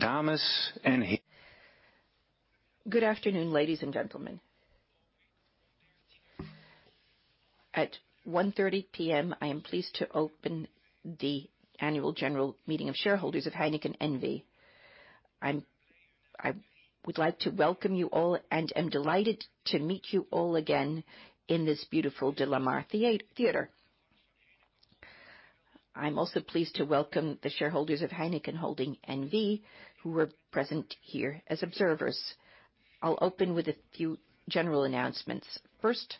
Good afternoon, ladies and gentlemen. At 1:30 P.M., I am pleased to open the annual general meeting of shareholders of Heineken N.V. I would like to welcome you all and am delighted to meet you all again in this beautiful DeLaMar Theater. I'm also pleased to welcome the shareholders of Heineken Holding N.V., who are present here as observers. I'll open with a few general announcements. First,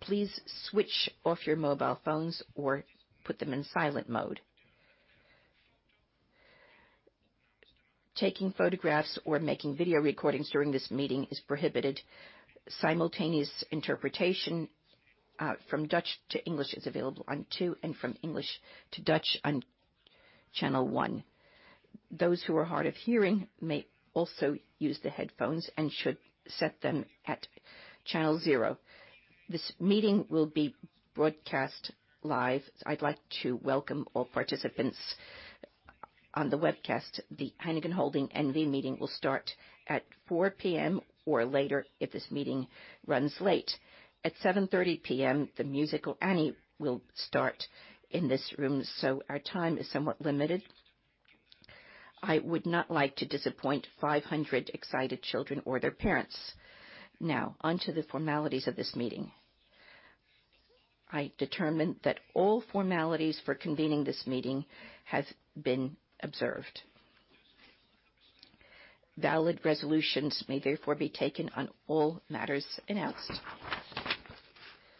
please switch off your mobile phones or put them in silent mode. Taking photographs or making video recordings during this meeting is prohibited. Simultaneous interpretation from Dutch to English is available on two and from English to Dutch on channel one. Those who are hard of hearing may also use the headphones and should set them at channel zero. This meeting will be broadcast live. I'd like to welcome all participants on the webcast. The Heineken Holding N.V. meeting will start at 4:00 P.M. or later if this meeting runs late. At 7:30 P.M., the musical Annie will start in this room, so our time is somewhat limited. I would not like to disappoint 500 excited children or their parents. Now, on to the formalities of this meeting. I determine that all formalities for convening this meeting has been observed. Valid resolutions may therefore be taken on all matters announced.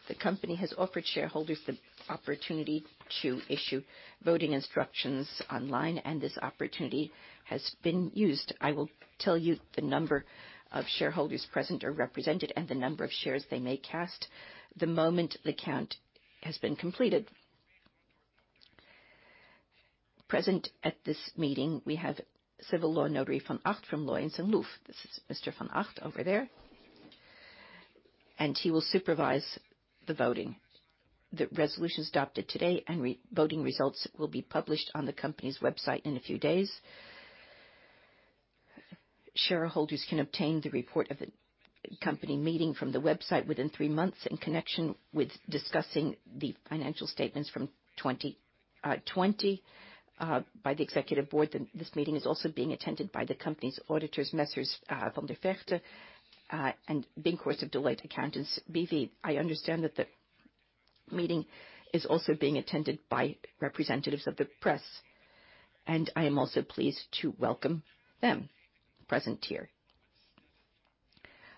The company has offered shareholders the opportunity to issue voting instructions online and this opportunity has been used. I will tell you the number of shareholders present or represented and the number of shares they may cast the moment the count has been completed. Present at this meeting, we have Civil Law Notary van Acht from Loyens & Loeff. This is Mr. van Acht over there. He will supervise the voting. The resolutions adopted today and the voting results will be published on the company's website in a few days. Shareholders can obtain the report of the company meeting from the website within three months. In connection with discussing the financial statements from 2020 by the Executive Board, this meeting is also being attended by the company's auditors, Messrs. Van der Vegte and Binkhorst of Deloitte Accountants B.V. I understand that the meeting is also being attended by representatives of the press and I am also pleased to welcome them present here.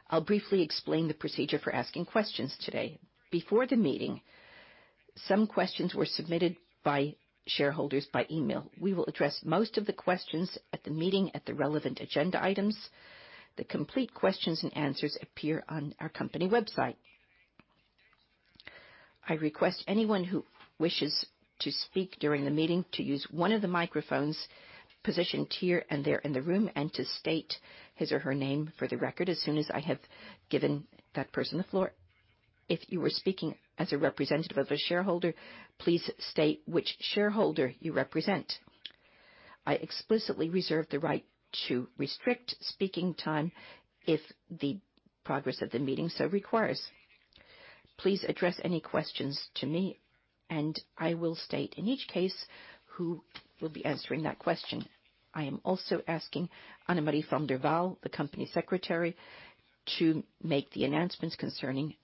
I'll briefly explain the procedure for asking questions today. Before the meeting, some questions were submitted by shareholders by email. We will address most of the questions at the meeting at the relevant agenda items. The complete questions and answers appear on our company website. I request anyone who wishes to speak during the meeting to use one of the microphones positioned here and there in the room and to state his or her name for the record as soon as I have given that person the floor. If you are speaking as a representative of a shareholder, please state which shareholder you represent. I explicitly reserve the right to restrict speaking time if the progress of the meeting so requires. Please address any questions to me and I will state in each case who will be answering that question. I am also asking Anne‑Marie van der Waal, the company secretary, to make the announcements concerning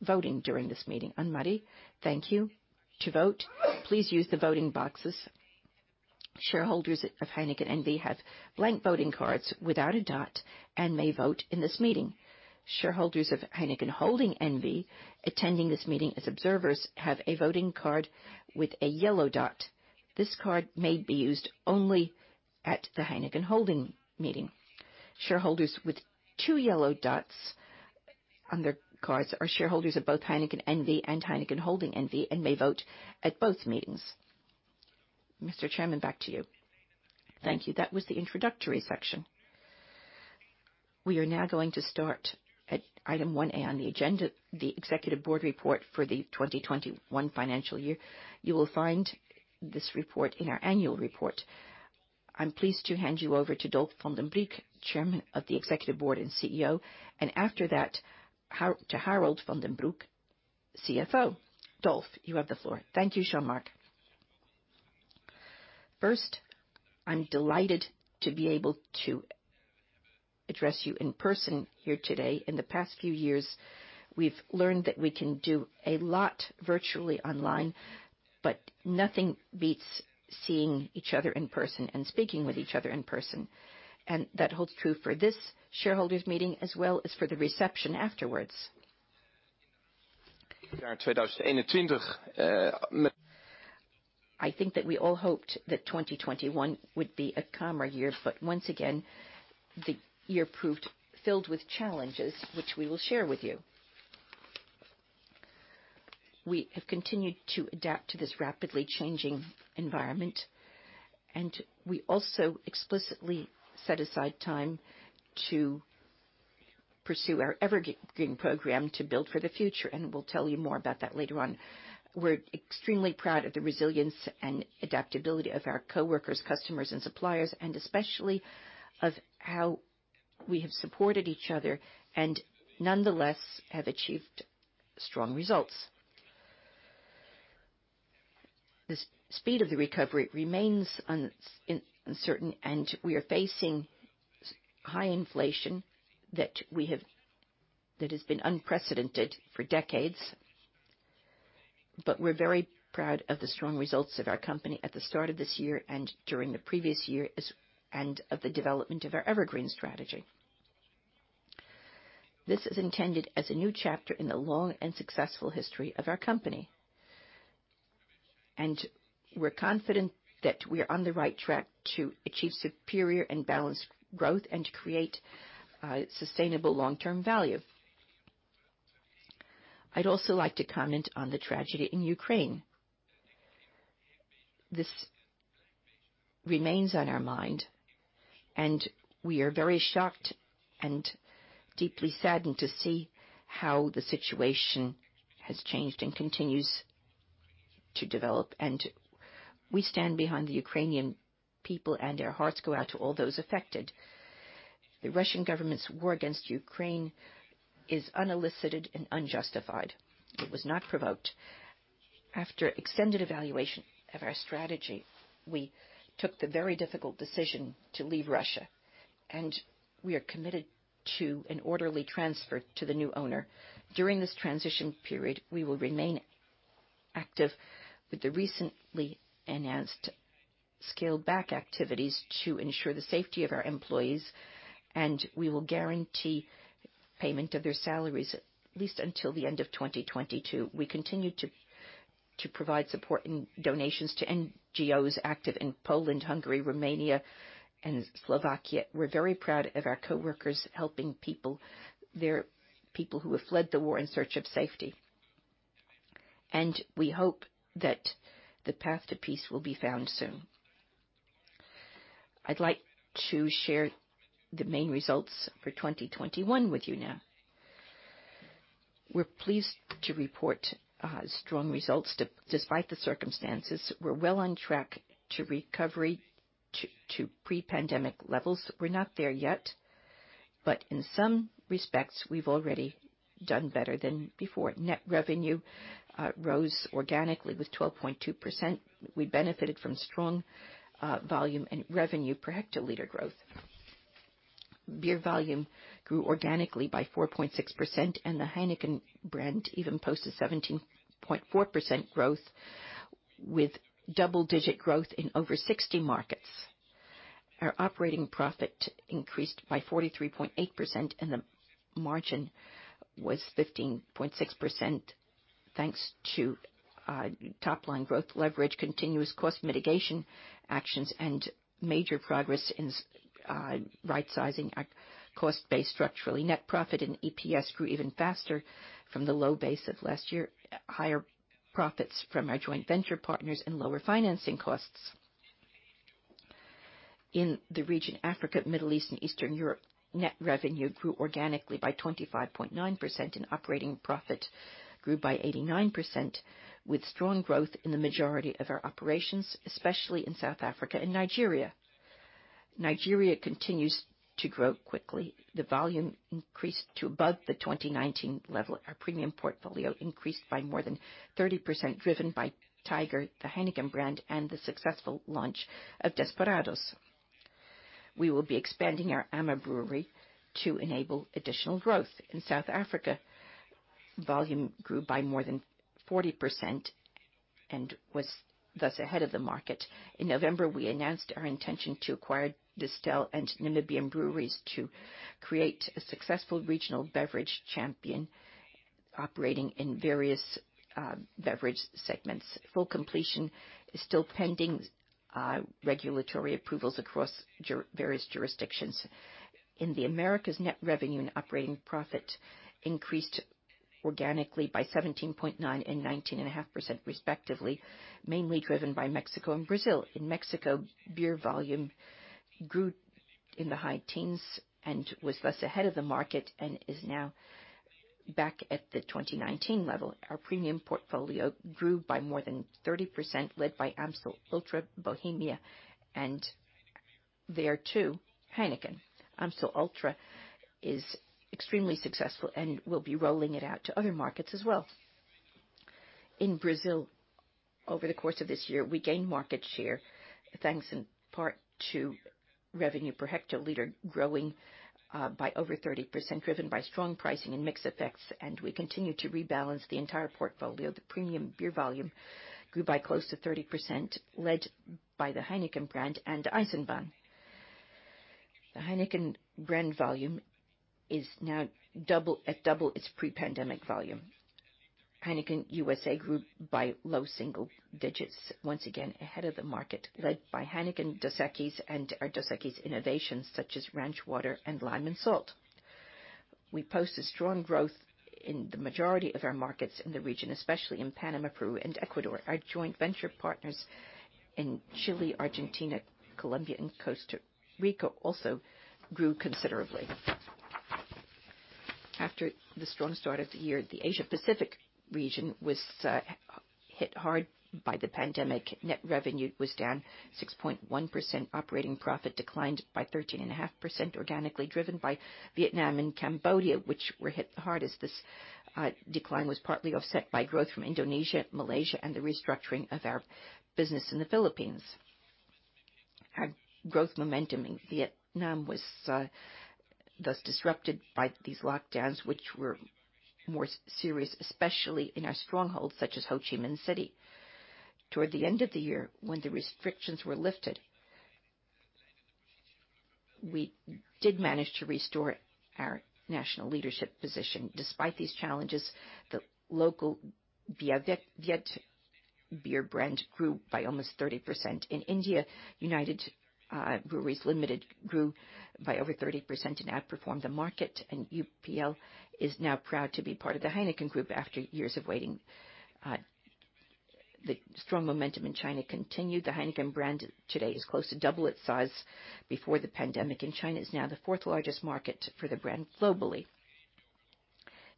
voting during this meeting. Anne‑Marie, thank you. To vote, please use the voting boxes. Shareholders of Heineken N.V. have blank voting cards without a dot and may vote in this meeting. Shareholders of Heineken Holding N.V., attending this meeting as observers, have a voting card with a yellow dot. This card may be used only at the Heineken Holding meeting. Shareholders with two yellow dots on their cards are shareholders of both Heineken N.V. and Heineken Holding N.V. and may vote at both meetings. Mr. Chairman, back to you. Thank you. That was the introductory section. We are now going to start at item 1 A on the agenda, the executive board report for the 2021 financial year. You will find this report in our annual report. I'm pleased to hand you over to Dolf van den Brink, Chairman of the Executive Board and CEO and after that, Harold van den Broek, CFO. Dolf, you have the floor. Thank you, Jean-Marc. First, I'm delighted to be able to address you in person here today. In the past few years, we've learned that we can do a lot virtually online but nothing beats seeing each other in person and speaking with each other in person. That holds true for this shareholders meeting as well as for the reception afterwards. I think that we all hoped that 2021 would be a calmer year but once again, the year proved filled with challenges, which we will share with you. We have continued to adapt to this rapidly changing environment and we also explicitly set aside time to pursue our EverGreen program to build for the future and we'll tell you more about that later on. We're extremely proud of the resilience and adaptability of our coworkers, customers and suppliers and especially of how we have supported each other and nonetheless have achieved strong results. The speed of the recovery remains uncertain and we are facing high inflation that has been unprecedented for decades. We're very proud of the strong results of our company at the start of this year and during the previous year and of the development of our Evergreen strategy. This is intended as a new chapter in the long and successful history of our company. We're confident that we're on the right track to achieve superior and balanced growth and to create sustainable long-term value. I'd also like to comment on the tragedy in Ukraine. This remains on our mind and we are very shocked and deeply saddened to see how the situation has changed and continues to develop. We stand behind the Ukrainian people and our hearts go out to all those affected. The Russian government's war against Ukraine is unprovoked and unjustified. It was not provoked. After extended evaluation of our strategy, we took the very difficult decision to leave Russia and we are committed to an orderly transfer to the new owner. During this transition period, we will remain active with the recently enhanced scaled-back activities to ensure the safety of our employees and we will guarantee payment of their salaries at least until the end of 2022. We continue to provide support and donations to NGOs active in Poland, Hungary, Romania and Slovakia. We're very proud of our coworkers helping people, their people who have fled the war in search of safety. We hope that the path to peace will be found soon. I'd like to share the main results for 2021 with you now. We're pleased to report strong results despite the circumstances. We're well on track to recover to pre-pandemic levels. We're not there yet but in some respects, we've already done better than before. Net revenue rose organically by 12.2%. We benefited from strong volume and revenue per hectoliter growth. Beer volume grew organically by 4.6% and the Heineken brand even posted 17.4% growth with double-digit growth in over 60 markets. Our operating profit increased by 43.8% and the margin was 15.6% thanks to top-line growth leverage, continuous cost mitigation actions and major progress in rightsizing our cost base structurally. Net profit and EPS grew even faster from the low base of last year. Higher profits from our joint venture partners and lower financing costs. In the region Africa, Middle East and Eastern Europe, net revenue grew organically by 25.9% and operating profit grew by 89% with strong growth in the majority of our operations, especially in South Africa and Nigeria. Nigeria continues to grow quickly. The volume increased to above the 2019 level. Our premium portfolio increased by more than 30%, driven by Tiger, the Heineken brand and the successful launch of Desperados. We will be expanding our Ama Brewery to enable additional growth. In South Africa, volume grew by more than 40% and was thus ahead of the market. In November, we announced our intention to acquire Distell and Namibia Breweries Limited to create a successful regional beverage champion operating in various beverage segments. Full completion is still pending regulatory approvals across various jurisdictions. In the Americas, net revenue and operating profit increased organically by 17.9% and 19.5% respectively, mainly driven by Mexico and Brazil. In Mexico, beer volume grew in the high teens and was thus ahead of the market and is now back at the 2019 level. Our premium portfolio grew by more than 30%, led by Amstel Ultra, Bohemia and there too, Heineken. Amstel Ultra is extremely successful and we'll be rolling it out to other markets as well. In Brazil, over the course of this year, we gained market share, thanks in part to revenue per hectoliter growing by over 30%, driven by strong pricing and mix effects and we continue to rebalance the entire portfolio. The premium beer volume grew by close to 30%, led by the Heineken brand and Eisenbahn. The Heineken brand volume is now double, at double its pre-pandemic volume. Heineken USA grew by low single digits, once again ahead of the market, led by Heineken, Dos Equis and our Dos Equis innovations such as Ranch Water and Lime & Salt. We posted strong growth in the majority of our markets in the region, especially in Panama, Peru and Ecuador. Our joint venture partners in Chile, Argentina, Colombia and Costa Rica also grew considerably. After the strong start of the year, the Asia Pacific region was hit hard by the pandemic. Net revenue was down 6.1%. Operating profit declined by 13.5% organically, driven by Vietnam and Cambodia, which were hit hardest. This decline was partly offset by growth from Indonesia, Malaysia and the restructuring of our business in the Philippines. Our growth momentum in Vietnam was thus disrupted by these lockdowns, which were more serious, especially in our strongholds such as Ho Chi Minh City. Toward the end of the year, when the restrictions were lifted, we did manage to restore our national leadership position. Despite these challenges, the local Bia Viet beer brand grew by almost 30%. In India, United Breweries Limited grew by over 30% and outperformed the market. UBL is now proud to be part of the Heineken group after years of waiting. The strong momentum in China continued. The Heineken brand today is close to double its size before the pandemic and China is now the fourth largest market for the brand globally.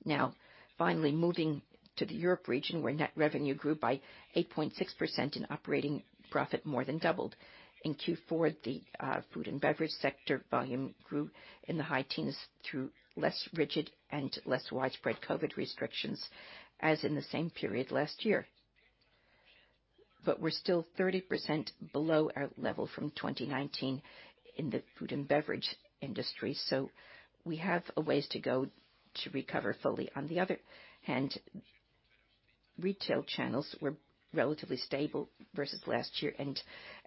Now, finally moving to the Europe region, where net revenue grew by 8.6% and operating profit more than doubled. In Q4, the food and beverage sector volume grew in the high teens through less rigid and less widespread COVID restrictions, as in the same period last year. We're still 30% below our level from 2019 in the food and beverage industry, so we have a ways to go to recover fully. On the other hand, retail channels were relatively stable versus last year and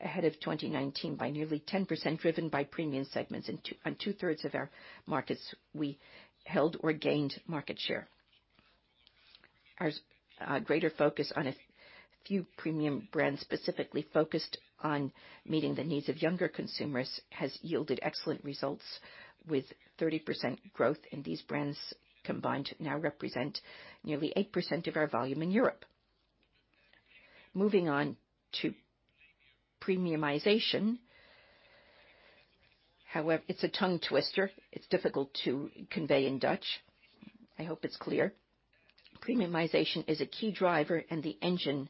ahead of 2019 by nearly 10%, driven by premium segments. In 2/3 of our markets, we held or gained market share. Our greater focus on a few premium brands, specifically focused on meeting the needs of younger consumers, has yielded excellent results, with 30% growth and these brands combined now represent nearly 8% of our volume in Europe. Moving on to premiumization. It's a tongue twister. It's difficult to convey in Dutch. I hope it's clear. Premiumization is a key driver and the engine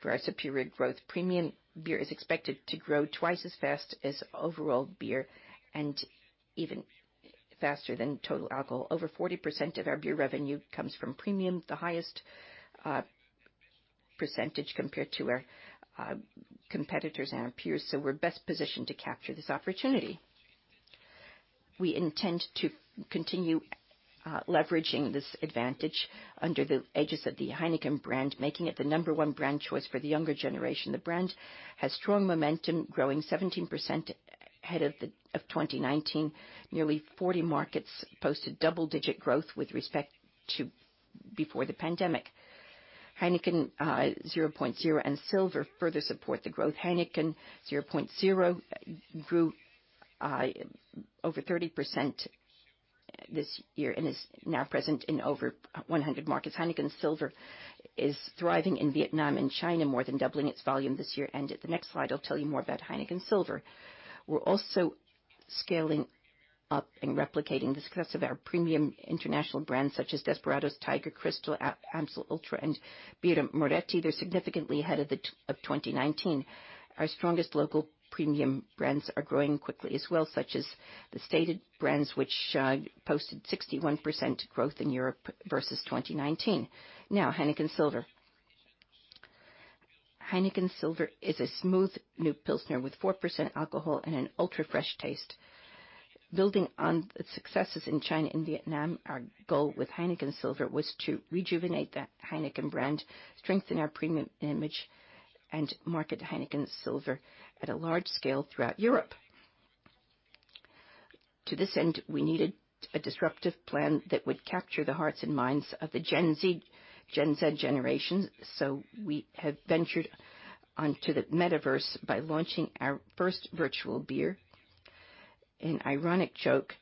for our superior growth. Premium beer is expected to grow twice as fast as overall beer and even faster than total alcohol. Over 40% of our beer revenue comes from premium, the highest percentage compared to our competitors and our peers, so we're best positioned to capture this opportunity. We intend to continue leveraging this advantage under the aegis of the Heineken brand, making it the number one brand choice for the younger generation. The brand has strong momentum, growing 17% ahead of 2019. Nearly 40 markets posted double-digit growth with respect to before the pandemic. Heineken 0.0 and Silver further support the growth. Heineken 0.0 grew over 30% this year and is now present in over 100 markets. Heineken Silver is thriving in Vietnam and China, more than doubling its volume this year. At the next slide, I'll tell you more about Heineken Silver. We're also scaling up and replicating the success of our premium international brands such as Desperados, Tiger Crystal, Amstel Ultra and Birra Moretti. They're significantly ahead of 2019. Our strongest local premium brands are growing quickly as well, such as the stated brands which posted 61% growth in Europe versus 2019. Now, Heineken Silver. Heineken Silver is a smooth new pilsner with 4% alcohol and an ultra-fresh taste. Building on its successes in China and Vietnam, our goal with Heineken Silver was to rejuvenate the Heineken brand, strengthen our premium image and market Heineken Silver at a large scale throughout Europe. To this end, we needed a disruptive plan that would capture the hearts and minds of the Gen Z generation, so we have ventured onto the Metaverse by launching our first virtual beer. An ironic joke,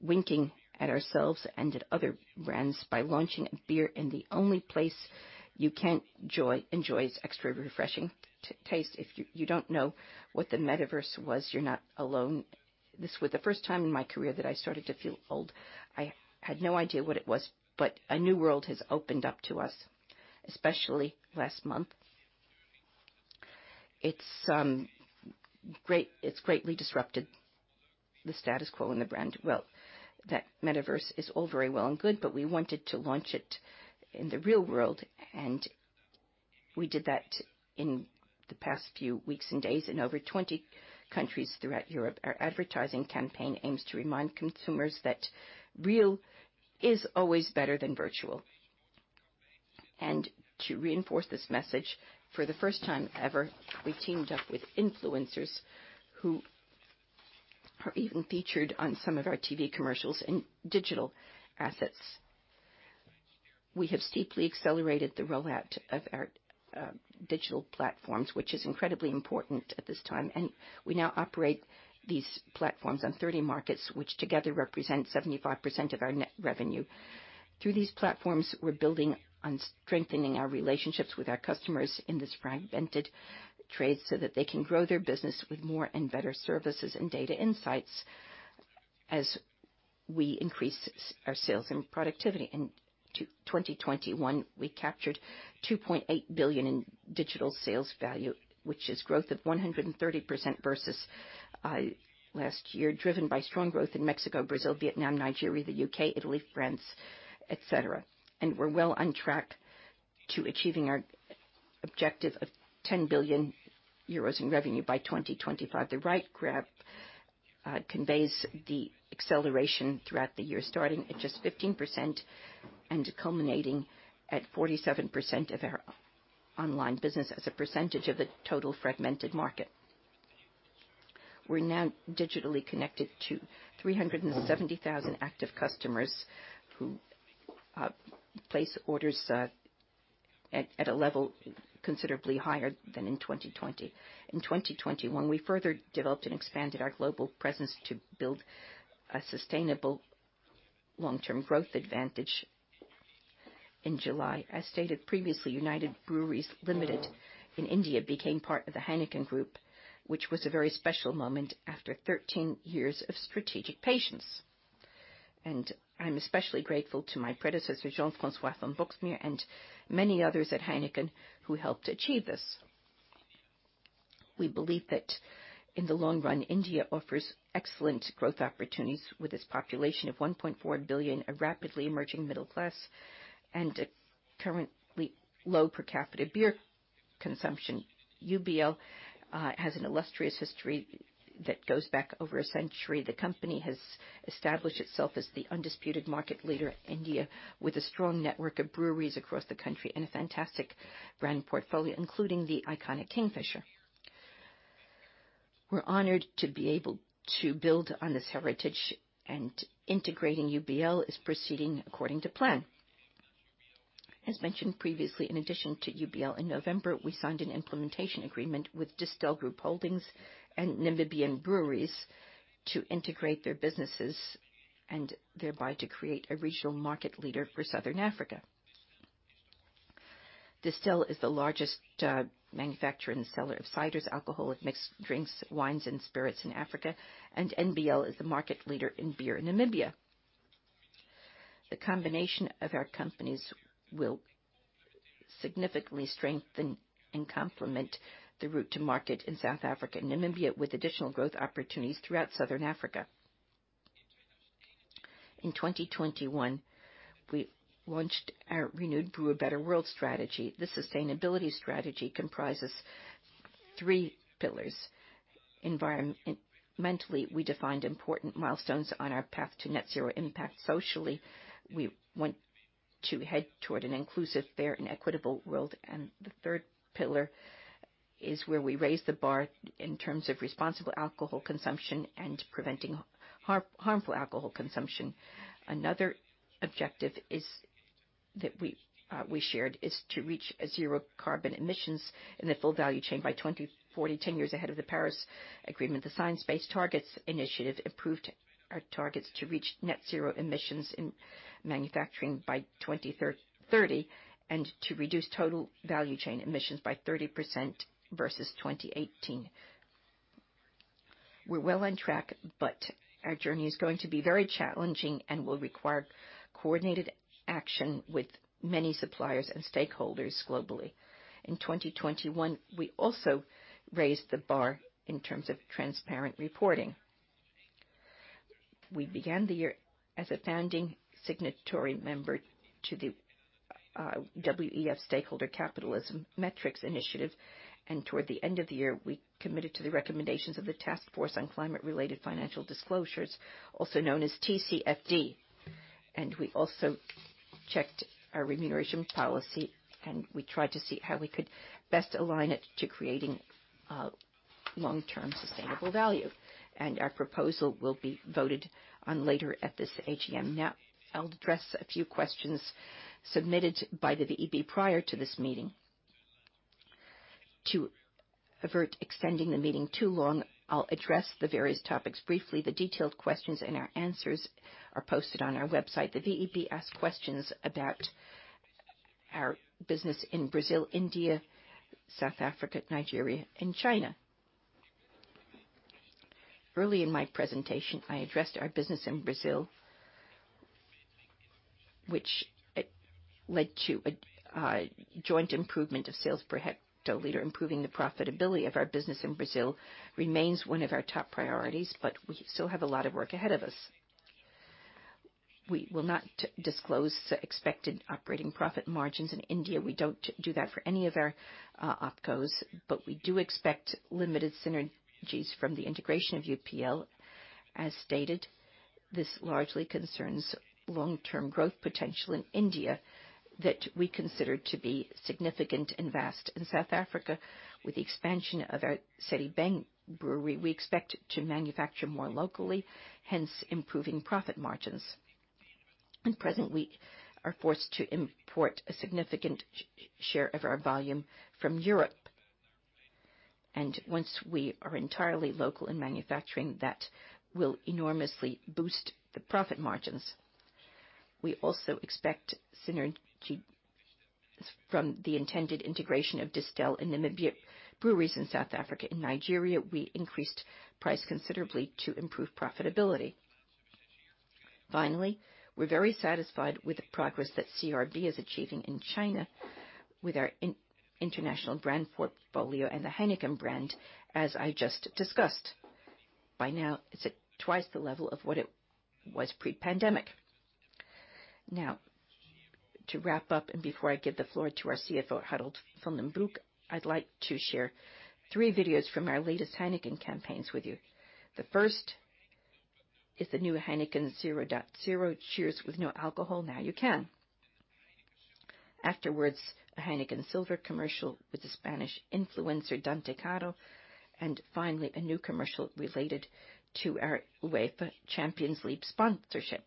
winking at ourselves and at other brands by launching a beer in the only place you can't enjoy its extra refreshing taste. If you don't know what the Metaverse was, you're not alone. This was the first time in my career that I started to feel old. I had no idea what it was but a new world has opened up to us, especially last month. It's great. It's greatly disrupted the status quo in the brand. Well, that Metaverse is all very well and good but we wanted to launch it in the real world and we did that in the past few weeks and days in over 20 countries throughout Europe. Our advertising campaign aims to remind consumers that real is always better than virtual. To reinforce this message, for the first time ever, we teamed up with influencers who are even featured on some of our TV commercials and digital assets. We have steeply accelerated the rollout of our digital platforms, which is incredibly important at this time and we now operate these platforms on 30 markets, which together represent 75% of our net revenue. Through these platforms, we're building and strengthening our relationships with our customers in this fragmented trade, so that they can grow their business with more and better services and data insights as we increase our sales and productivity. In 2021, we captured 2.8 billion in digital sales value, which is growth of 130% versus last year, driven by strong growth in Mexico, Brazil, Vietnam, Nigeria, the U.K., Italy, France, etc. We're well on track to achieving our objective of 10 billion euros in revenue by 2025. The right graph conveys the acceleration throughout the year, starting at just 15% and culminating at 47% of our online business as a percentage of the total fragmented market. We're now digitally connected to 370,000 active customers who place orders at a level considerably higher than in 2020. In 2021, we further developed and expanded our global presence to build a sustainable long-term growth advantage. In July, as stated previously, United Breweries Limited in India became part of the Heineken group, which was a very special moment after 13 years of strategic patience. I'm especially grateful to my predecessor, Jean-François van Boxmeer and many others at Heineken who helped achieve this. We believe that in the long run, India offers excellent growth opportunities with its population of 1.4 billion, a rapidly emerging middle class and a currently low per capita beer consumption. UBL has an illustrious history that goes back over a century. The company has established itself as the undisputed market leader in India, with a strong network of breweries across the country and a fantastic brand portfolio, including the iconic Kingfisher. We're honored to be able to build on this heritage and integrating UBL is proceeding according to plan. As mentioned previously, in addition to UBL, in November, we signed an implementation agreement with Distell Group Holdings Limited and Namibia Breweries Limited to integrate their businesses and thereby to create a regional market leader for Southern Africa. Distell is the largest manufacturer and seller of ciders, alcoholic mixed drinks, wines and spirits in Africa and NBL is the market leader in beer in Namibia. The combination of our companies will significantly strengthen and complement the route to market in South Africa and Namibia with additional growth opportunities throughout Southern Africa. In 2021, we launched our renewed Brew a Better World strategy. The sustainability strategy comprises three pillars. Environmentally, we defined important milestones on our path to net zero impact. Socially, we want to head toward an inclusive, fair and equitable world. The third pillar is where we raise the bar in terms of responsible alcohol consumption and preventing harmful alcohol consumption. Another objective that we shared is to reach zero carbon emissions in the full value chain by 2040, ten years ahead of the Paris Agreement. The Science Based Targets initiative improved our targets to reach net zero emissions in manufacturing by 2030 and to reduce total value chain emissions by 30% versus 2018. We're well on track but our journey is going to be very challenging and will require coordinated action with many suppliers and stakeholders globally. In 2021, we also raised the bar in terms of transparent reporting. We began the year as a founding signatory member to the WEF Stakeholder Capitalism Metrics Initiative and toward the end of the year, we committed to the recommendations of the Task Force on Climate-related Financial Disclosures, also known as TCFD. We also checked our remuneration policy and we tried to see how we could best align it to creating long-term sustainable value. Our proposal will be voted on later at this AGM. Now, I'll address a few questions submitted by the VEB prior to this meeting. To avert extending the meeting too long, I'll address the various topics briefly. The detailed questions and our answers are posted on our website. The VEB asked questions about our business in Brazil, India, South Africa, Nigeria and China. Early in my presentation, I addressed our business in Brazil, which led to a joint improvement of sales per hectoliter. Improving the profitability of our business in Brazil remains one of our top priorities but we still have a lot of work ahead of us. We will not disclose the expected operating profit margins in India. We don't do that for any of our opcos but we do expect limited synergies from the integration of UBL. As stated, this largely concerns long-term growth potential in India that we consider to be significant and vast. In South Africa, with the expansion of our Sedibeng Brewery, we expect to manufacture more locally, hence improving profit margins. At present, we are forced to import a significant share of our volume from Europe. Once we are entirely local in manufacturing, that will enormously boost the profit margins. We also expect synergy from the intended integration of Distell in the breweries in South Africa. In Nigeria, we increased price considerably to improve profitability. Finally, we're very satisfied with the progress that CR Beer is achieving in China with our international brand portfolio and the Heineken brand, as I just discussed. By now, it's at twice the level of what it was pre-pandemic. Now, to wrap up and before I give the floor to our CFO, Harold van den Broek, I'd like to share three videos from our latest Heineken campaigns with you. The first is the new Heineken 0.0, "Cheers with no alcohol, now you can." Afterwards, a Heineken Silver commercial with the Spanish influencer Dante Caro. Finally, a new commercial related to our UEFA Champions League sponsorship.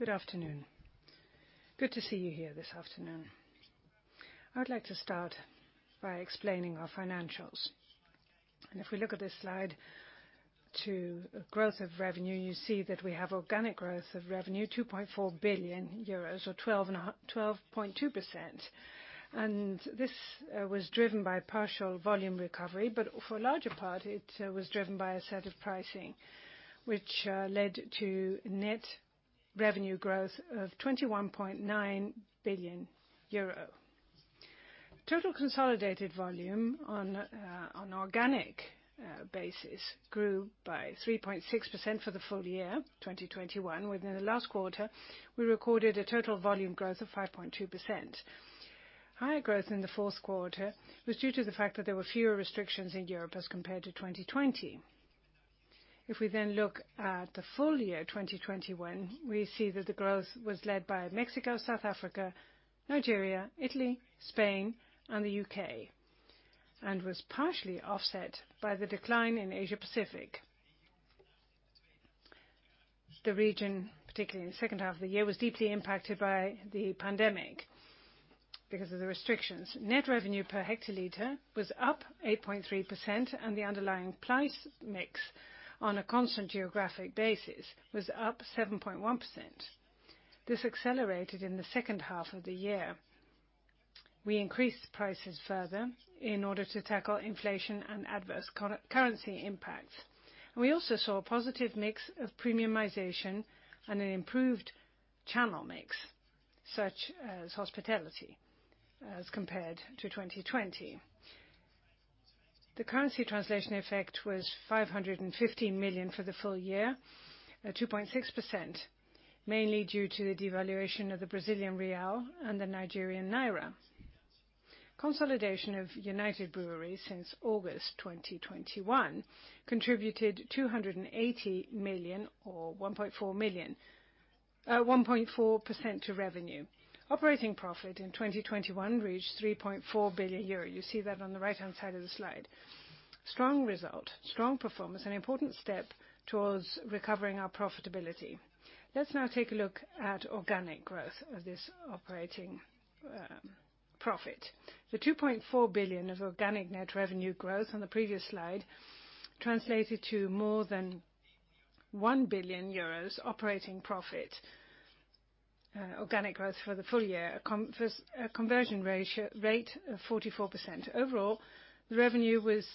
Good afternoon. Good to see you here this afternoon. I'd like to start by explaining our financials. If we look at this slide to growth of revenue, you see that we have organic growth of revenue, 24 billion euros or 12.2%. This was driven by partial volume recovery but for a larger part, it was driven by assertive pricing, which led to net revenue growth of 21.9 billion euro. Total consolidated volume on organic basis grew by 3.6% for the full year, 2021. Within the last quarter, we recorded a total volume growth of 5.2%. Higher growth in the fourth quarter was due to the fact that there were fewer restrictions in Europe as compared to 2020. If we look at the full year 2021, we see that the growth was led by Mexico, South Africa, Nigeria, Italy, Spain and the U.K. and was partially offset by the decline in Asia-Pacific. The region, particularly in the second half of the year, was deeply impacted by the pandemic because of the restrictions. Net revenue per hectoliter was up 8.3% and the underlying price mix on a constant geographic basis was up 7.1%. This accelerated in the second half of the year. We increased prices further in order to tackle inflation and adverse currency impacts. We also saw a positive mix of premiumization and an improved channel mix, such as hospitality, as compared to 2020. The currency translation effect was 550 million for the full year, at 2.6%, mainly due to the devaluation of the Brazilian real and the Nigerian naira. Consolidation of United Breweries since August 2021 contributed 280 million or 1.4% to revenue. Operating profit in 2021 reached 3.4 billion euro. You see that on the right-hand side of the slide. Strong result, strong performance, an important step towards recovering our profitability. Let's now take a look at organic growth of this operating profit. The 2.4 billion of organic net revenue growth on the previous slide translated to more than 1 billion euros operating profit organic growth for the full year, conversion rate of 44%. Overall, the revenue was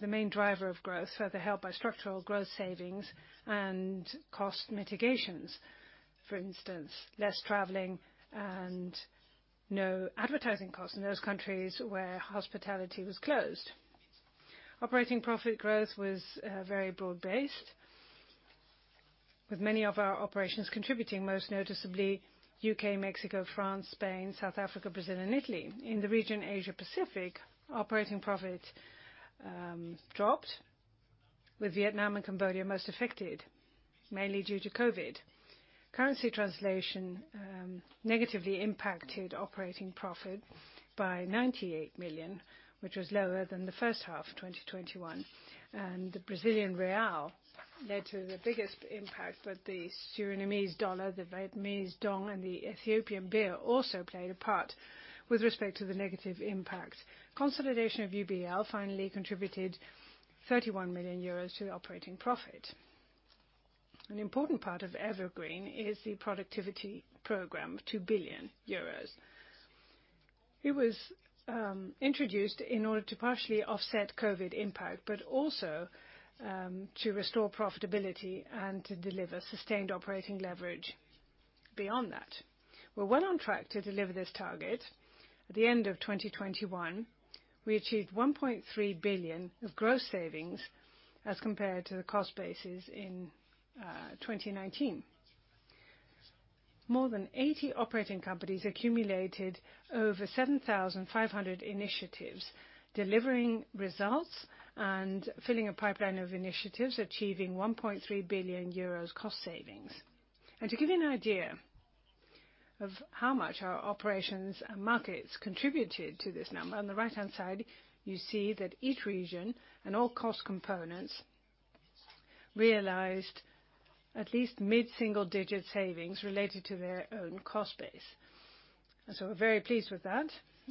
the main driver of growth, further helped by structural growth savings and cost mitigations. For instance, less traveling and no advertising costs in those countries where hospitality was closed. Operating profit growth was very broad-based with many of our operations contributing, most noticeably U.K., Mexico, France, Spain, South Africa, Brazil and Italy. In the region Asia Pacific, operating profit dropped with Vietnam and Cambodia most affected, mainly due to COVID. Currency translation negatively impacted operating profit by 98 million, which was lower than the first half 2021 and the Brazilian real led to the biggest impact but the Surinamese dollar, the Vietnamese đồng and the Ethiopian birr also played a part with respect to the negative impact. Consolidation of UBL finally contributed 31 million euros to the operating profit. An important part of Evergreen is the productivity program, 2 billion euros. It was introduced in order to partially offset COVID impact but also to restore profitability and to deliver sustained operating leverage beyond that. We're well on track to deliver this target. At the end of 2021, we achieved 1.3 billion of gross savings as compared to the cost bases in 2019. More than 80 operating companies accumulated over 7,500 initiatives, delivering results and filling a pipeline of initiatives, achieving 1.3 billion euros cost savings. To give you an idea of how much our operations and markets contributed to this number, on the right-hand side you see that each region and all cost components realized at least mid-single digit savings related to their own cost base. We're very pleased with that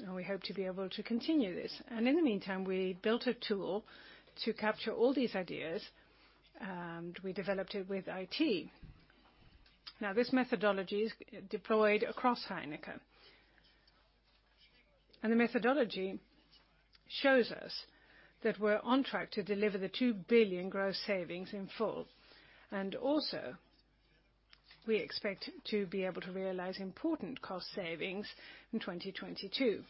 and we hope to be able to continue this. In the meantime, we built a tool to capture all these ideas and we developed it with IT. Now, this methodology is deployed across Heineken. The methodology shows us that we're on track to deliver the 2 billion gross savings in full. We expect to be able to realize important cost savings in 2022.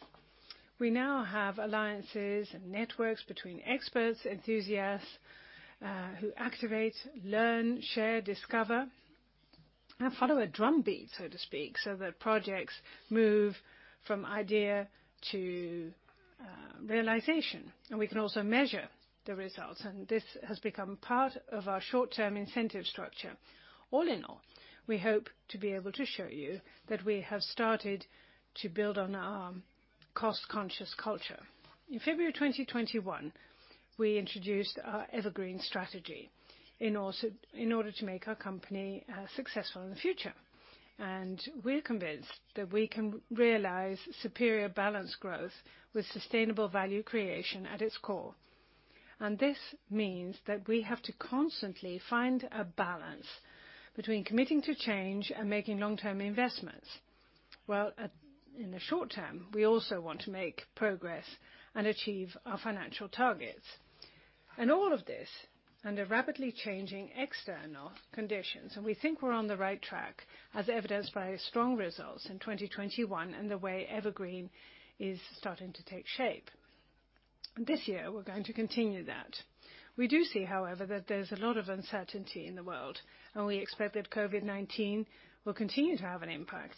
We now have alliances and networks between experts, enthusiasts, who activate, learn, share, discover and follow a drumbeat, so to speak, so that projects move from idea to realization. We can also measure the results and this has become part of our short-term incentive structure. All in all, we hope to be able to show you that we have started to build on our cost-conscious culture. In February 2021, we introduced our Evergreen strategy in order to make our company successful in the future. We're convinced that we can realize superior balanced growth with sustainable value creation at its core. This means that we have to constantly find a balance between committing to change and making long-term investments. While, in the short term, we also want to make progress and achieve our financial targets. All of this under rapidly changing external conditions. We think we're on the right track, as evidenced by strong results in 2021 and the way Evergreen is starting to take shape. This year, we're going to continue that. We do see, however, that there's a lot of uncertainty in the world and we expect that COVID-19 will continue to have an impact.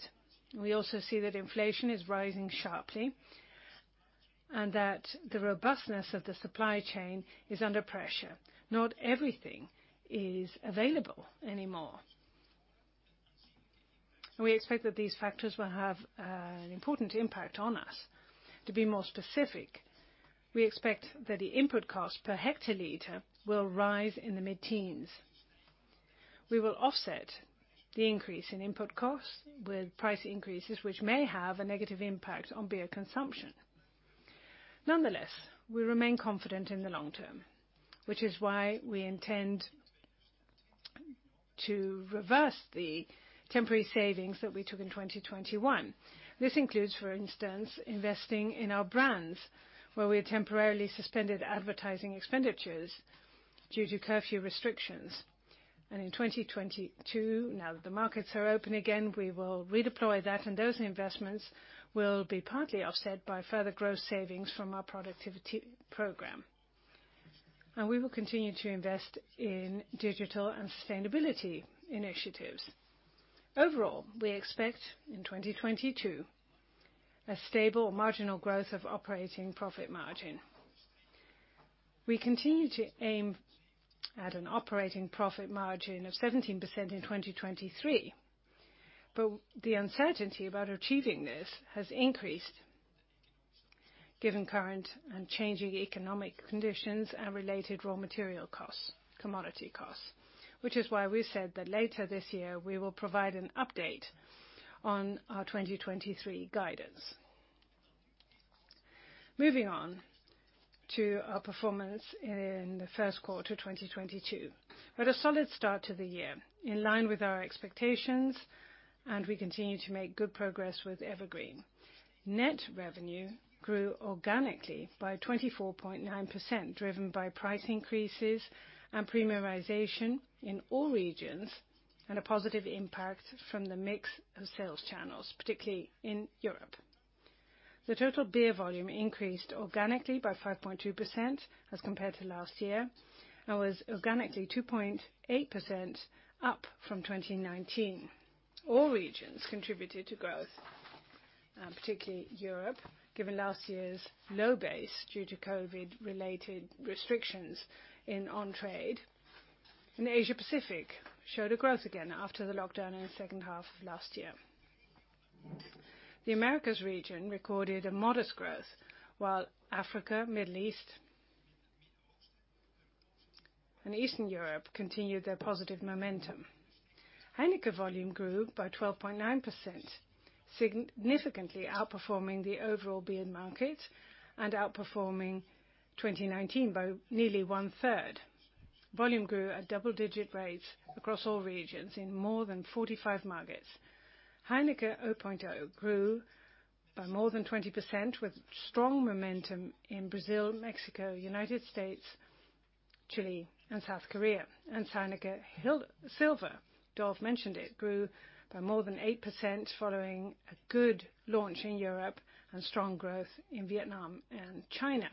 We also see that inflation is rising sharply and that the robustness of the supply chain is under pressure. Not everything is available anymore. We expect that these factors will have an important impact on us. To be more specific, we expect that the input cost per hectoliter will rise in the mid-teens. We will offset the increase in input costs with price increases, which may have a negative impact on beer consumption. Nonetheless, we remain confident in the long term, which is why we intend to reverse the temporary savings that we took in 2021. This includes, for instance, investing in our brands, where we had temporarily suspended advertising expenditures due to curfew restrictions. In 2022, now that the markets are open again, we will redeploy that and those investments will be partly offset by further gross savings from our productivity program. We will continue to invest in digital and sustainability initiatives. Overall, we expect in 2022 a stable to marginal growth of operating profit margin. We continue to aim at an operating profit margin of 17% in 2023. The uncertainty about achieving this has increased given current and changing economic conditions and related raw material costs, commodity costs, which is why we said that later this year, we will provide an update on our 2023 guidance. Moving on to our performance in the first quarter 2022. We had a solid start to the year in line with our expectations and we continue to make good progress with EverGreen. Net revenue grew organically by 24.9%, driven by price increases and premiumization in all regions and a positive impact from the mix of sales channels, particularly in Europe. The total beer volume increased organically by 5.2% as compared to last year and was organically 2.8% up from 2019. All regions contributed to growth, particularly Europe, given last year's low base due to COVID related restrictions in on trade. Asia-Pacific showed a growth again after the lockdown in the second half of last year. The Americas region recorded a modest growth, while Africa, Middle East and Eastern Europe continued their positive momentum. Heineken volume grew by 12.9%, significantly outperforming the overall beer market and outperforming 2019 by nearly one-third. Volume grew at double-digit rates across all regions in more than 45 markets. Heineken 0.0 grew by more than 20% with strong momentum in Brazil, Mexico, United States, Chile and South Korea. Heineken Silver, Dolf mentioned it, grew by more than 8% following a good launch in Europe and strong growth in Vietnam and China.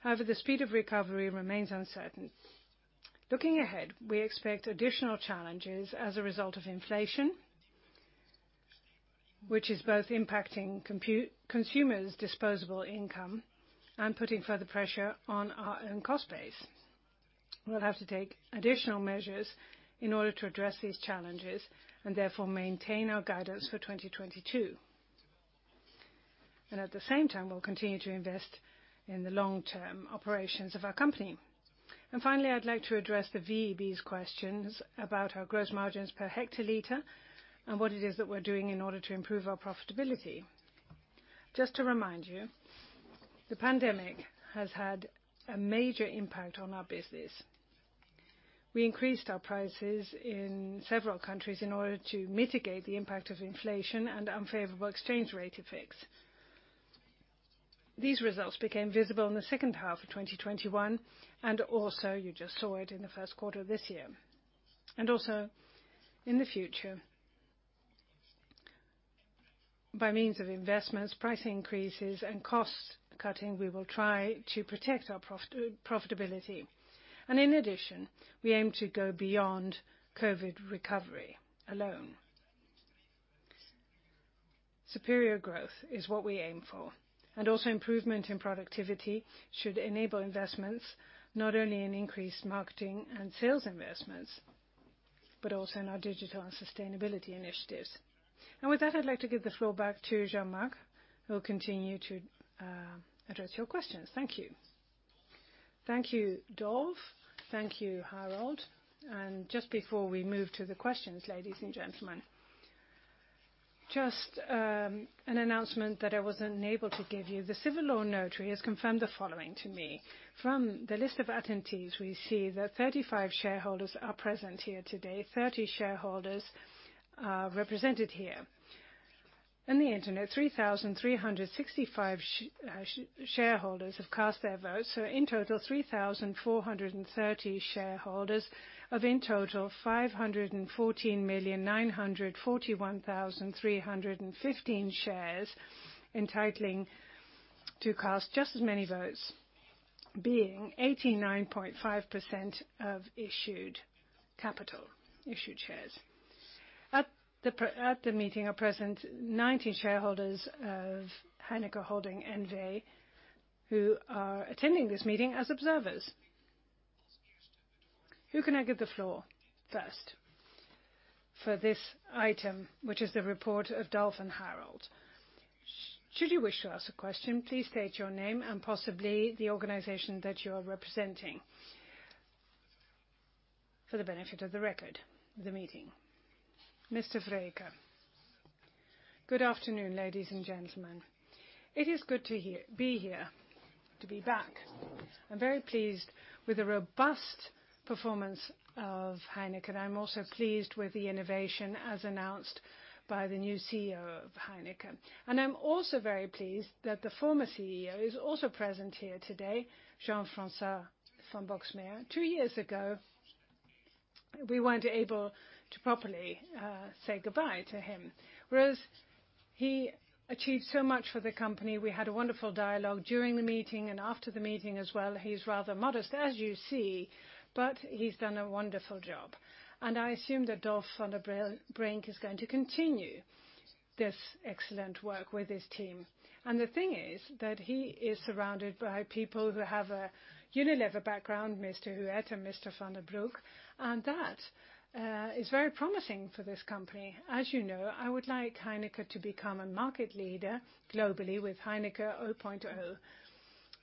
However, the speed of recovery remains uncertain. Looking ahead, we expect additional challenges as a result of inflation, which is both impacting consumers' disposable income and putting further pressure on our own cost base. We'll have to take additional measures in order to address these challenges and therefore maintain our guidance for 2022. At the same time, we'll continue to invest in the long-term operations of our company. Finally, I'd like to address the VEB's questions about our gross margins per hectoliter and what it is that we're doing in order to improve our profitability. Just to remind you, the pandemic has had a major impact on our business. We increased our prices in several countries in order to mitigate the impact of inflation and unfavorable exchange rate effects. These results became visible in the second half of 2021 and also you just saw it in the first quarter of this year. Also in the future, by means of investments, price increases and cost cutting, we will try to protect our profitability. In addition, we aim to go beyond COVID recovery alone. Superior growth is what we aim for. Also improvement in productivity should enable investments not only in increased marketing and sales investments but also in our digital and sustainability initiatives. With that, I'd like to give the floor back to Jean-Marc, who will continue to address your questions. Thank you. Thank you, Dolf. Thank you, Harold. Just before we move to the questions, ladies and gentlemen, just an announcement that I was unable to give you. The Civil Law Notary has confirmed the following to me. From the list of attendees, we see that 35 shareholders are present here today. 30 shareholders are represented here. On the Internet, 3,365 shareholders have cast their votes. In total, 3,430 shareholders of, in total, 514,941,315 shares entitling to cast just as many votes, being 89.5% of issued capital, issued shares. At the meeting are present 90 shareholders of Heineken Holding N.V. who are attending this meeting as observers. Who can I give the floor first for this item, which is the report of Dolf and Harold? Should you wish to ask a question, please state your name and possibly the organization that you are representing for the benefit of the record, the meeting. Mr. Vreeken. Good afternoon, ladies and gentlemen. It is good to be here, to be back. I'm very pleased with the robust performance of Heineken. I'm also pleased with the innovation as announced by the new CEO of Heineken. I'm also very pleased that the former CEO is also present here today, Jean-François van Boxmeer. Two years ago we weren't able to properly say goodbye to him. Whereas he achieved so much for the company, we had a wonderful dialogue during the meeting and after the meeting as well. He's rather modest, as you see but he's done a wonderful job. I assume that Dolf van den Brink is going to continue this excellent work with his team. The thing is that he is surrounded by people who have a Unilever background, Mr. Huët and Mr. van den Broek and that is very promising for this company. As you know, I would like Heineken to become a market leader globally with Heineken 0.0,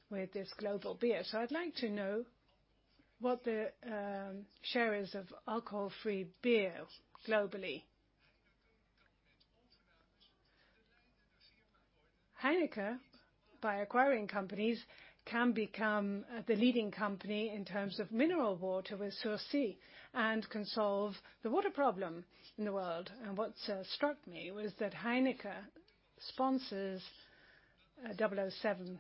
with this global beer. I'd like to know what the share is of alcohol-free beer globally. Heineken, by acquiring companies, can become the leading company in terms of mineral water with Sourcy and can solve the water problem in the world. What struck me was that Heineken sponsors 007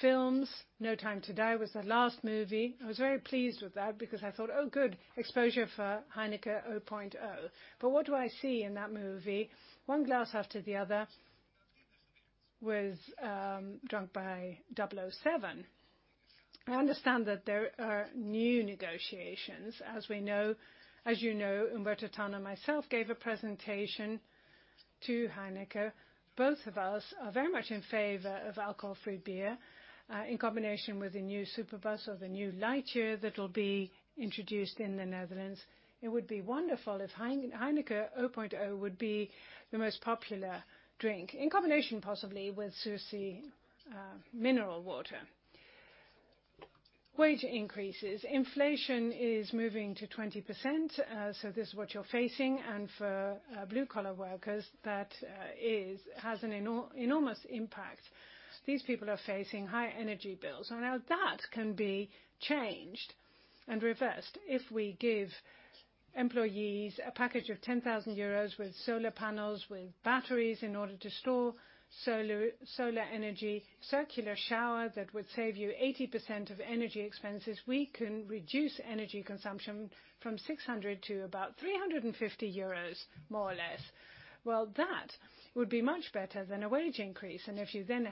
films. No Time to Die was the last movie. I was very pleased with that because I thought, "Oh, good exposure for Heineken 0.0." What do I see in that movie? One glass after the other was drunk by 007. I understand that there are new negotiations. As you know, Umberto Tan and myself gave a presentation to Heineken. Both of us are very much in favor of alcohol-free beer in combination with the new superbus or the new Lightyear that will be introduced in the Netherlands. It would be wonderful if Heineken 0.0 would be the most popular drink in combination, possibly with Sourcy mineral water. Wage increases. Inflation is moving to 20%, so this is what you're facing. For blue-collar workers, that is has an enormous impact. These people are facing high energy bills. Now, that can be changed and reversed if we give employees a package of 10,000 euros with solar panels, with batteries in order to store solar energy, circular shower that would save you 80% of energy expenses. We can reduce energy consumption from 600 EUR to about 350 euros, more or less. Well, that would be much better than a wage increase. If you then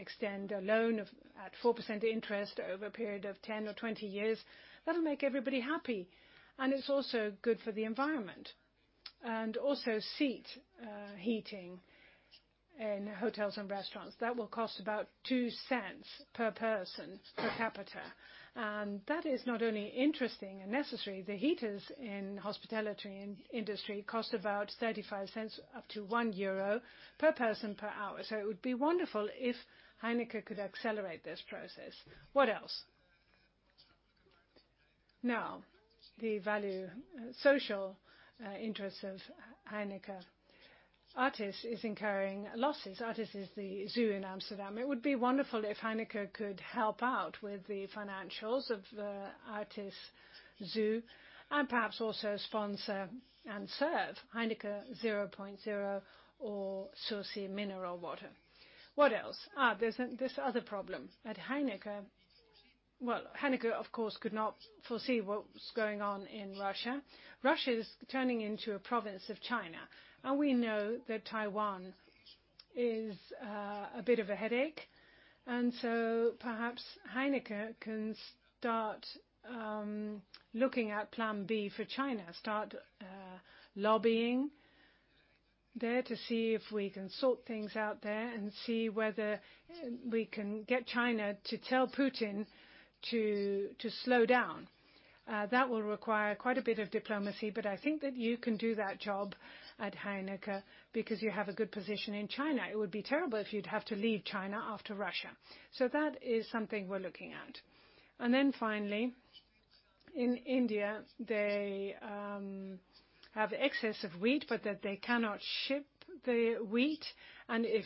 extend a loan of at 4% interest over a period of 10 or 20 years, that'll make everybody happy. It's also good for the environment. Also seat heating in hotels and restaurants. That will cost about 0.02 per person per capita. That is not only interesting and necessary. The heaters in hospitality industry cost about 0.35 to 1 euro per person per hour. It would be wonderful if Heineken could accelerate this process. What else? Now, the value, social interests of Heineken. ARTIS is incurring losses. ARTIS is the zoo in Amsterdam. It would be wonderful if Heineken could help out with the financials of ARTIS Zoo and perhaps also sponsor and serve Heineken 0.0 or Sourcy mineral water. What else? There's this other problem at Heineken. Well, Heineken, of course, could not foresee what's going on in Russia. Russia is turning into a province of China and we know that Taiwan is a bit of a headache. Perhaps Heineken can start looking at plan B for China, lobbying there to see if we can sort things out there and see whether we can get China to tell Putin to slow down. That will require quite a bit of diplomacy but I think that you can do that job at Heineken because you have a good position in China. It would be terrible if you'd have to leave China after Russia. That is something we're looking at. Finally, in India, they have excess of wheat but that they cannot ship the wheat. If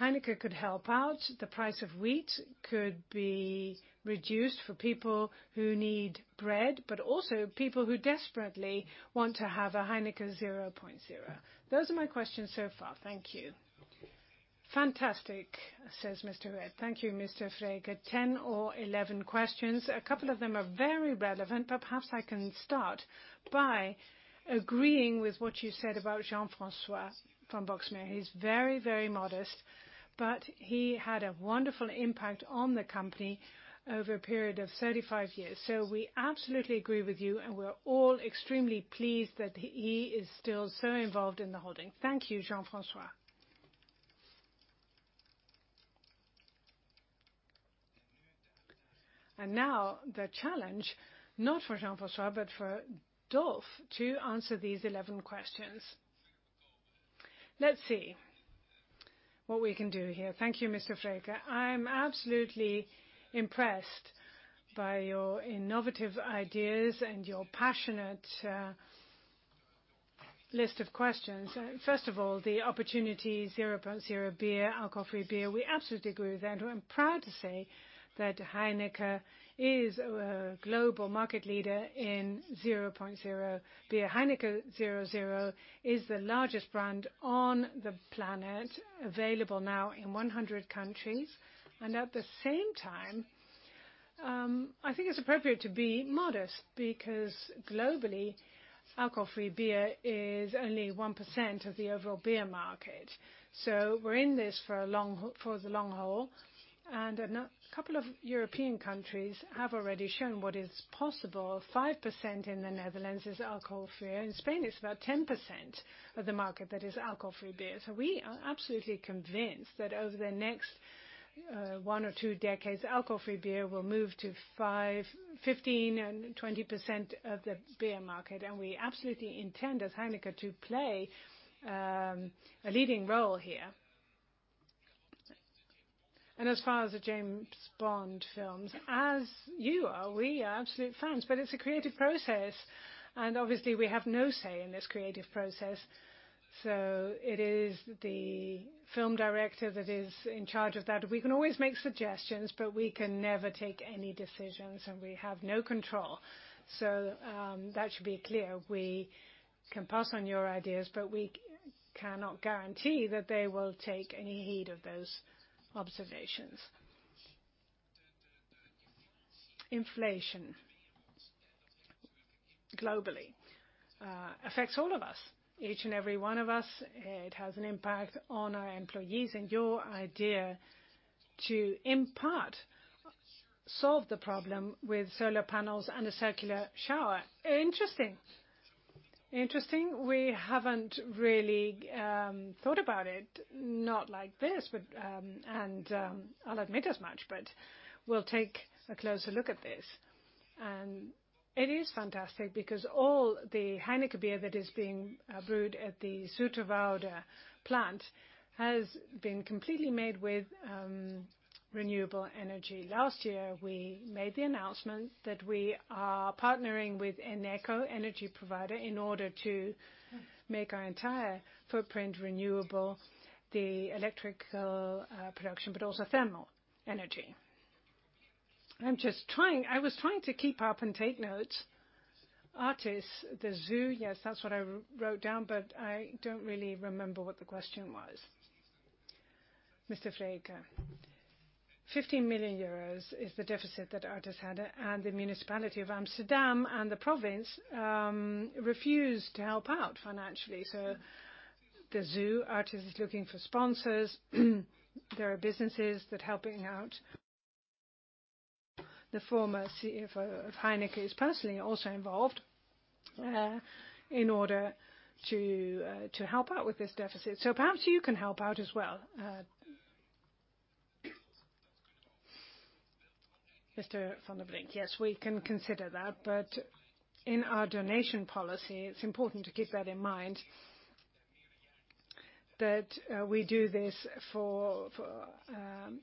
Heineken could help out, the price of wheat could be reduced for people who need bread but also people who desperately want to have a Heineken 0.0. Those are my questions so far. Thank you. Fantastic, says Mr. Huët. Thank you, Mr. Vreeken. 10 or 11 questions. A couple of them are very relevant but perhaps I can start by agreeing with what you said about Jean-François van Boxmeer. He's very, very modest but he had a wonderful impact on the company over a period of 35 years. We absolutely agree with you and we're all extremely pleased that he is still so involved in the holding. Thank you, Jean-François. Now the challenge, not for Jean-François but for Dolf to answer these 11 questions. Let's see what we can do here. Thank you, Mr. Vreeken. I'm absolutely impressed by your innovative ideas and your passionate list of questions. First of all, the opportunity 0.0 beer, alcohol-free beer. We absolutely agree with that. I'm proud to say that Heineken is a global market leader in 0.0 beer. Heineken 0.0 is the largest brand on the planet, available now in 100 countries. At the same time, I think it's appropriate to be modest because globally, alcohol-free beer is only 1% of the overall beer market. We're in this for the long haul. A couple of European countries have already shown what is possible. 5% in the Netherlands is alcohol-free and Spain is about 10% of the market that is alcohol-free beer. We are absolutely convinced that over the next one or two decades, alcohol-free beer will move to 5%, 15% and 20% of the beer market. We absolutely intend, as Heineken, to play a leading role here. As far as the James Bond films, as you are, we are absolute fans but it's a creative process. Obviously, we have no say in this creative process. It is the film director that is in charge of that. We can always make suggestions but we can never take any decisions and we have no control. That should be clear. We can pass on your ideas but we cannot guarantee that they will take any heed of those observations. Inflation globally affects all of us, each and every one of us. It has an impact on our employees. Your idea to, in part, solve the problem with solar panels and a circular shower, interesting. Interesting. We haven't really thought about it, not like this. I'll admit as much but we'll take a closer look at this. It is fantastic because all the Heineken beer that is being brewed at the Zoeterwoude plant has been completely made with renewable energy. Last year, we made the announcement that we are partnering with Eneco energy provider in order to make our entire footprint renewable, the electrical production but also thermal energy. I was trying to keep up and take notes. ARTIS, the zoo. Yes, that's what I wrote down but I don't really remember what the question was. Mr. Vreeken, 15 million euros is the deficit that ARTIS had and the municipality of Amsterdam and the province refused to help out financially. The zoo, ARTIS, is looking for sponsors. There are businesses that helping out. The former CFO of Heineken is personally also involved, in order to help out with this deficit. Perhaps you can help out as well. Mr. van den Brink. Yes, we can consider that. In our donation policy, it's important to keep that in mind that we do this for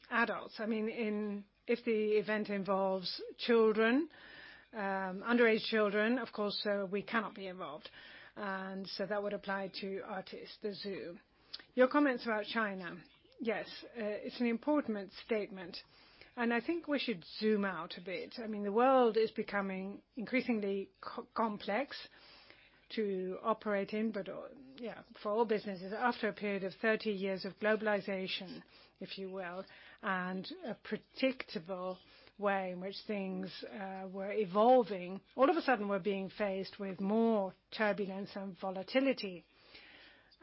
adults. I mean, if the event involves children, underage children, of course, we cannot be involved. That would apply to ARTIS, the zoo. Your comments about China. Yes, it's an important statement and I think we should zoom out a bit. I mean, the world is becoming increasingly complex to operate in but yeah, for all businesses, after a period of 30 years of globalization, if you will and a predictable way in which things were evolving, all of a sudden, we're being faced with more turbulence and volatility,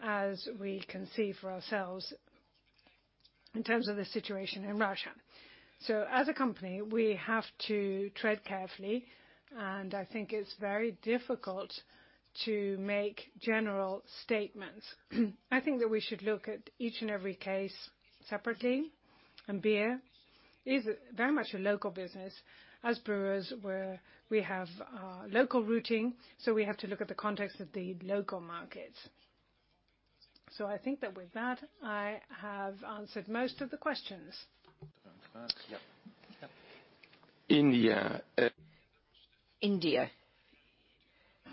as we can see for ourselves in terms of the situation in Russia. As a company, we have to tread carefully and I think it's very difficult to make general statements. I think that we should look at each and every case separately. Beer is very much a local business. As brewers, we have local roots, so we have to look at the context of the local markets. I think that with that, I have answered most of the questions. Yep. Yep. India. India.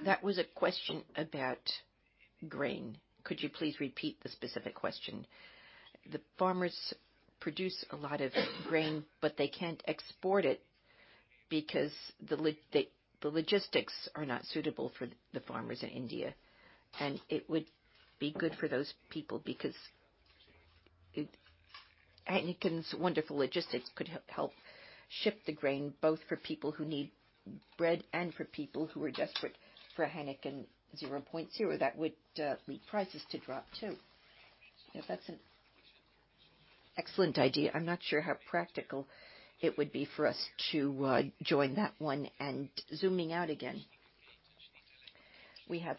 That was a question about grain. Could you please repeat the specific question? The farmers produce a lot of grain but they can't export it because the logistics are not suitable for the farmers in India. It would be good for those people because Heineken's wonderful logistics could help ship the grain both for people who need bread and for people who are desperate for a Heineken 0.0. That would lead prices to drop too. That's an excellent idea. I'm not sure how practical it would be for us to join that one. Zooming out again, we have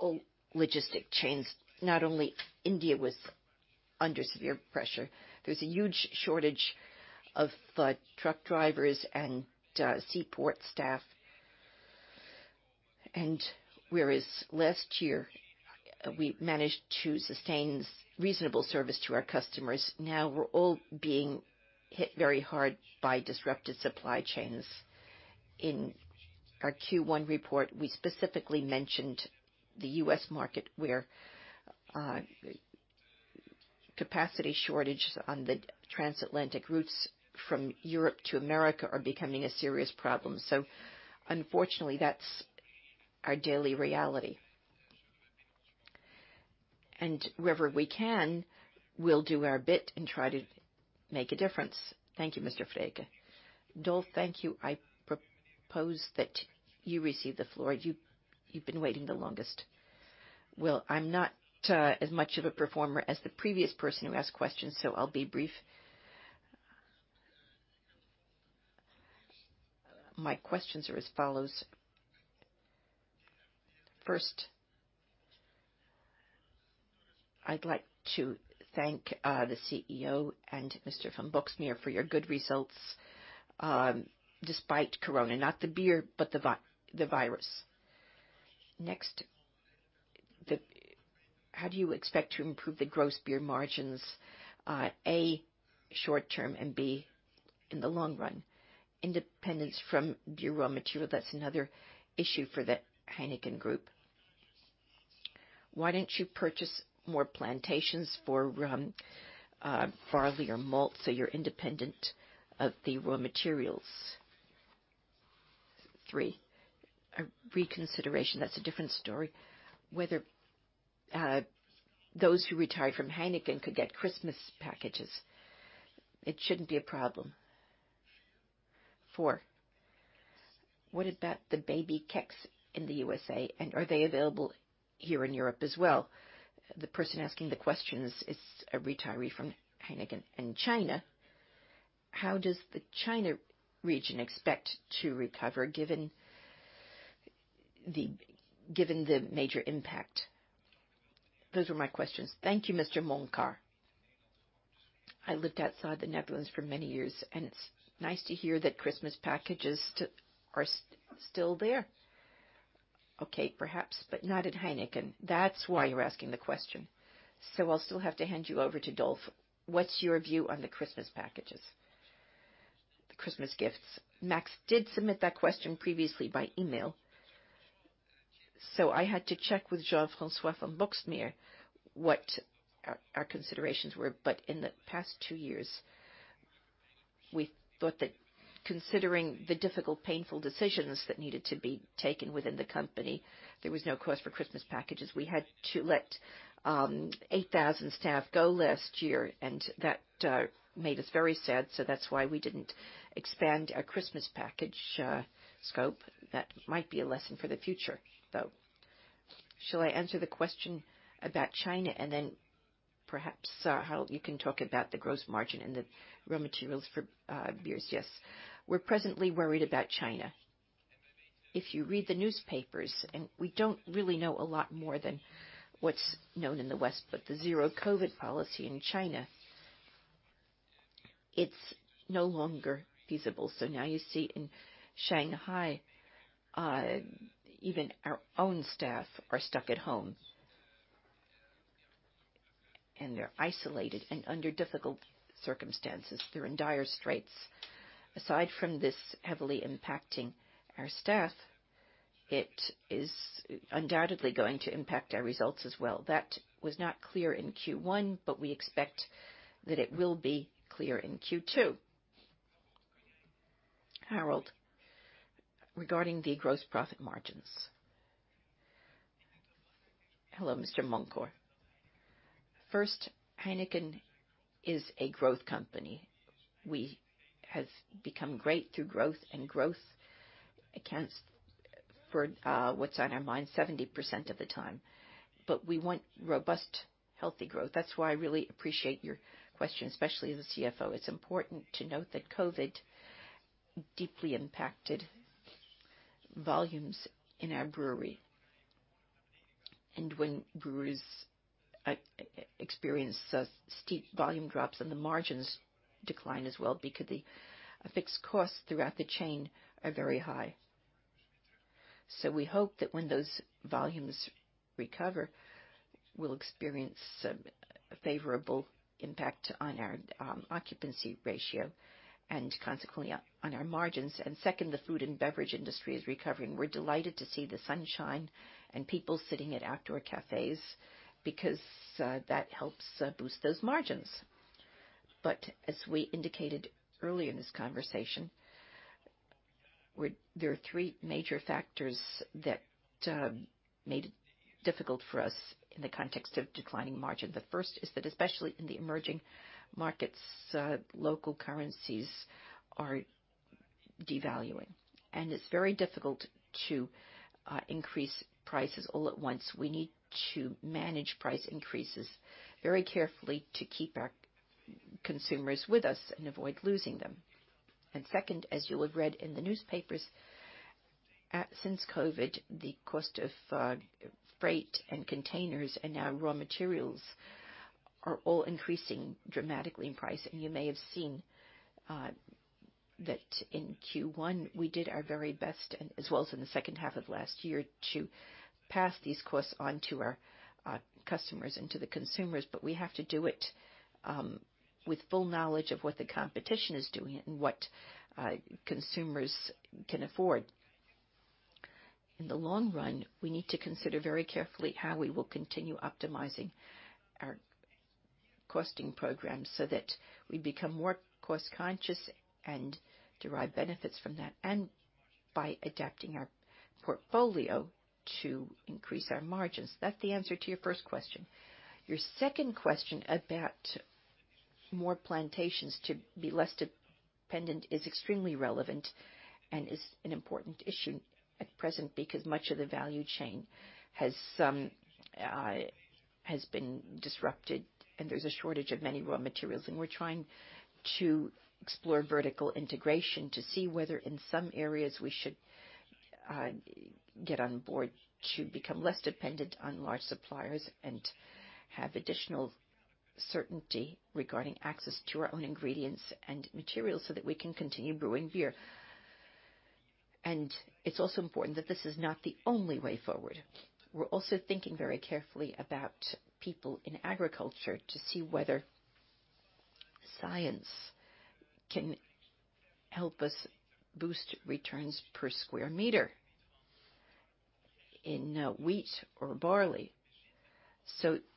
all logistics chains. Not only India was under severe pressure. There's a huge shortage of truck drivers and seaport staff. Whereas last year we managed to sustain reasonable service to our customers, now we're all being hit very hard by disrupted supply chains. In our Q1 report, we specifically mentioned the U.S. market, where capacity shortages on the transatlantic routes from Europe to America are becoming a serious problem. Unfortunately, that's our daily reality. Wherever we can, we'll do our bit and try to make a difference. Thank you, Mr. Vreeken. Dolf, thank you. I propose that you receive the floor. You've been waiting the longest. Well, I'm not as much of a performer as the previous person who asked questions, so I'll be brief. My questions are as follows. First, I'd like to thank the CEO and Mr. van Boxmeer for your good results, despite Corona, not the beer but the virus. How do you expect to improve the gross beer margins, A, short-term and B, in the long run? Independence from your raw material, that's another issue for the Heineken group. Why don't you purchase more plantations for barley or malt, so you're independent of the raw materials? Three, a reconsideration, that's a different story. Whether those who retired from Heineken could get Christmas packages. It shouldn't be a problem. Four. What about the baby kegs in the U.S. and are they available here in Europe as well? The person asking the questions is a retiree from Heineken. China, how does the China region expect to recover given the major impact? Those are my questions. Thank you, Mr. Moncar. I lived outside the Netherlands for many years and it's nice to hear that Christmas packages are still there. Okay. Perhaps not at Heineken. That's why you're asking the question. I'll still have to hand you over to Dolf. What's your view on the Christmas packages? The Christmas gifts. Max did submit that question previously by email, so I had to check with Jean-François van Boxmeer what our considerations were. In the past two years, we thought that considering the difficult, painful decisions that needed to be taken within the company, there was no cost for Christmas packages. We had to let 8,000 staff go last year and that made us very sad, so that's why we didn't expand our Christmas package scope. That might be a lesson for the future, though. Shall I answer the question about China and then perhaps Harold, you can talk about the gross margin and the raw materials for beers? Yes. We're presently worried about China. If you read the newspapers and we don't really know a lot more than what's known in the West but the zero COVID policy in China, it's no longer feasible. So now you see in Shanghai, even our own staff are stuck at home and they're isolated and under difficult circumstances. They're in dire straits. Aside from this heavily impacting our staff, it is undoubtedly going to impact our results as well. That was not clear in Q1 but we expect that it will be clear in Q2. Harold, regarding the gross profit margins. Hello, Mr. Moncar. First, Heineken is a growth company. We have become great through growth and growth accounts for what's on our mind 70% of the time. We want robust, healthy growth. That's why I really appreciate your question, especially the CFO. It's important to note that COVID deeply impacted volumes in our brewery. When breweries experience steep volume drops and the margins decline as well because the fixed costs throughout the chain are very high. We hope that when those volumes recover, we'll experience a favorable impact on our occupancy ratio and consequently on our margins. Second, the food and beverage industry is recovering. We're delighted to see the sunshine and people sitting at outdoor cafes because that helps boost those margins. As we indicated earlier in this conversation, there are three major factors that made it difficult for us in the context of declining margin. The first is that, especially in the emerging markets, local currencies are devaluing and it's very difficult to increase prices all at once. We need to manage price increases very carefully to keep our consumers with us and avoid losing them. Second, as you would've read in the newspapers, since COVID, the cost of freight and containers and now raw materials are all increasing dramatically in price. You may have seen that in Q1, we did our very best and as well as in the second half of last year, to pass these costs on to our customers and to the consumers. But we have to do it with full knowledge of what the competition is doing and what consumers can afford. In the long run, we need to consider very carefully how we will continue optimizing our costing programs so that we become more cost conscious and derive benefits from that and by adapting our portfolio to increase our margins. That's the answer to your first question. Your second question about more plantations to be less dependent is extremely relevant and is an important issue at present because much of the value chain has been disrupted and there's a shortage of many raw materials. We're trying to explore vertical integration to see whether in some areas we should get on board to become less dependent on large suppliers and have additional certainty regarding access to our own ingredients and materials so that we can continue brewing beer. It's also important that this is not the only way forward. We're also thinking very carefully about people in agriculture to see whether science can help us boost returns per square meter in wheat or barley.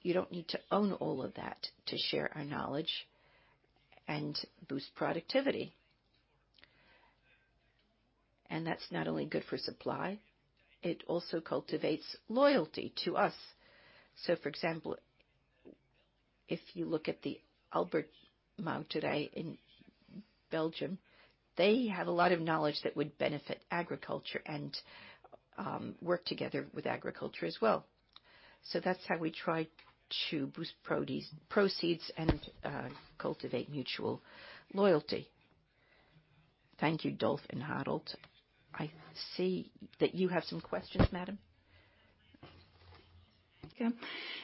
You don't need to own all of that to share our knowledge and boost productivity. That's not only good for supply, it also cultivates loyalty to us. For example, if you look at the Alken-Maes today in Belgium, they have a lot of knowledge that would benefit agriculture and work together with agriculture as well. That's how we try to boost proceeds and cultivate mutual loyalty. Thank you, Dolf and Harold. I see that you have some questions, madam. Yeah.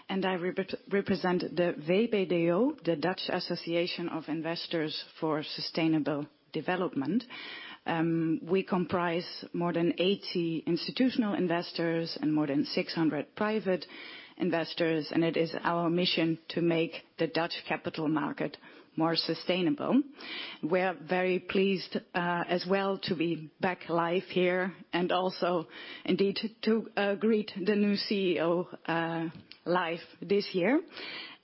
I represent the VBDO, the Dutch Association of Investors for Sustainable Development. We comprise more than 80 institutional investors and more than 600 private investors and it is our mission to make the Dutch capital market more sustainable. We're very pleased, as well, to be back live here and also indeed to greet the new CEO live this year.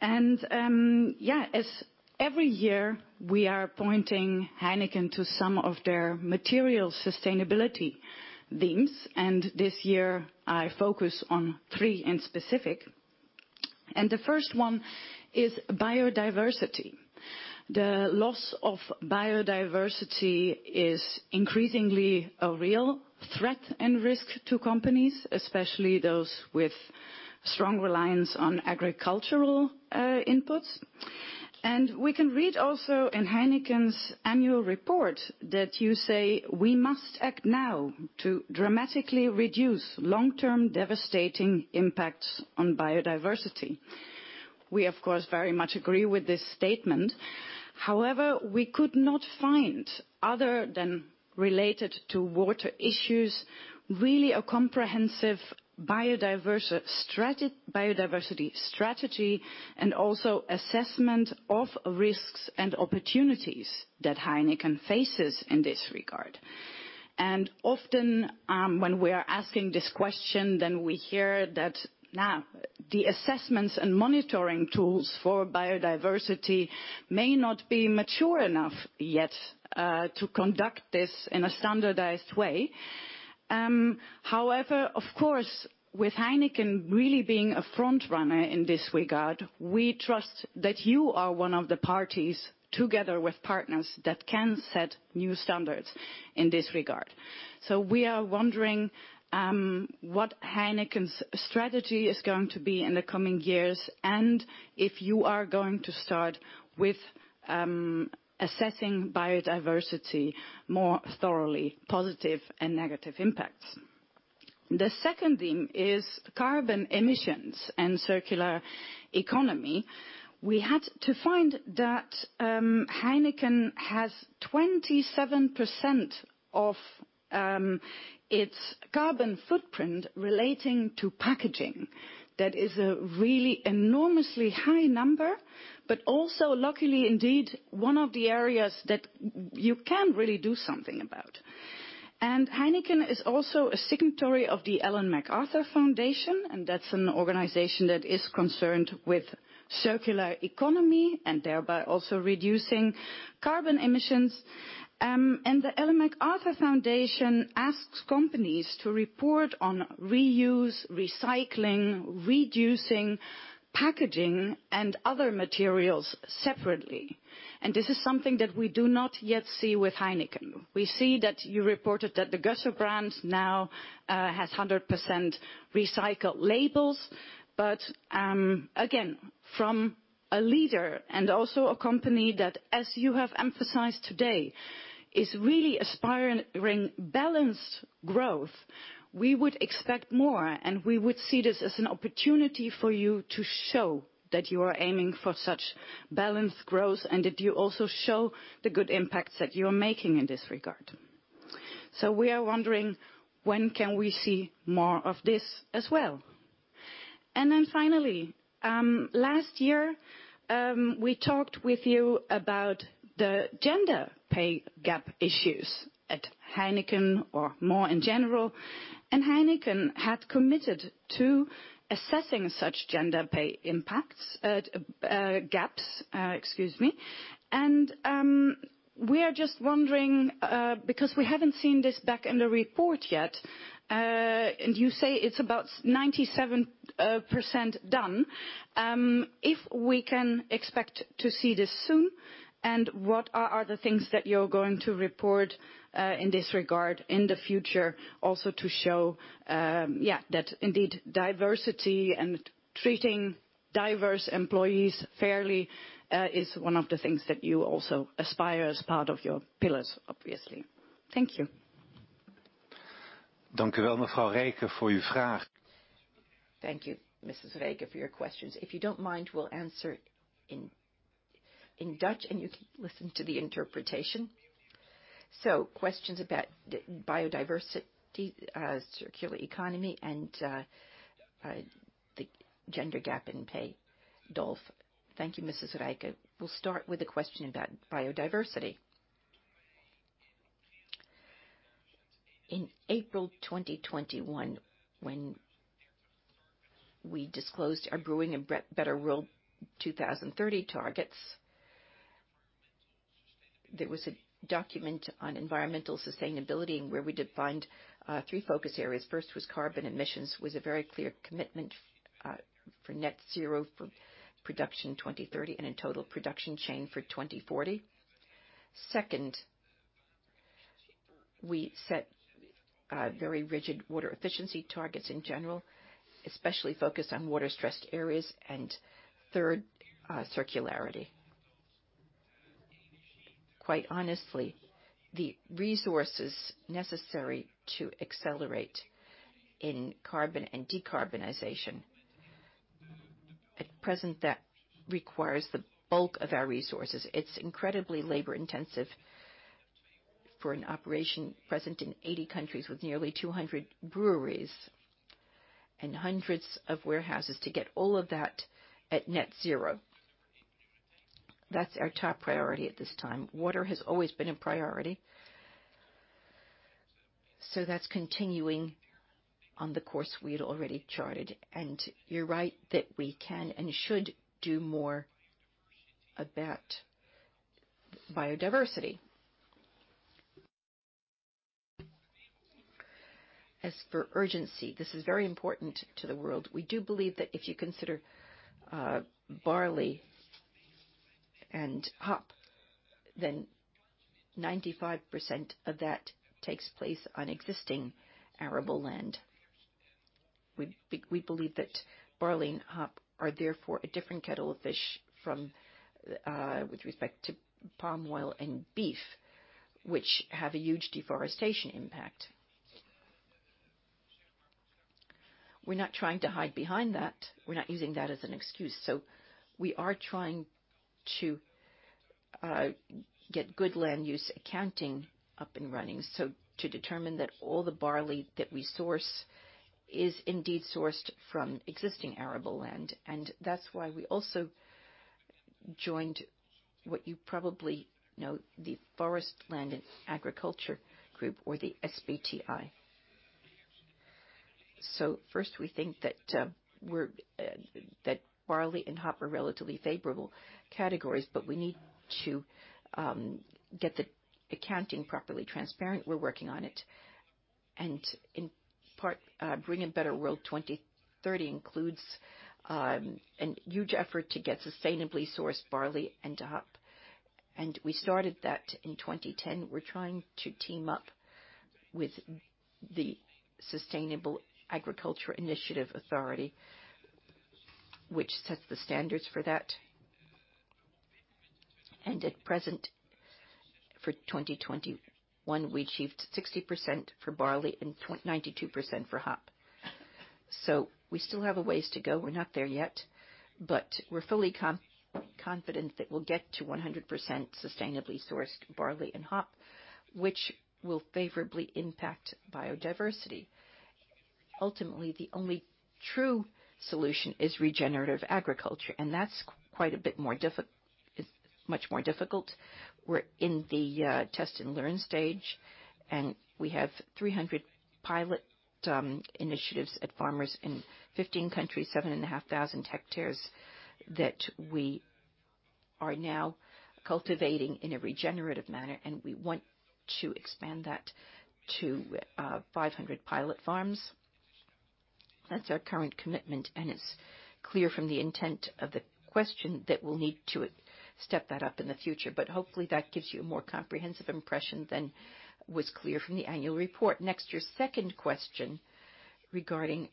As every year, we are pointing Heineken to some of their material sustainability themes and this year I focus on three specifically. The first one is biodiversity. The loss of biodiversity is increasingly a real threat and risk to companies, especially those with strong reliance on agricultural inputs. We can read also in Heineken's annual report that you say we must act now to dramatically reduce long-term devastating impacts on biodiversity. We of course very much agree with this statement. However, we could not find other than related to water issues, really a comprehensive biodiversity strategy and also assessment of risks and opportunities that Heineken faces in this regard. Often, when we are asking this question, then we hear that now the assessments and monitoring tools for biodiversity may not be mature enough yet, to conduct this in a standardized way. However, of course, with Heineken really being a front runner in this regard, we trust that you are one of the parties together with partners that can set new standards in this regard. We are wondering, what Heineken's strategy is going to be in the coming years and if you are going to start with, assessing biodiversity more thoroughly, positive and negative impacts. The second theme is carbon emissions and circular economy. We had to find that Heineken has 27% of its carbon footprint relating to packaging. That is a really enormously high number but also luckily indeed, one of the areas that you can really do something about. Heineken is also a signatory of the Ellen MacArthur Foundation and that's an organization that is concerned with circular economy and thereby also reducing carbon emissions. The Ellen MacArthur Foundation asks companies to report on reuse, recycling, reducing packaging and other materials separately. This is something that we do not yet see with Heineken. We see that you reported that the Gösser brand now has 100% recycled labels. Again, from a leader and also a company that, as you have emphasized today, is really aspiring balanced growth, we would expect more and we would see this as an opportunity for you to show that you are aiming for such balanced growth and that you also show the good impacts that you are making in this regard. We are wondering, when can we see more of this as well? Then finally, last year, we talked with you about the gender pay gap issues at Heineken or more in general. Heineken had committed to assessing such gender pay gaps. We are just wondering, because we haven't seen this back in the report yet and you say it's about 97% done, if we can expect to see this soon. What are the things that you're going to report in this regard in the future also to show that indeed diversity and treating diverse employees fairly is one of the things that you also aspire as part of your pillars, obviously? Thank you. Thank you, Mrs. Rijke, for your questions. If you don't mind, we'll answer in Dutch and you can listen to the interpretation. Questions about biodiversity, circular economy and the gender gap in pay. Dolf. Thank you, Mrs. Rijke. We'll start with the question about biodiversity. In April 2021, when we disclosed our Brew a Better World 2030 targets, there was a document on environmental sustainability and where we defined three focus areas. First was carbon emissions, with a very clear commitment for net zero for production in 2030 and in total production chain for 2040. Second, we set very rigid water efficiency targets in general, especially focused on water-stressed areas. Third, circularity. Quite honestly, the resources necessary to accelerate in carbon and decarbonization at present require the bulk of our resources. It's incredibly labor-intensive for an operation present in 80 countries with nearly 200 breweries and hundreds of warehouses to get all of that at net zero. That's our top priority at this time. Water has always been a priority, so that's continuing on the course we had already charted. You're right that we can and should do more about biodiversity. As for urgency, this is very important to the world. We do believe that if you consider barley and hop, then 95% of that takes place on existing arable land. We believe that barley and hop are therefore a different kettle of fish from with respect to palm oil and beef, which have a huge deforestation impact. We're not trying to hide behind that. We're not using that as an excuse. We are trying to get good land use accounting up and running. To determine that all the barley that we source is indeed sourced from existing arable land. That's why we also joined what you probably know, the Forest, Land and Agriculture or the SBTi. First, we think that barley and hop are relatively favorable categories but we need to get the accounting properly transparent. We're working on it. In part, Brew a Better World 2030 includes a huge effort to get sustainably sourced barley and hop. We started that in 2010. We're trying to team up with the Sustainable Agriculture Initiative Platform, which sets the standards for that. At present, for 2021, we achieved 60% for barley and 92% for hop. We still have a ways to go. We're not there yet. We're fully confident that we'll get to 100% sustainably sourced barley and hop, which will favorably impact biodiversity. Ultimately, the only true solution is regenerative agriculture and that's quite a bit more is much more difficult. We're in the test and learn stage and we have 300 pilot initiatives at farmers in 15 countries, 7,500 hectares that we are now cultivating in a regenerative manner. We want to expand that to 500 pilot farms. That's our current commitment and it's clear from the intent of the question that we'll need to step that up in the future. Hopefully, that gives you a more comprehensive impression than was clear from the annual report. Next, your second question regarding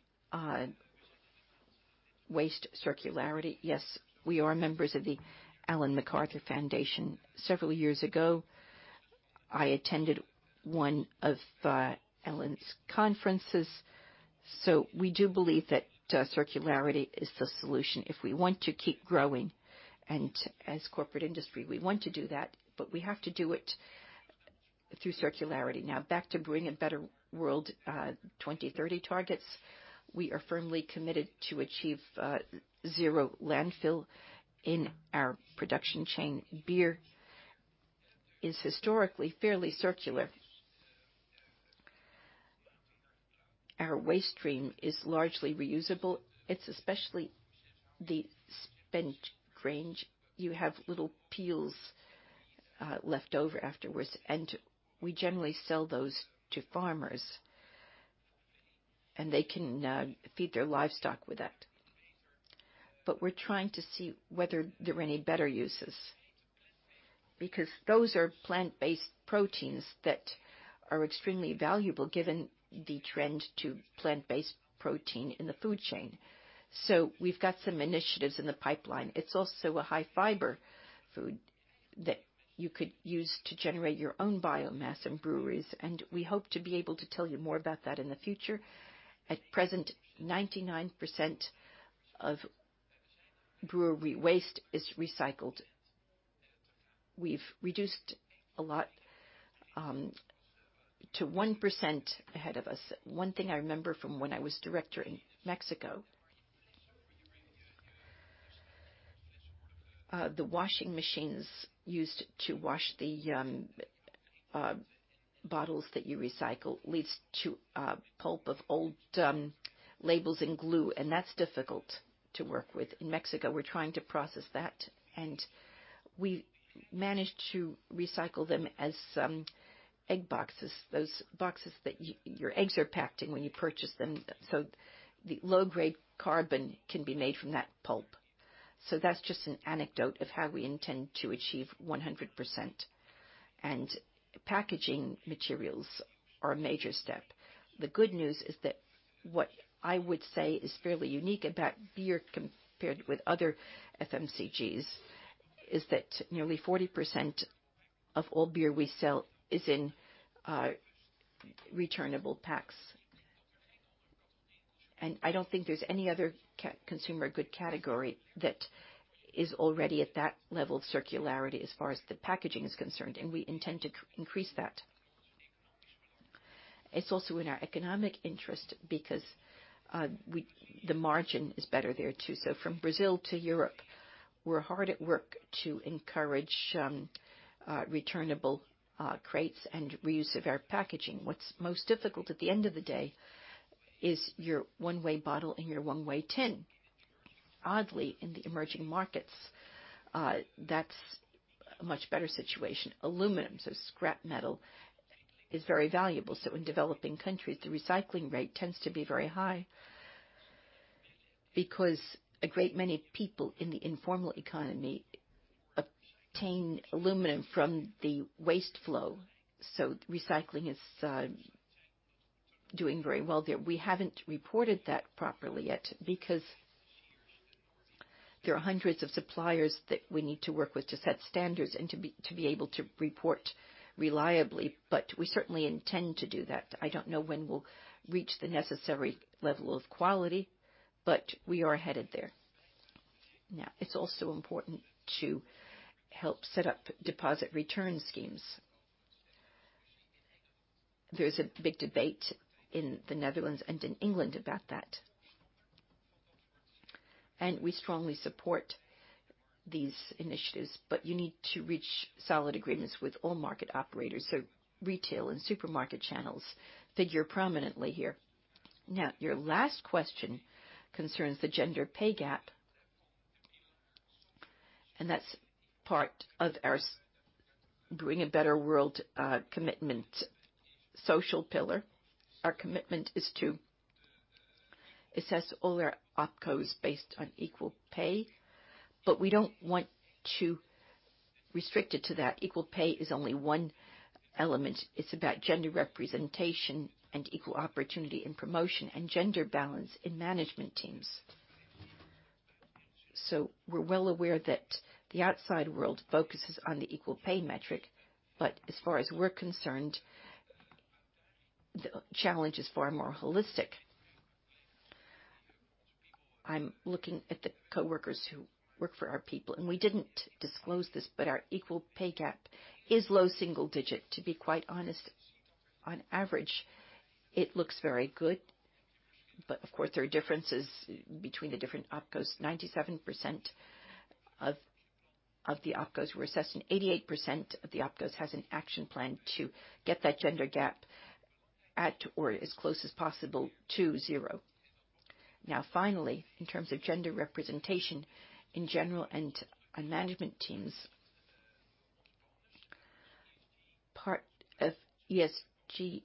waste circularity. Yes, we are members of the Ellen MacArthur Foundation. Several years ago, I attended one of Ellen's conferences. We do believe that circularity is the solution if we want to keep growing. As corporate industry, we want to do that but we have to do it through circularity. Now back to Brew a Better World 2030 targets. We are firmly committed to achieve zero landfill in our production chain. Beer is historically fairly circular. Our waste stream is largely reusable. It's especially the spent grains. You have little peels left over afterwards and we generally sell those to farmers. They can feed their livestock with that. But we're trying to see whether there are any better uses because those are plant-based proteins that are extremely valuable given the trend to plant-based protein in the food chain. We've got some initiatives in the pipeline. It's also a high-fiber food that you could use to generate your own biomass in breweries and we hope to be able to tell you more about that in the future. At present, 99% of brewery waste is recycled. We've reduced a lot to 1% ahead of us. One thing I remember from when I was director in Mexico. The washing machines used to wash the bottles that you recycle leads to a pulp of old labels and glue and that's difficult to work with. In Mexico, we're trying to process that and we managed to recycle them as egg boxes, those boxes that your eggs are packed in when you purchase them, so the low-grade carton can be made from that pulp. That's just an anecdote of how we intend to achieve 100%. Packaging materials are a major step. The good news is that what I would say is fairly unique about beer compared with other FMCGs is that nearly 40% of all beer we sell is in returnable packs. I don't think there's any other consumer good category that is already at that level of circularity as far as the packaging is concerned and we intend to increase that. It's also in our economic interest because the margin is better there too. From Brazil to Europe, we're hard at work to encourage returnable crates and reuse of our packaging. What's most difficult at the end of the day is your one-way bottle and your one-way tin. Oddly, in the emerging markets, that's a much better situation. Aluminum, so scrap metal is very valuable, so in developing countries, the recycling rate tends to be very high. Because a great many people in the informal economy obtain aluminum from the waste flow, so recycling is doing very well there. We haven't reported that properly yet because there are hundreds of suppliers that we need to work with to set standards and to be able to report reliably but we certainly intend to do that. I don't know when we'll reach the necessary level of quality but we are headed there. Now, it's also important to help set up deposit return schemes. There's a big debate in the Netherlands and in England about that. We strongly support these initiatives but you need to reach solid agreements with all market operators. So retail and supermarket channels figure prominently here. Now, your last question concerns the gender pay gap. That's part of our Brew a Better World commitment social pillar. Our commitment is to assess all our opcos based on equal pay but we don't want to restrict it to that. Equal pay is only one element. It's about gender representation and equal opportunity and promotion and gender balance in management teams. We're well aware that the outside world focuses on the equal pay metric but as far as we're concerned, the challenge is far more holistic. I'm looking at the coworkers who work for our people and we didn't disclose this but our equal pay gap is low single digit. To be quite honest, on average, it looks very good. But of course, there are differences between the different opcos. 97% of the opcos were assessed and 88% of the opcos has an action plan to get that gender gap at or as close as possible to zero. Now finally, in terms of gender representation in general and on management teams, part of ESG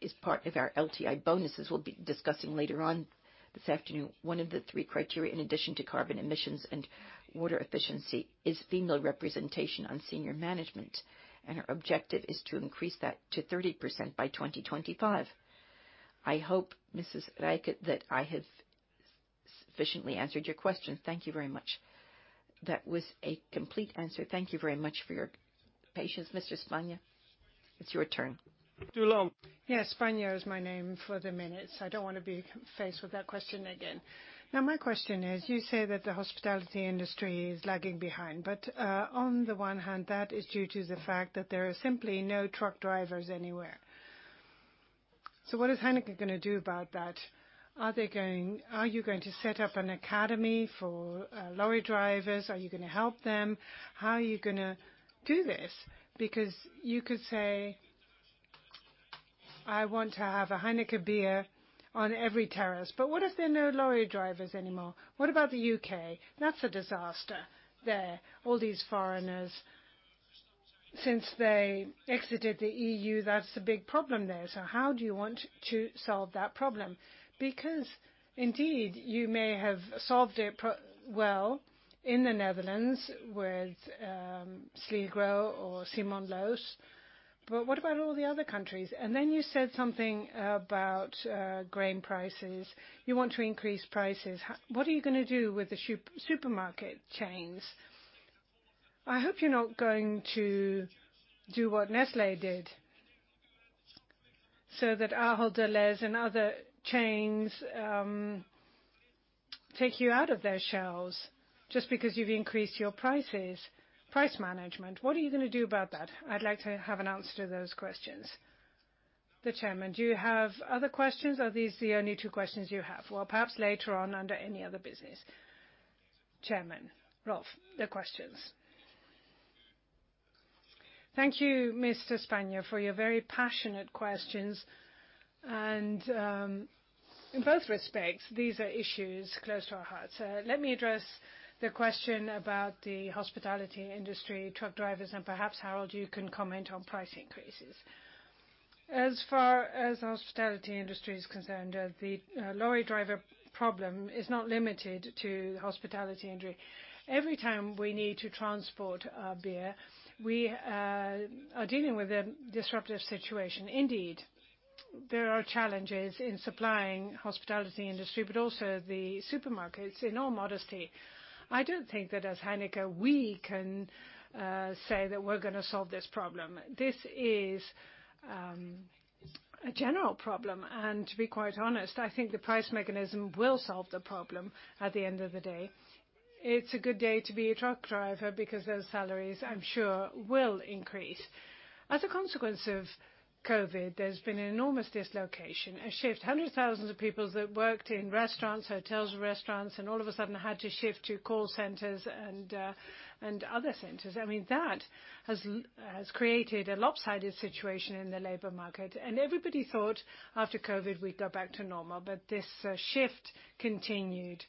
is part of our LTI bonuses we'll be discussing later on this afternoon. One of the three criteria in addition to carbon emissions and water efficiency is female representation on senior management. Our objective is to increase that to 30% by 2025. I hope, Mrs. Rijke that I have sufficiently answered your question. Thank you very much. That was a complete answer. Thank you very much for your patience. Mr. Spanjer, it's your turn. Yeah. Spanjer is my name for the minutes. I don't wanna be faced with that question again. Now, my question is, you say that the hospitality industry is lagging behind but, on the one hand, that is due to the fact that there are simply no truck drivers anywhere. What is Heineken gonna do about that? Are you going to set up an academy for lorry drivers? Are you gonna help them? How are you gonna do this? Because you could say, "I want to have a Heineken beer on every terrace," but what if there are no lorry drivers anymore? What about the U.K.? That's a disaster there, all these foreigners. Since they exited the EU, that's a big problem there. How do you want to solve that problem? Because indeed, you may have solved it well in the Netherlands with Sligro or Simon Loos but what about all the other countries? You said something about grain prices. You want to increase prices. What are you gonna do with the supermarket chains? I hope you're not going to do what Nestlé did, so that Ahold Delhaize and other chains take you out of their shelves just because you've increased your prices. Price management, what are you gonna do about that? I'd like to have an answer to those questions. The Chairman, do you have other questions or are these the only two questions you have? Well, perhaps later on under any other business. Chairman, rule on the questions. Thank you, Mr. Spanjer, for your very passionate questions. In both respects, these are issues close to our hearts. Let me address the question about the hospitality industry truck drivers and perhaps, Harold, you can comment on price increases. As far as the hospitality industry is concerned, the truck driver problem is not limited to the hospitality industry. Every time we need to transport our beer, we are dealing with a disruptive situation. Indeed, there are challenges in supplying hospitality industry but also the supermarkets. In all modesty, I don't think that as Heineken, we can say that we're gonna solve this problem. This is a general problem. To be quite honest, I think the price mechanism will solve the problem at the end of the day. It's a good day to be a truck driver because those salaries, I'm sure will increase. As a consequence of COVID, there's been an enormous dislocation, a shift. Hundreds of thousands of people that worked in restaurants, hotels with restaurants and all of a sudden had to shift to call centers and other centers. I mean, that has created a lopsided situation in the labor market. Everybody thought after COVID we'd go back to normal but this shift continued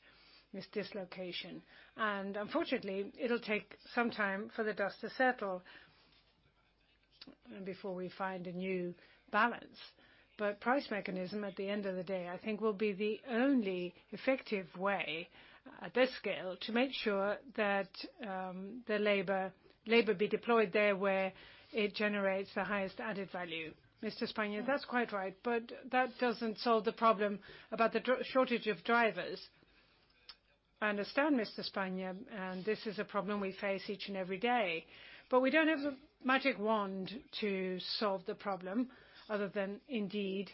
this dislocation. Unfortunately, it'll take some time for the dust to settle before we find a new balance. Price mechanism, at the end of the day, I think will be the only effective way at this scale to make sure that the labor be deployed there where it generates the highest added value. Mr. Spanjer, that's quite right but that doesn't solve the problem about the shortage of drivers. I understand, Mr. Spanjer and this is a problem we face each and every day. We don't have a magic wand to solve the problem other than indeed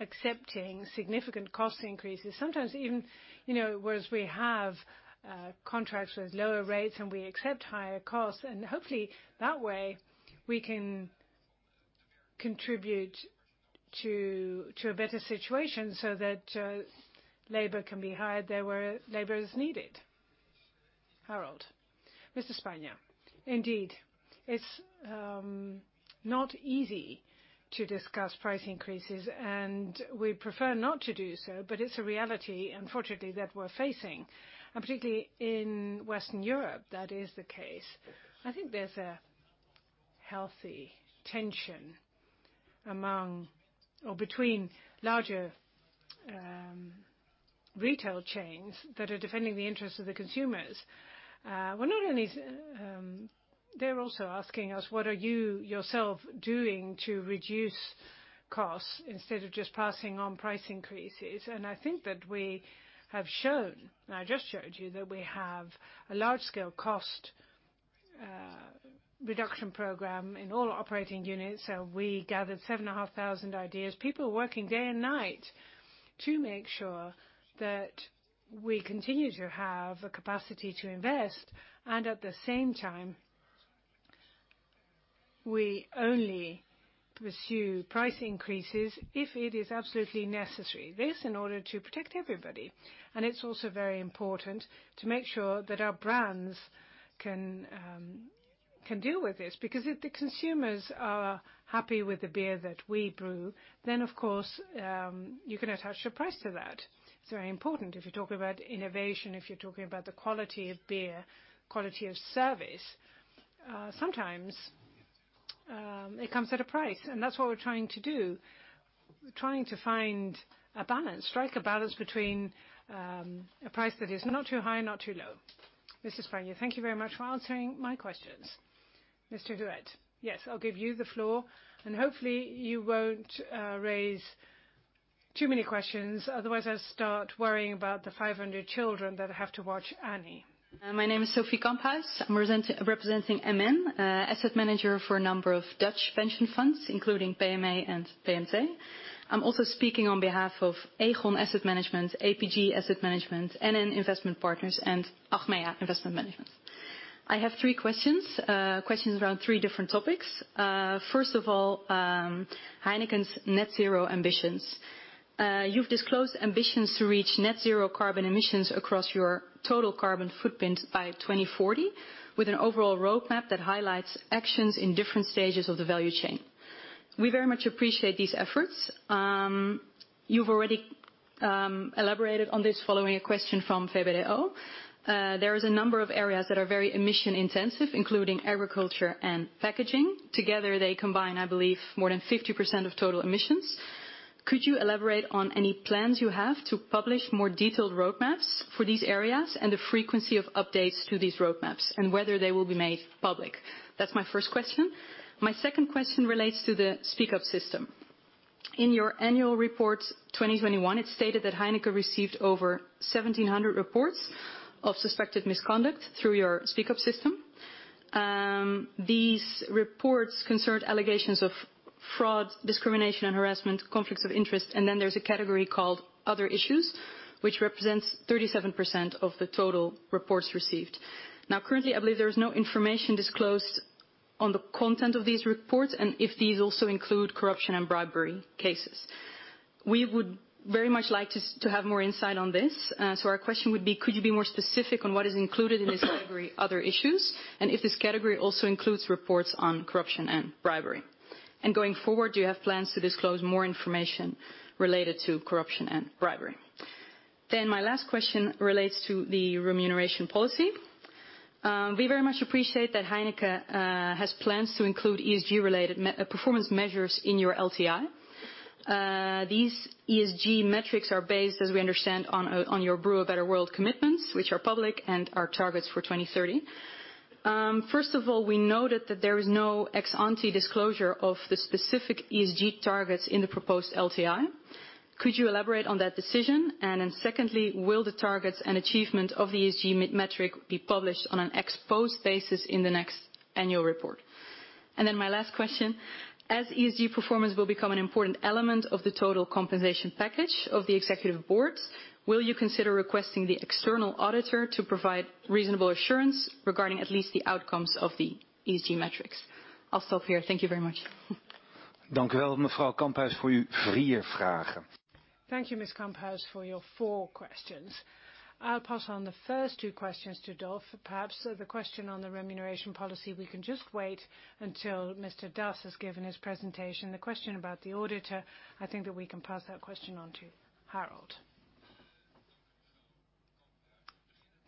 accepting significant cost increases. Sometimes even, you know, whereas we have contracts with lower rates and we accept higher costs and hopefully that way we can contribute to a better situation so that labor can be hired there where labor is needed. Harold. Mr. Spanjer, indeed, it's not easy to discuss price increases and we prefer not to do so but it's a reality, unfortunately, that we're facing. Particularly in Western Europe, that is the case. I think there's a healthy tension among or between larger retail chains that are defending the interests of the consumers, not only, they're also asking us: What are you yourself doing to reduce costs instead of just passing on price increases? I think that we have shown and I just showed you that we have a large-scale cost reduction program in all operating units. We gathered 7,500 ideas, people working day and night to make sure that we continue to have the capacity to invest. At the same time, we only pursue price increases if it is absolutely necessary. This in order to protect everybody. It's also very important to make sure that our brands can deal with this. Because if the consumers are happy with the beer that we brew, then of course you can attach a price to that. It's very important if you're talking about innovation, if you're talking about the quality of beer, quality of service. Sometimes it comes at a price and that's what we're trying to do. We're trying to find a balance, strike a balance between a price that is not too high and not too low. Mr. Spanjer, Thank you very much for answering my questions. Mr. Huët. Yes, I'll give you the floor. Hopefully you won't raise too many questions. Otherwise, I'll start worrying about the 500 children that have to watch Annie. My name is Sophie Kamphuis. I'm representing MN, asset manager for a number of Dutch pension funds, including PME and PMT. I'm also speaking on behalf of Aegon Asset Management, APG Asset Management, NN Investment Partners and Achmea Investment Management. I have three questions around three different topics. First of all, Heineken's net zero ambitions. You've disclosed ambitions to reach net zero carbon emissions across your total carbon footprint by 2040, with an overall roadmap that highlights actions in different stages of the value chain. We very much appreciate these efforts. You've already elaborated on this following a question from VBDO. There is a number of areas that are very emission-intensive, including agriculture and packaging. Together, they combine, I believe, more than 50% of total emissions. Could you elaborate on any plans you have to publish more detailed roadmaps for these areas and the frequency of updates to these roadmaps and whether they will be made public? That's my first question. My second question relates to the Speak Up system. In your annual report 2021, it stated that Heineken received over 1700 reports of suspected misconduct through your Speak Up system. These reports concerned allegations of fraud, discrimination and harassment, conflicts of interest and then there's a category called other issues, which represents 37% of the total reports received. Now, currently, I believe there is no information disclosed on the content of these reports and if these also include corruption and bribery cases. We would very much like to have more insight on this. Our question would be, could you be more specific on what is included in this category, other issues and if this category also includes reports on corruption and bribery? Going forward, do you have plans to disclose more information related to corruption and bribery? My last question relates to the remuneration policy. We very much appreciate that Heineken has plans to include ESG-related performance measures in your LTI. These ESG metrics are based, as we understand, on your Brew a Better World commitments, which are public and are targets for 2030. First of all, we noted that there is no ex-ante disclosure of the specific ESG targets in the proposed LTI. Could you elaborate on that decision? Secondly, will the targets and achievement of the ESG metric be published on an ex-post basis in the next annual report? My last question. As ESG performance will become an important element of the total compensation package of the executive boards, will you consider requesting the external auditor to provide reasonable assurance regarding at least the outcomes of the ESG metrics? I'll stop here. Thank you very much. Thank you, Ms. Kamphuis, for your four questions. I'll pass on the first two questions to Dolf. Perhaps the question on the remuneration policy, we can just wait until Mr. Das has given his presentation. The question about the auditor, I think that we can pass that question on to Harold.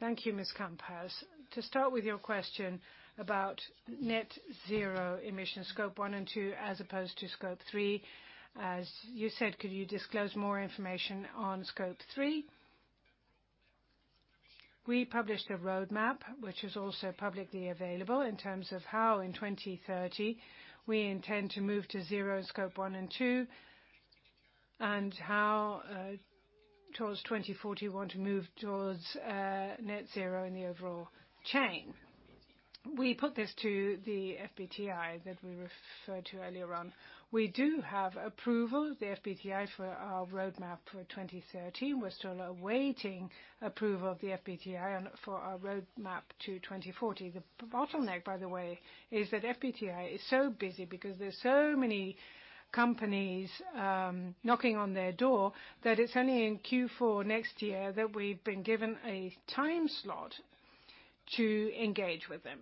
Thank you, Ms. Kamphuis. To start with your question about net zero emissions, Scope 1 and 2 as opposed to Scope 3, as you said, could you disclose more information on Scope 3? We published a roadmap which is also publicly available in terms of how in 2030 we intend to move to zero in Scope 1 and 2 and how towards 2040 want to move towards net zero in the overall chain. We put this to the SBTi that we referred to earlier on. We do have approval from the SBTi for our roadmap for 2030. We're still awaiting approval from the SBTi for our roadmap to 2040. The bottleneck, by the way, is that SBTi is so busy because there's so many companies knocking on their door that it's only in Q4 next year that we've been given a time slot to engage with them.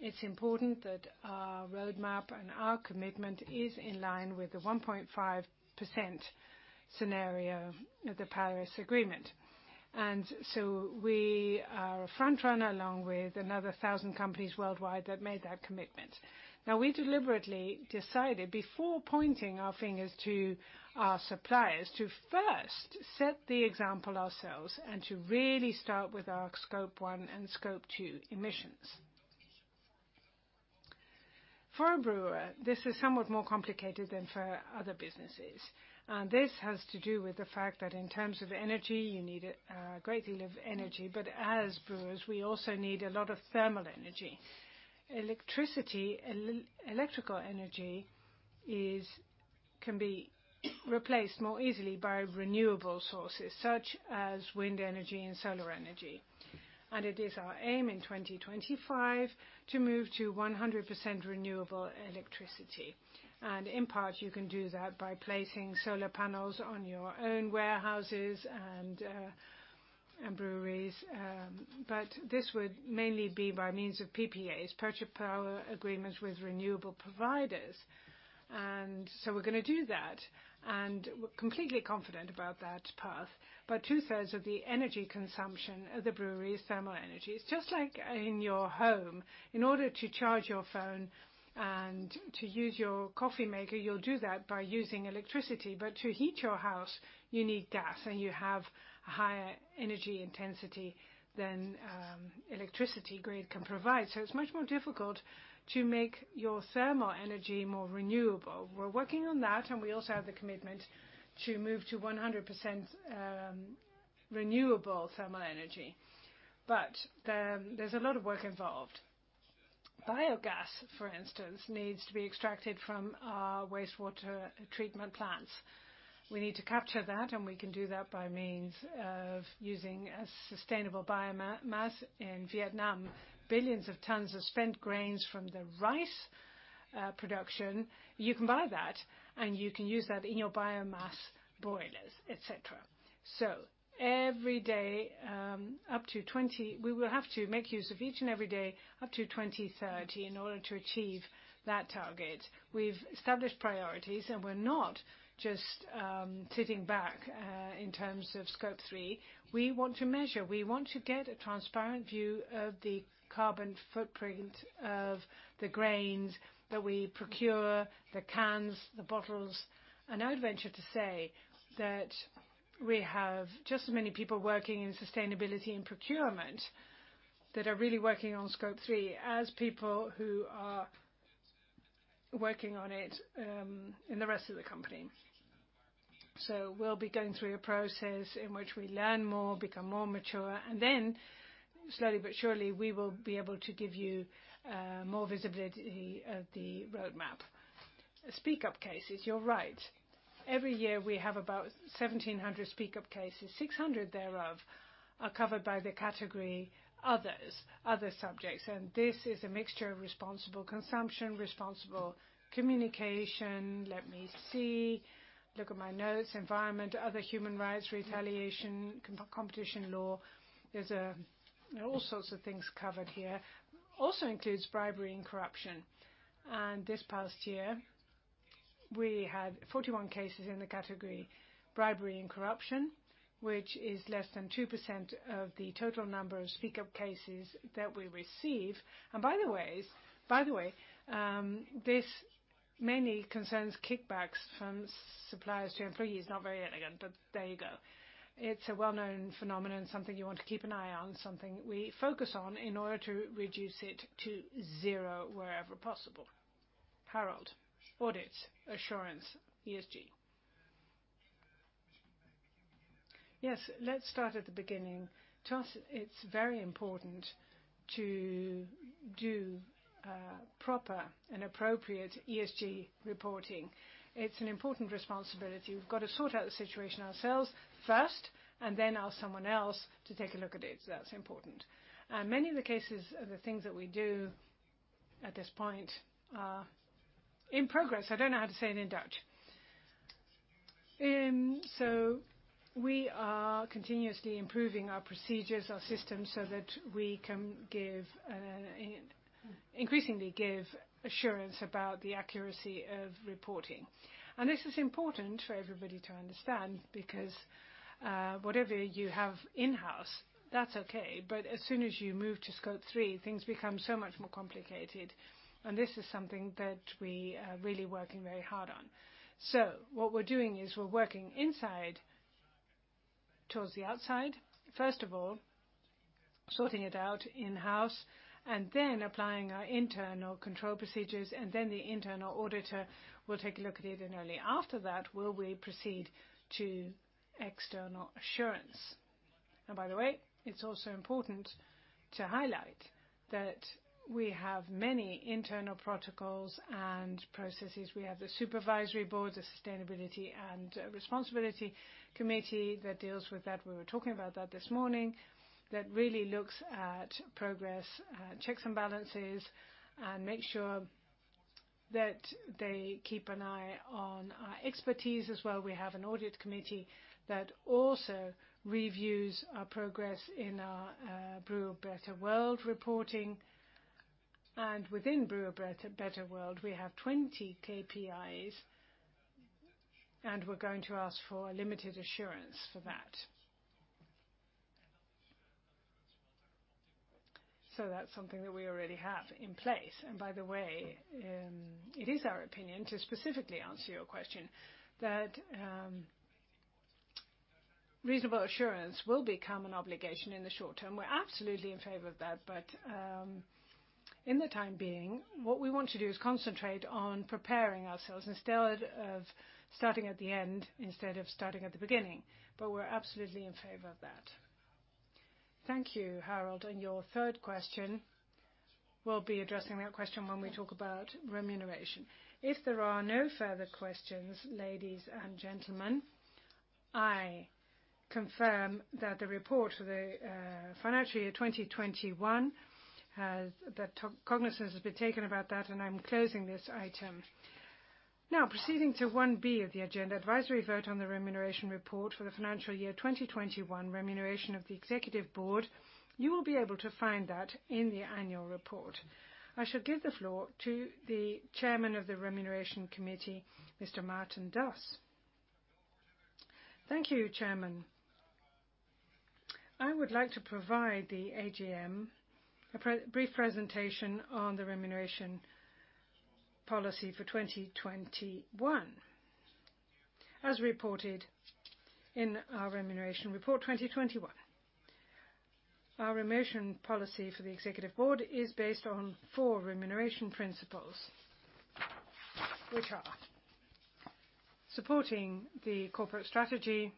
It's important that our roadmap and our commitment is in line with the 1.5% scenario of the Paris Agreement. We are a front runner along with another 1,000 companies worldwide that made that commitment. Now, we deliberately decided, before pointing our fingers to our suppliers, to first set the example ourselves and to really start with our Scope 1 and Scope 2 emissions. For a brewer, this is somewhat more complicated than for other businesses. This has to do with the fact that in terms of energy, you need a great deal of energy but as brewers, we also need a lot of thermal energy. Electricity can be replaced more easily by renewable sources, such as wind energy and solar energy. It is our aim in 2025 to move to 100% renewable electricity. In part, you can do that by placing solar panels on your own warehouses and breweries. This would mainly be by means of PPAs, power purchase agreements, with renewable providers. We're gonna do that and we're completely confident about that path. Two-thirds of the energy consumption of the brewery is thermal energy. It's just like in your home. In order to charge your phone and to use your coffee maker, you'll do that by using electricity but to heat your house, you need gas and you have a higher energy intensity than electricity grid can provide. It's much more difficult to make your thermal energy more renewable. We're working on that and we also have the commitment to move to 100% renewable thermal energy. There's a lot of work involved. Biogas, for instance, needs to be extracted from our wastewater treatment plants. We need to capture that and we can do that by means of using a sustainable biomass. In Vietnam, billions of tons of spent grains from the rice production, you can buy that and you can use that in your biomass boilers, et cetera. Every day up to 2030, we will have to make use of each and every day up to 2030 in order to achieve that target. We've established priorities and we're not just sitting back in terms of Scope 3. We want to measure, we want to get a transparent view of the carbon footprint of the grains that we procure, the cans, the bottles. I would venture to say that we have just as many people working in sustainability and procurement that are really working on Scope 3 as people who are working on it in the rest of the company. We'll be going through a process in which we learn more, become more mature and then slowly but surely, we will be able to give you more visibility of the roadmap. Speak Up cases. You're right. Every year we have about 1,700 Speak Up cases. 600 thereof are covered by the category others, other subjects. This is a mixture of responsible consumption, responsible communication. Let me see. Look at my notes. Environment, other human rights, retaliation, competition law. There's all sorts of things covered here. Also includes bribery and corruption. This past year, we had 41 cases in the category bribery and corruption, which is less than 2% of the total number of Speak Up cases that we receive. By the way, this mainly concerns kickbacks from suppliers to employees. Not very elegant but there you go. It's a well-known phenomenon, something you want to keep an eye on, something we focus on in order to reduce it to zero wherever possible. Harold, audits, assurance, ESG. Yes, let's start at the beginning. To us, it's very important to do proper and appropriate ESG reporting. It's an important responsibility. We've got to sort out the situation ourselves first and then ask someone else to take a look at it. That's important. Many of the cases of the things that we do at this point are in progress. I don't know how to say it in Dutch. We are continuously improving our procedures, our systems, so that we can increasingly give assurance about the accuracy of reporting. This is important for everybody to understand because whatever you have in-house, that's okay but as soon as you move to Scope 3, things become so much more complicated. This is something that we are really working very hard on. What we're doing is we're working inside towards the outside. First of all, sorting it out in-house and then applying our internal control procedures and then the internal auditor will take a look at it and only after that will we proceed to external assurance. By the way, it's also important to highlight that we have many internal protocols and processes. We have the supervisory board, the Sustainability and Responsibility Committee that deals with that. We were talking about that this morning. That really looks at progress, checks and balances and makes sure that they keep an eye on our expertise as well. We have an audit committee that also reviews our progress in our Brew a Better World reporting. Within Brew a Better World, we have 20 KPIs and we're going to ask for a limited assurance for that. That's something that we already have in place. By the way, it is our opinion, to specifically answer your question, that reasonable assurance will become an obligation in the short term. We're absolutely in favor of that. In the time being, what we want to do is concentrate on preparing ourselves instead of starting at the end, instead of starting at the beginning. We're absolutely in favor of that. Thank you, Harold. Your third question, we'll be addressing that question when we talk about remuneration. If there are no further questions, ladies and gentlemen, I confirm that the report for the financial year 2021 has been taken cognizance of that and I'm closing this item. Now, proceeding to 1B of the agenda, advisory vote on the remuneration report for the financial year 2021, remuneration of the Executive Board. You will be able to find that in the annual report. I shall give the floor to the Chairman of the Remuneration Committee, Mr. Maarten Das. Thank you, Chairman. I would like to provide the AGM a brief presentation on the remuneration policy for 2021, as reported in our remuneration report 2021. Our remuneration policy for the executive board is based on four remuneration principles which are supporting the corporate strategy,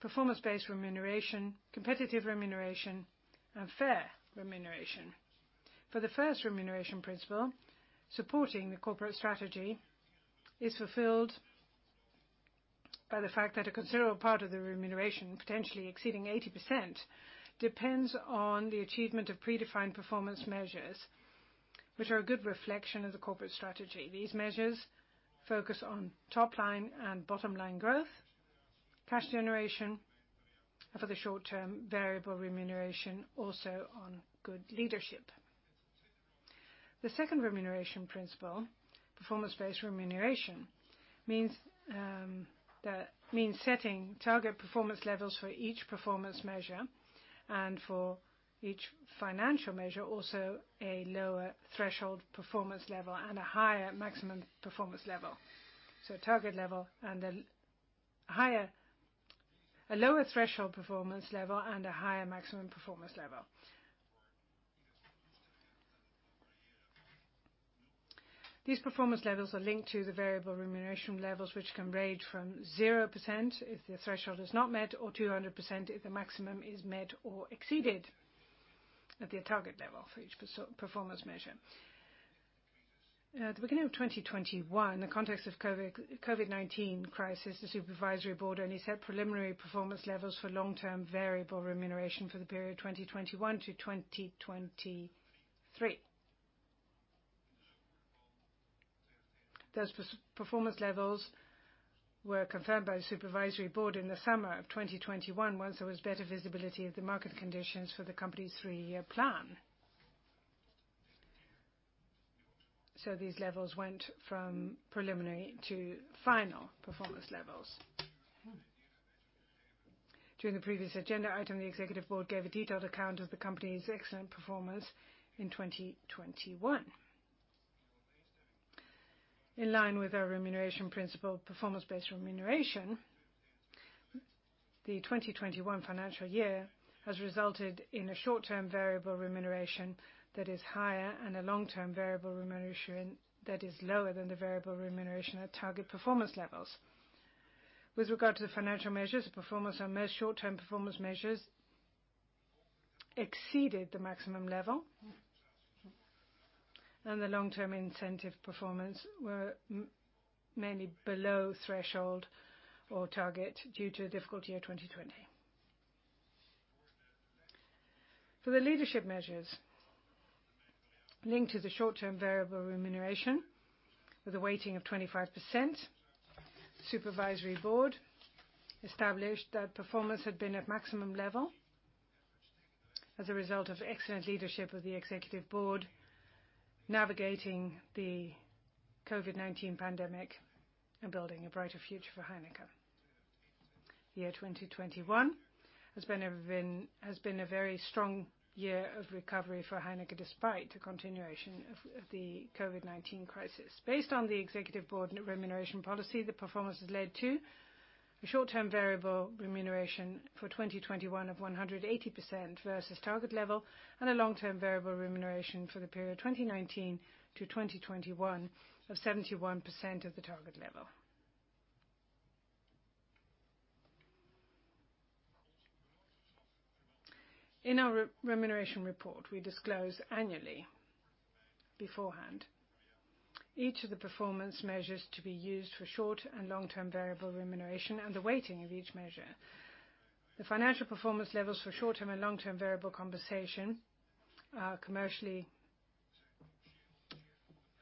performance-based remuneration, competitive remuneration and fair remuneration. For the first remuneration principle, supporting the corporate strategy is fulfilled by the fact that a considerable part of the remuneration, potentially exceeding 80%, depends on the achievement of predefined performance measures, which are a good reflection of the corporate strategy. These measures focus on top line and bottom line growth, cash generation and for the short-term variable remuneration, also on good leadership. The second remuneration principle, performance-based remuneration, means setting target performance levels for each performance measure and for each financial measure, also a lower threshold performance level and a higher maximum performance level. These performance levels are linked to the variable remuneration levels, which can range from 0% if the threshold is not met or 200% if the maximum is met or exceeded at the target level for each performance measure. At the beginning of 2021, in the context of the COVID-19 crisis, the supervisory board only set preliminary performance levels for long-term variable remuneration for the period 2021 to 2023. Those per-performance levels were confirmed by the Supervisory Board in the summer of 2021 once there was better visibility of the market conditions for the company's three-year plan. These levels went from preliminary to final performance levels. During the previous agenda item, the Executive Board gave a detailed account of the company's excellent performance in 2021. In line with our remuneration principle, performance-based remuneration, the 2021 financial year has resulted in a short-term variable remuneration that is higher and a long-term variable remuneration that is lower than the variable remuneration at target performance levels. With regard to the financial measures, performance on most short-term performance measures exceeded the maximum level. The long-term incentive performance were mainly below threshold or target due to the difficult year 2020. For the leadership measures linked to the short-term variable remuneration with a weighting of 25%, Supervisory Board established that performance had been at maximum level as a result of excellent leadership of the Executive Board navigating the COVID-19 pandemic and building a brighter future for Heineken. The year 2021 has been a very strong year of recovery for Heineken, despite the continuation of the COVID-19 crisis. Based on the Executive Board remuneration policy, the performance has led to a short-term variable remuneration for 2021 of 180% versus target level and a long-term variable remuneration for the period 2019 to 2021 of 71% of the target level. In our remuneration report, we disclose annually beforehand each of the performance measures to be used for short and long-term variable remuneration and the weighting of each measure. The financial performance levels for short-term and long-term variable compensation are commercially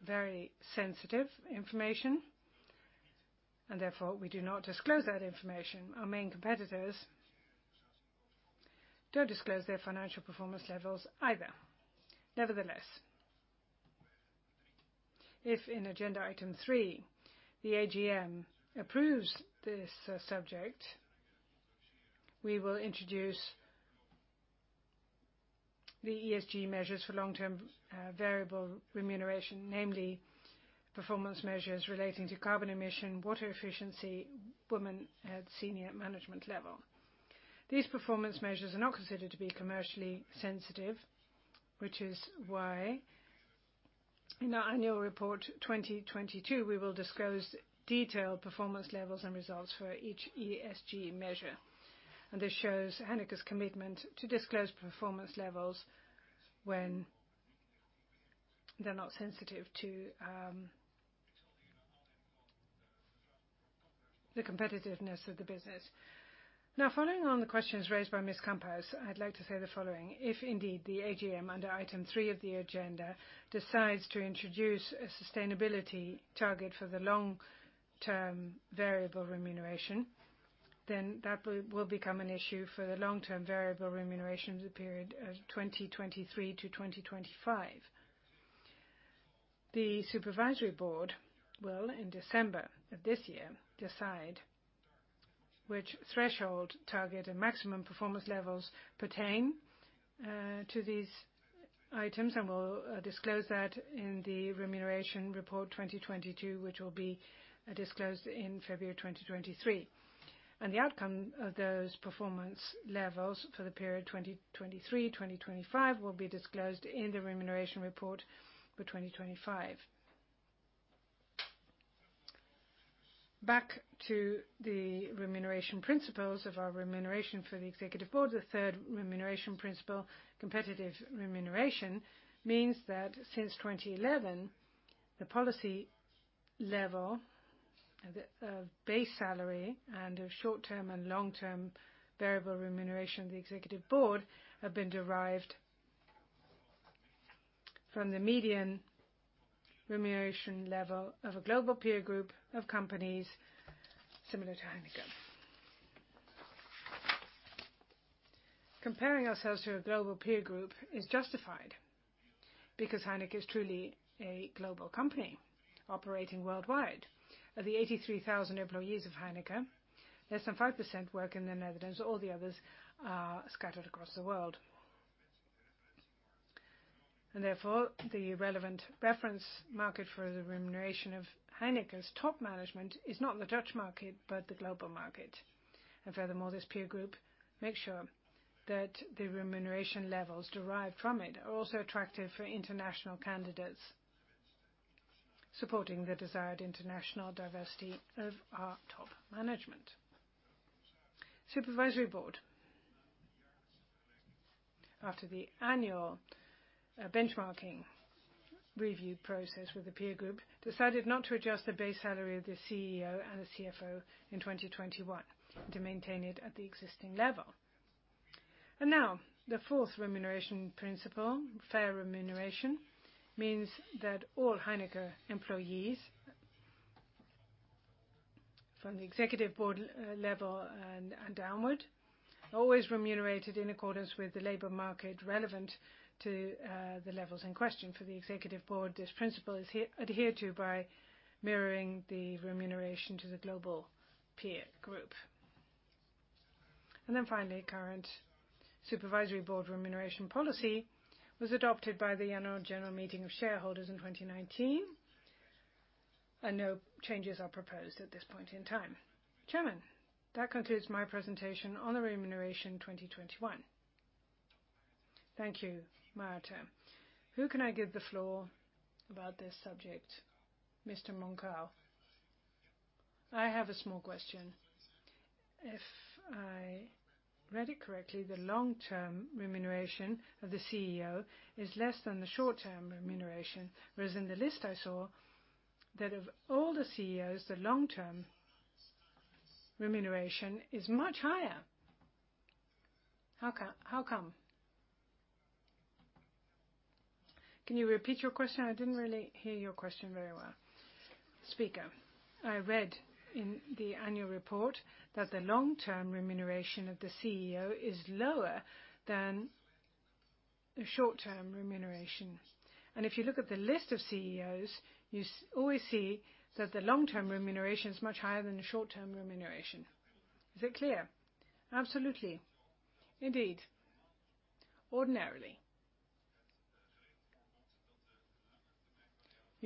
very sensitive information and therefore we do not disclose that information. Our main competitors don't disclose their financial performance levels either. Nevertheless, if in agenda item three, the AGM approves this subject, we will introduce the ESG measures for long-term variable remuneration, namely performance measures relating to carbon emission, water efficiency, women at senior management level. These performance measures are not considered to be commercially sensitive, which is why in our annual report 2022, we will disclose detailed performance levels and results for each ESG measure. This shows Heineken's commitment to disclose performance levels when they're not sensitive to the competitiveness of the business. Now, following on the questions raised by Ms. Kamphuis, I'd like to say the following. If indeed the AGM under item three of the agenda decides to introduce a sustainability target for the long-term variable remuneration, then that will become an issue for the long-term variable remuneration of the period of 2023 to 2025. The Supervisory Board will, in December of this year, decide which threshold target and maximum performance levels pertain to these items and we'll disclose that in the remuneration report 2022, which will be disclosed in February 2023. The outcome of those performance levels for the period 2023-2025 will be disclosed in the remuneration report for 2025. Back to the remuneration principles of our remuneration for the Executive Board. The third remuneration principle, competitive remuneration, means that since 2011, the policy level of base salary and of short-term and long-term variable remuneration of the Executive Board have been derived from the median remuneration level of a global peer group of companies similar to Heineken. Comparing ourselves to a global peer group is justified because Heineken is truly a global company operating worldwide. Of the 83,000 employees of Heineken, less than 5% work in the Netherlands. All the others are scattered across the world. Therefore, the relevant reference market for the remuneration of Heineken's top management is not the Dutch market but the global market. Furthermore, this peer group makes sure that the remuneration levels derived from it are also attractive for international candidates, supporting the desired international diversity of our top management. Supervisory Board, after the annual benchmarking review process with the peer group, decided not to adjust the base salary of the CEO and the CFO in 2021 to maintain it at the existing level. Now the fourth remuneration principle, fair remuneration, means that all Heineken employees from the Executive Board level and downward are always remunerated in accordance with the labor market relevant to the levels in question. For the Executive Board, this principle is adheres to by mirroring the remuneration to the global peer group. Finally, current Supervisory Board remuneration policy was adopted by the annual general meeting of shareholders in 2019 and no changes are proposed at this point in time. Chairman, that concludes my presentation on the remuneration 2021. Thank you, Maarten. Who can I give the floor about this subject? Mr. Moncar. I have a small question. If I read it correctly, the long-term remuneration of the CEO is less than the short-term remuneration. Whereas in the list, I saw that of all the CEOs, the long-term remuneration is much higher. How come? Can you repeat your question? I didn't really hear your question very well. Speaker, I read in the annual report that the long-term remuneration of the CEO is lower than the short-term remuneration. If you look at the list of CEOs, you always see that the long-term remuneration is much higher than the short-term remuneration. Is it clear? Absolutely. Indeed. Ordinarily.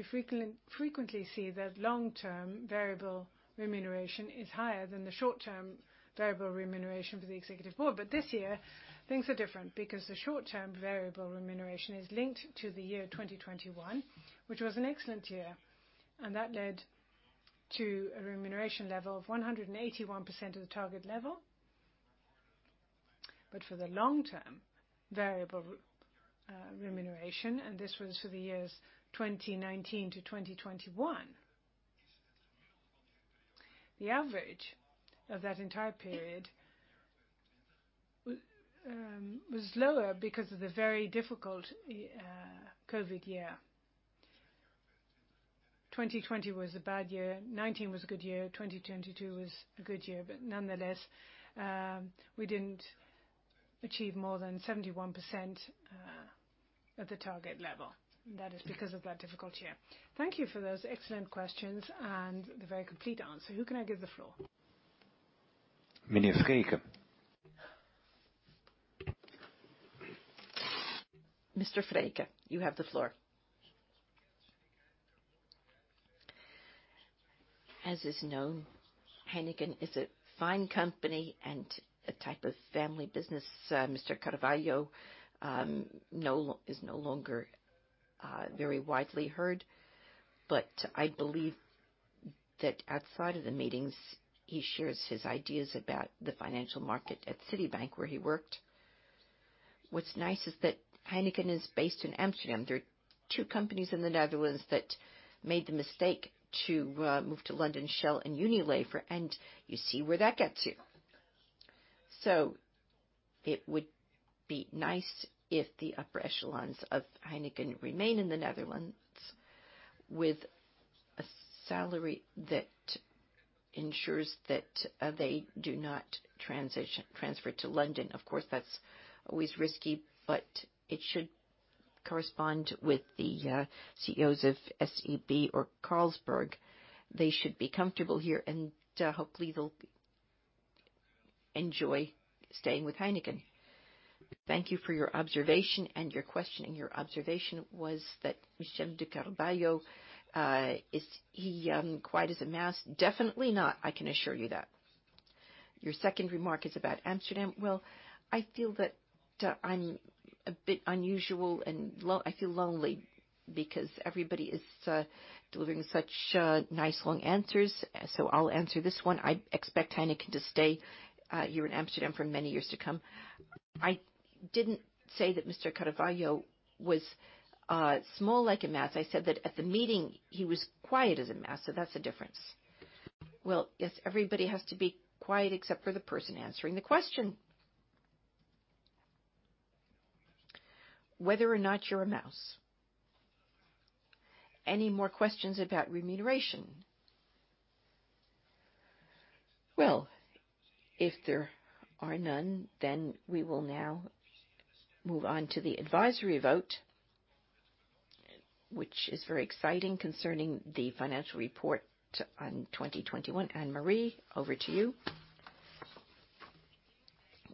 You frequently see that long-term variable remuneration is higher than the short-term variable remuneration for the Executive Board. This year things are different because the short-term variable remuneration is linked to the year 2021, which was an excellent year and that led to a remuneration level of 181% of the target level. For the long-term variable remuneration and this was for the years 2019 to 2021. The average of that entire period was lower because of the very difficult COVID year. 2020 was a bad year. 2019 was a good year. 2022 was a good year. Nonetheless, we didn't achieve more than 71% of the target level. That is because of that difficult year. Thank you for those excellent questions and the very complete answer. Who can I give the floor? Mr. Vreeken. Mr. Vreeken, you have the floor. As is known, Heineken is a fine company and a type of family business. Mr. Carvalho is no longer very widely heard but I believe that outside of the meetings, he shares his ideas about the financial market at Citibank, where he worked. What's nice is that Heineken is based in Amsterdam. There are two companies in the Netherlands that made the mistake to move to London, Shell and Unilever and you see where that gets you. It would be nice if the upper echelons of Heineken remain in the Netherlands with a salary that ensures that they do not transfer to London. Of course, that's always risky but it should correspond with the CEOs of SABMiller or Carlsberg. They should be comfortable here and hopefully they'll enjoy staying with Heineken. Thank you for your observation and your question. Your observation was that Michel de Carvalho is he quiet as a mouse? Definitely not, I can assure you that. Your second remark is about Amsterdam. Well, I feel that I'm a bit unusual and I feel lonely because everybody is delivering such nice long answers. So I'll answer this one. I expect Heineken to stay here in Amsterdam for many years to come. I didn't say that Mr. Carvalho was small like a mouse. I said that at the meeting he was quiet as a mouse. So that's the difference. Well, yes, everybody has to be quiet except for the person answering the question. Whether or not you're a mouse. Any more questions about remuneration? Well, if there are none, then we will now move on to the advisory vote, which is very exciting concerning the financial report on 2021. Anne-Marie, over to you.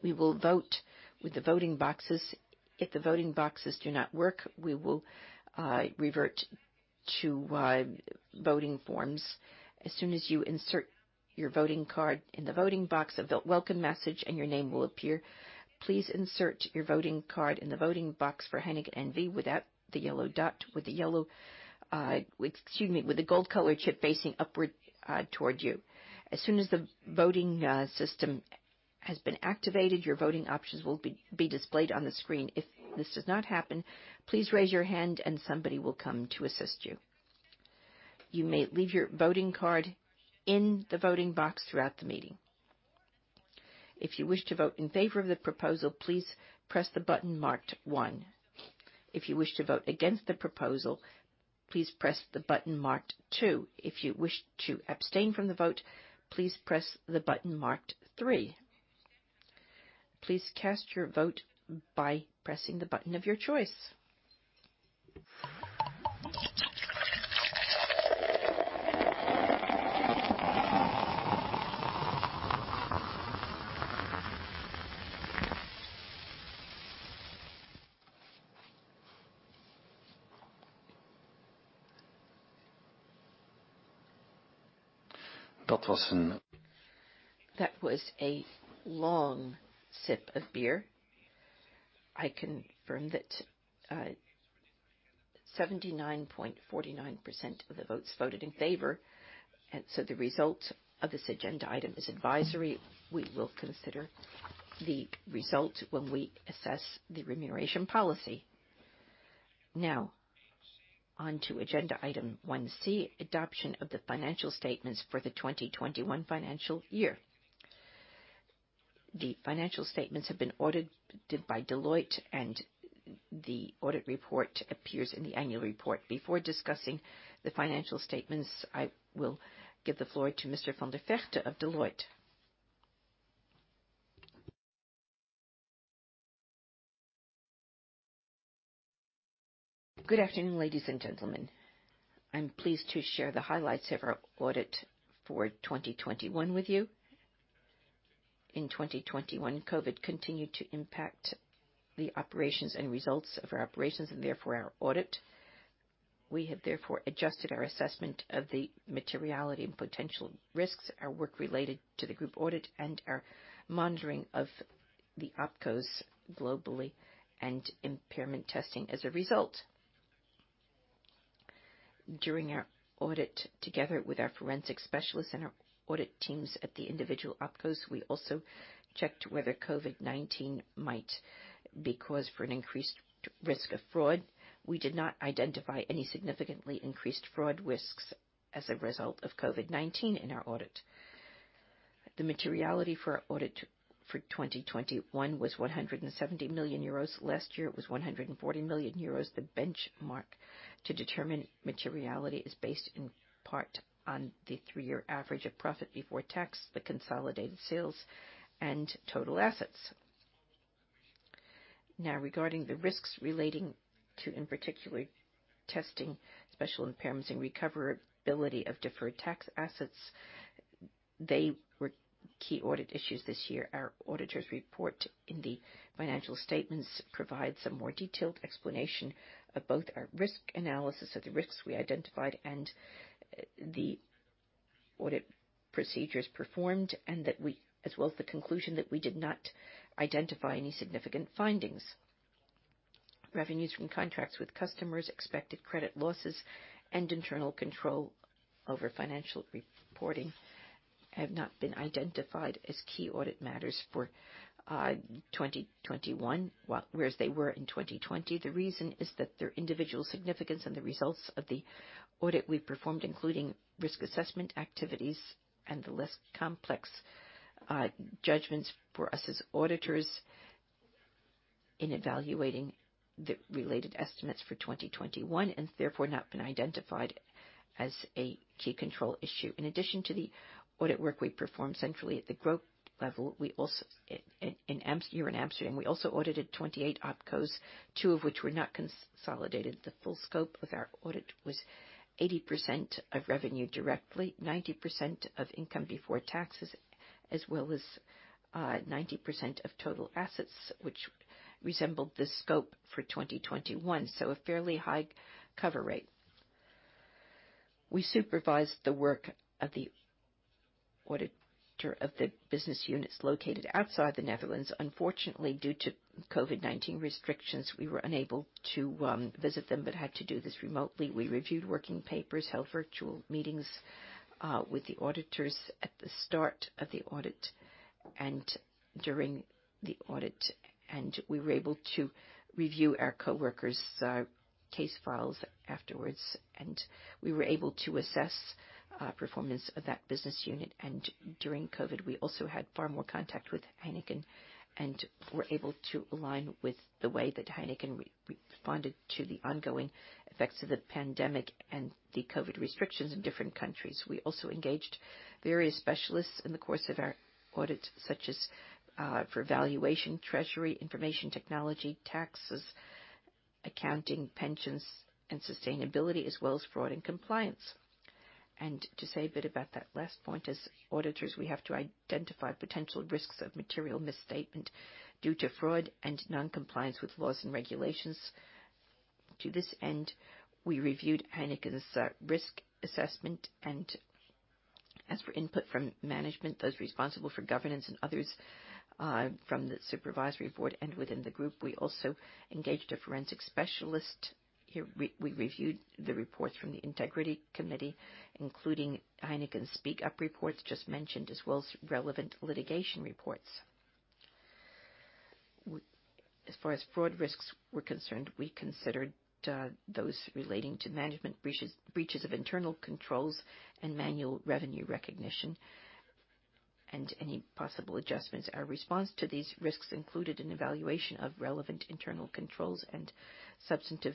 We will vote with the voting boxes. If the voting boxes do not work, we will revert to voting forms. As soon as you insert your voting card in the voting box, a welcome message and your name will appear. Please insert your voting card in the voting box for Heineken N.V. without the yellow dot, with the gold color chip facing upward toward you. As soon as the voting system has been activated, your voting options will be displayed on the screen. If this does not happen, please raise your hand and somebody will come to assist you. You may leave your voting card in the voting box throughout the meeting. If you wish to vote in favor of the proposal, please press the button marked one. If you wish to vote against the proposal, please press the button marked two. If you wish to abstain from the vote, please press the button marked three. Please cast your vote by pressing the button of your choice. That was a long sip of beer. I confirm that 79.49% of the votes voted in favor, so the result of this agenda item is advisory. We will consider the result when we assess the remuneration policy. Now on to agenda item 1C, adoption of the financial statements for the 2021 financial year. The financial statements have been audited by Deloitte and the audit report appears in the annual report. Before discussing the financial statements, I will give the floor to Mr. van der Vegte of Deloitte. Good afternoon, ladies and gentlemen. I'm pleased to share the highlights of our audit for 2021 with you. In 2021, COVID continued to impact the operations and results of our operations and therefore our audit. We have therefore adjusted our assessment of the materiality and potential risks, our work related to the group audit and our monitoring of the OpCos globally and impairment testing as a result. During our audit, together with our forensic specialists and our audit teams at the individual OpCos, we also checked whether COVID-19 might be cause for an increased risk of fraud. We did not identify any significantly increased fraud risks as a result of COVID-19 in our audit. The materiality for our audit for 2021 was 170 million euros. Last year it was 140 million euros. The benchmark to determine materiality is based in part on the three-year average of profit before tax, the consolidated sales and total assets. Now, regarding the risks relating to in particular testing special impairments and recoverability of deferred tax assets, they were key audit issues this year. Our auditor's report in the financial statements provides a more detailed explanation of both our risk analysis of the risks we identified and the audit procedures performed and that we, as well as the conclusion that we did not identify any significant findings. Revenues from contracts with customers, expected credit losses and internal control over financial reporting have not been identified as key audit matters for 2021, whereas they were in 2020. The reason is that their individual significance and the results of the audit we performed, including risk assessment activities and the less complex judgments for us as auditors in evaluating the related estimates for 2021 and therefore not been identified as a key control issue. In addition to the audit work we performed centrally at the group level, we also here in Amsterdam audited 28 OpCos, two of which were not consolidated. The full scope of our audit was 80% of revenue directly, 90% of income before taxes, as well as 90% of total assets, which resembled the scope for 2021. A fairly high cover rate. We supervised the work of the auditor of the business units located outside the Netherlands. Unfortunately, due to COVID-19 restrictions, we were unable to visit them but had to do this remotely. We reviewed working papers, held virtual meetings with the auditors at the start of the audit and during the audit and we were able to review our coworkers case files afterwards and we were able to assess performance of that business unit. During COVID, we also had far more contact with Heineken and were able to align with the way that Heineken re-responded to the ongoing effects of the pandemic and the COVID restrictions in different countries. We also engaged various specialists in the course of our audit, such as, for valuation, treasury, information technology, taxes, accounting, pensions and sustainability, as well as fraud and compliance. To say a bit about that last point, as auditors, we have to identify potential risks of material misstatement due to fraud and non-compliance with laws and regulations. To this end, we reviewed Heineken's risk assessment and asked for input from management, those responsible for governance and others, from the Supervisory Board and within the group. We also engaged a forensic specialist. We reviewed the reports from the Integrity Committee, including Heineken's Speak Up reports just mentioned, as well as relevant litigation reports. As far as fraud risks were concerned, we considered those relating to management breaches of internal controls and manual revenue recognition and any possible adjustments. Our response to these risks included an evaluation of relevant internal controls and substantive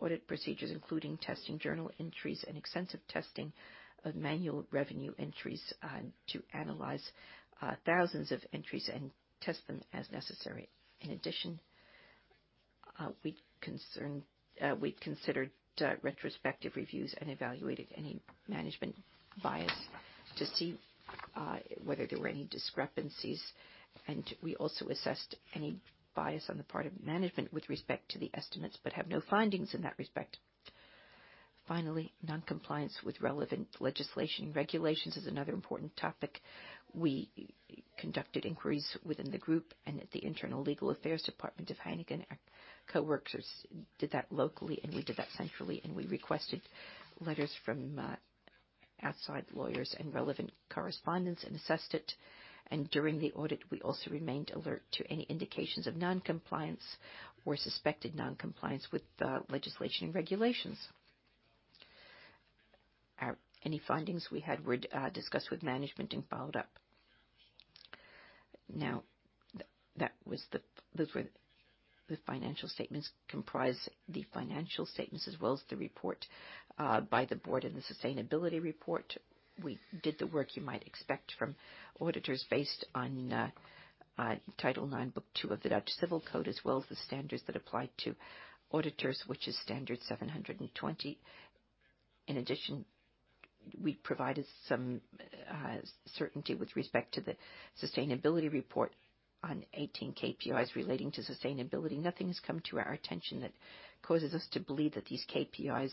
audit procedures, including testing journal entries and extensive testing of manual revenue entries to analyze thousands of entries and test them as necessary. In addition, we considered retrospective reviews and evaluated any management bias to see whether there were any discrepancies. We also assessed any bias on the part of management with respect to the estimates but have no findings in that respect. Finally, non-compliance with relevant legislation regulations is another important topic. We conducted inquiries within the group and at the internal legal affairs department of Heineken. Our coworkers did that locally and we did that centrally and we requested letters from outside lawyers and relevant correspondence and assessed it. During the audit, we also remained alert to any indications of non-compliance or suspected non-compliance with legislation and regulations. Any findings we had were discussed with management and followed up. Now, that was the, those were the financial statements comprise the financial statements as well as the report by the board in the sustainability report. We did the work you might expect from auditors based on title 9, book 2 of the Dutch Civil Code, as well as the standards that apply to auditors, which is standard 720. In addition, we provided some certainty with respect to the sustainability report on 18 KPIs relating to sustainability. Nothing has come to our attention that causes us to believe that these KPIs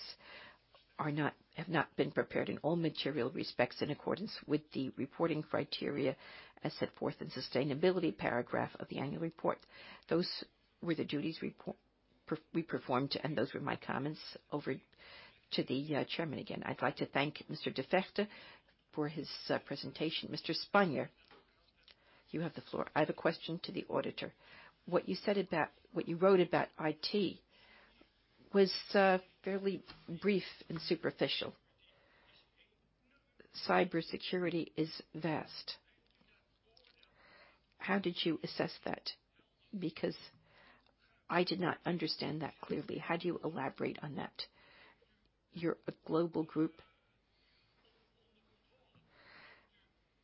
have not been prepared in all material respects in accordance with the reporting criteria as set forth in sustainability paragraph of the annual report. Those were the duties, the report procedures we performed and those were my comments. Over to the chairman again. I'd like to thank Mr. van der Vegte for his presentation. Mr. Spanjer, you have the floor. I have a question to the auditor. What you wrote about IT was fairly brief and superficial. Cybersecurity is vast. How did you assess that? Because I did not understand that clearly. How do you elaborate on that? You're a global group.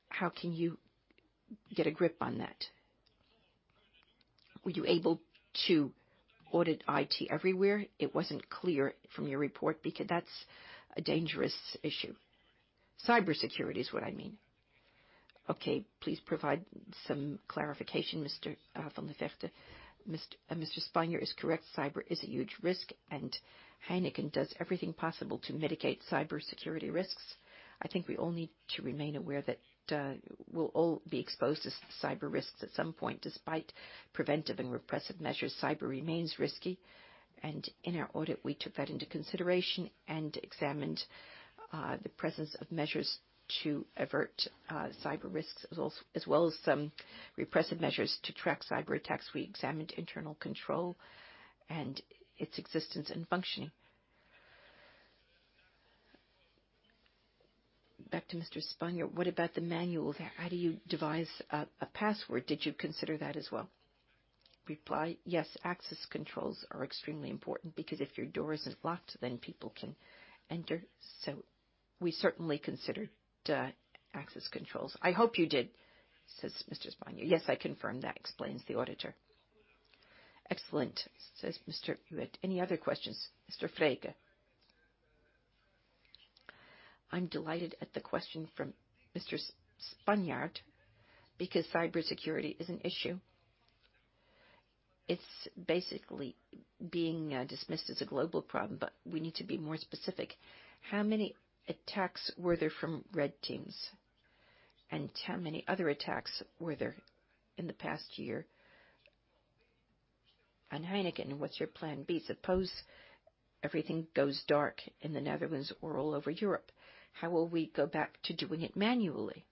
How can you get a grip on that? Were you able to audit IT everywhere? It wasn't clear from your report, because that's a dangerous issue. Cybersecurity is what I mean. Okay, please provide some clarification, Mr. van der Vegte. Mr. Spanjer is correct. Cyber is a huge risk and Heineken does everything possible to mitigate cybersecurity risks. I think we all need to remain aware that we'll all be exposed to cyber risks at some point. Despite preventive and repressive measures, cyber remains risky. In our audit, we took that into consideration and examined the presence of measures to avert cyber risks, as well as some repressive measures to track cyberattacks. We examined internal control and its existence and functioning. Back to Mr. Spanjer. What about the manual there? How do you devise a password? Did you consider that as well? Reply. Yes. Access controls are extremely important, because if your door isn't locked, then people can enter. So we certainly considered access controls. I hope you did, says Mr. Spanjer. Yes, I confirm that. Explains the auditor. Excellent, says Mr. Huët. Any other questions? Mr. Vreeken? I'm delighted at the question from Mr. Spanjer because cybersecurity is an issue. It's basically being dismissed as a global problem but we need to be more specific. How many attacks were there from red teams and how many other attacks were there in the past year? And Heineken, what's your plan B? Suppose everything goes dark in the Netherlands or all over Europe, how will we go back to doing it manually?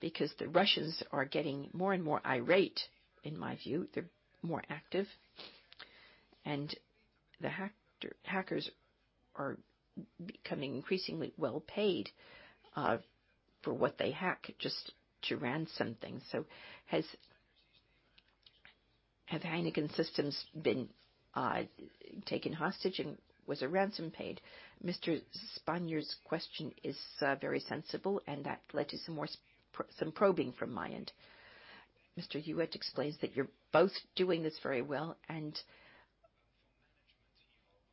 Because the Russians are getting more and more irate, in my view. They're more active and the hackers are becoming increasingly well-paid for what they hack just to ransom things. Have Heineken systems been taken hostage and was a ransom paid? Mr. Spanjer's question is very sensible and that led to some more probing from my end. Mr. Huët explains that you're both doing this very well and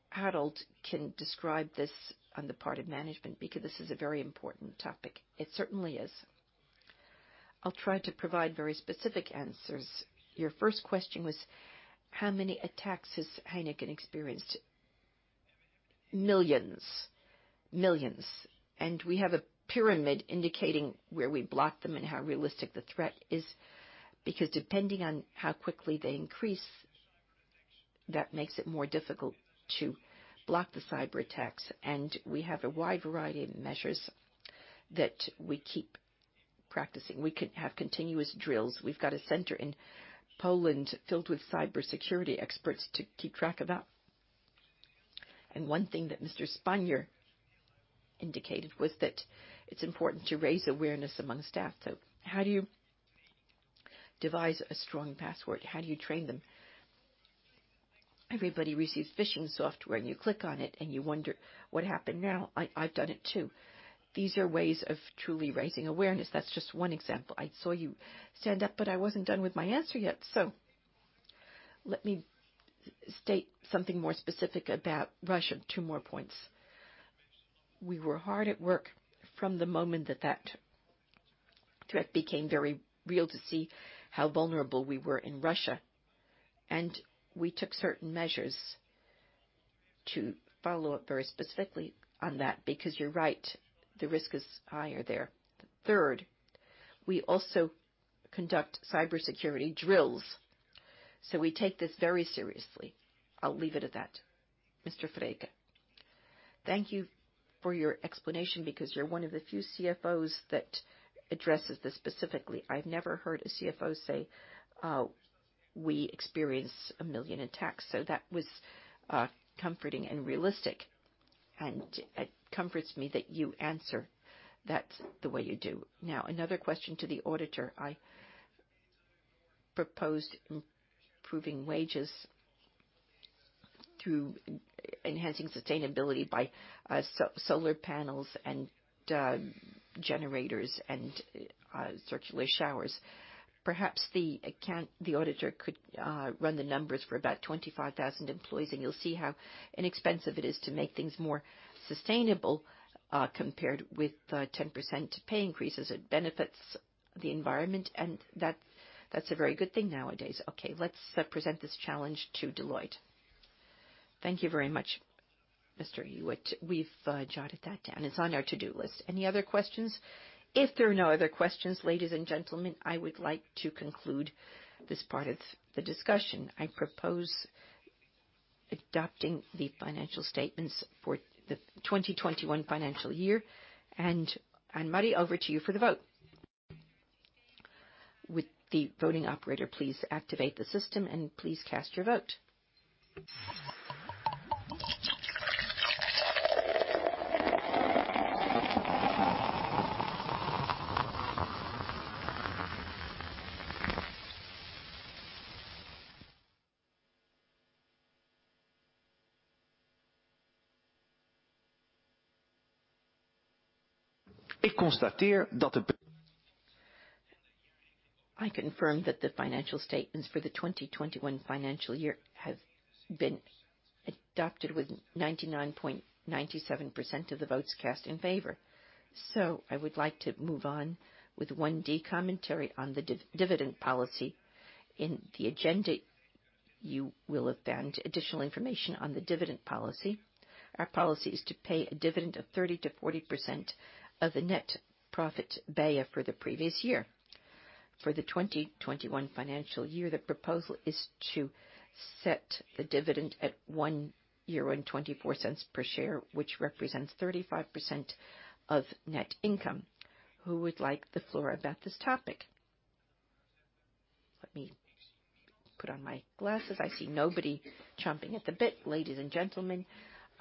Harold can describe this on the part of management because this is a very important topic. It certainly is. I'll try to provide very specific answers. Your first question was, how many attacks has Heineken experienced? Millions. We have a pyramid indicating where we block them and how realistic the threat is. Because depending on how quickly they increase, that makes it more difficult to block the cyberattacks. We have a wide variety of measures that we keep practicing. We have continuous drills. We've got a center in Poland filled with cybersecurity experts to keep track of that. One thing that Mr. Spanjer indicated was that it's important to raise awareness among staff. How do you devise a strong password? How do you train them? Everybody receives phishing software and you click on it and you wonder what happened now. I've done it, too. These are ways of truly raising awareness. That's just one example. I saw you stand up but I wasn't done with my answer yet. Let me state something more specific about Russia. Two more points. We were hard at work from the moment that that threat became very real to see how vulnerable we were in Russia and we took certain measures to follow up very specifically on that because you're right, the risk is higher there. Third, we also conduct cybersecurity drills, so we take this very seriously. I'll leave it at that. Mr. Vreeken. Thank you for your explanation because you're one of the few CFOs that addresses this specifically. I've never heard a CFO say we experience a million attacks, so that was comforting and realistic and it comforts me that you answer that the way you do. Now, another question to the auditor. I propose improving wages through enhancing sustainability by solar panels and generators and circular showers. Perhaps the auditor could run the numbers for about 25,000 employees and you'll see how inexpensive it is to make things more sustainable compared with 10% pay increases. It benefits the environment and that's a very good thing nowadays. Okay. Let's present this challenge to Deloitte. Thank you very much, Mr. Huët. We've jotted that down. It's on our to-do list. Any other questions? If there are no other questions, ladies and gentlemen, I would like to conclude this part of the discussion. I propose adopting the financial statements for the 2021 financial year. Anne-Marie, over to you for the vote. Would the voting operator please activate the system and please cast your vote. I confirm that the financial statements for the 2021 financial year have been adopted with 99.97% of the votes cast in favor. I would like to move on with 1D, commentary on the dividend policy. In the agenda, you will have found additional information on the dividend policy. Our policy is to pay a dividend of 30%-40% of the net profit beia for the previous year. For the 2021 financial year, the proposal is to set the dividend at 1.24 euro per share, which represents 35% of net income. Who would like the floor about this topic? Let me put on my glasses. I see nobody chomping at the bit. Ladies and gentlemen,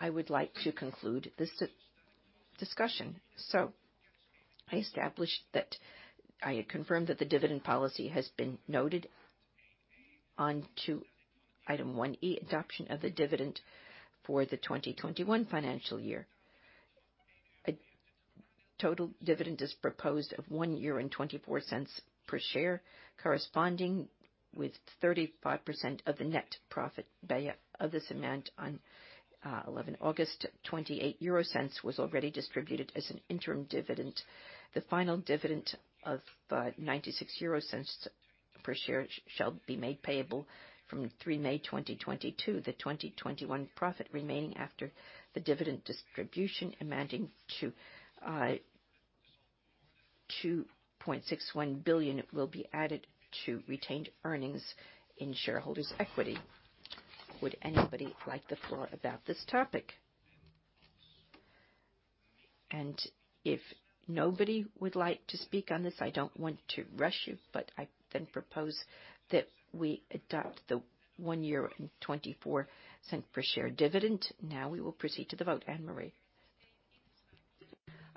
I would like to conclude this discussion. I confirm that the dividend policy has been noted. On to item 1E, adoption of the dividend for the 2021 financial year. A total dividend is proposed of 1.24 per share, corresponding with 35% of the net profit beia. Of this amount, on 11 August, 28 euro cents was already distributed as an interim dividend. The final dividend of 0.96 per share shall be made payable from 3 May 2022. The 2022 profit remaining after the dividend distribution amounting to 2.61 billion will be added to retained earnings in shareholders' equity. Would anybody like the floor about this topic? If nobody would like to speak on this, I don't want to rush you but I then propose that we adopt the €1.24 per share dividend. Now we will proceed to the vote. Anne-Marie.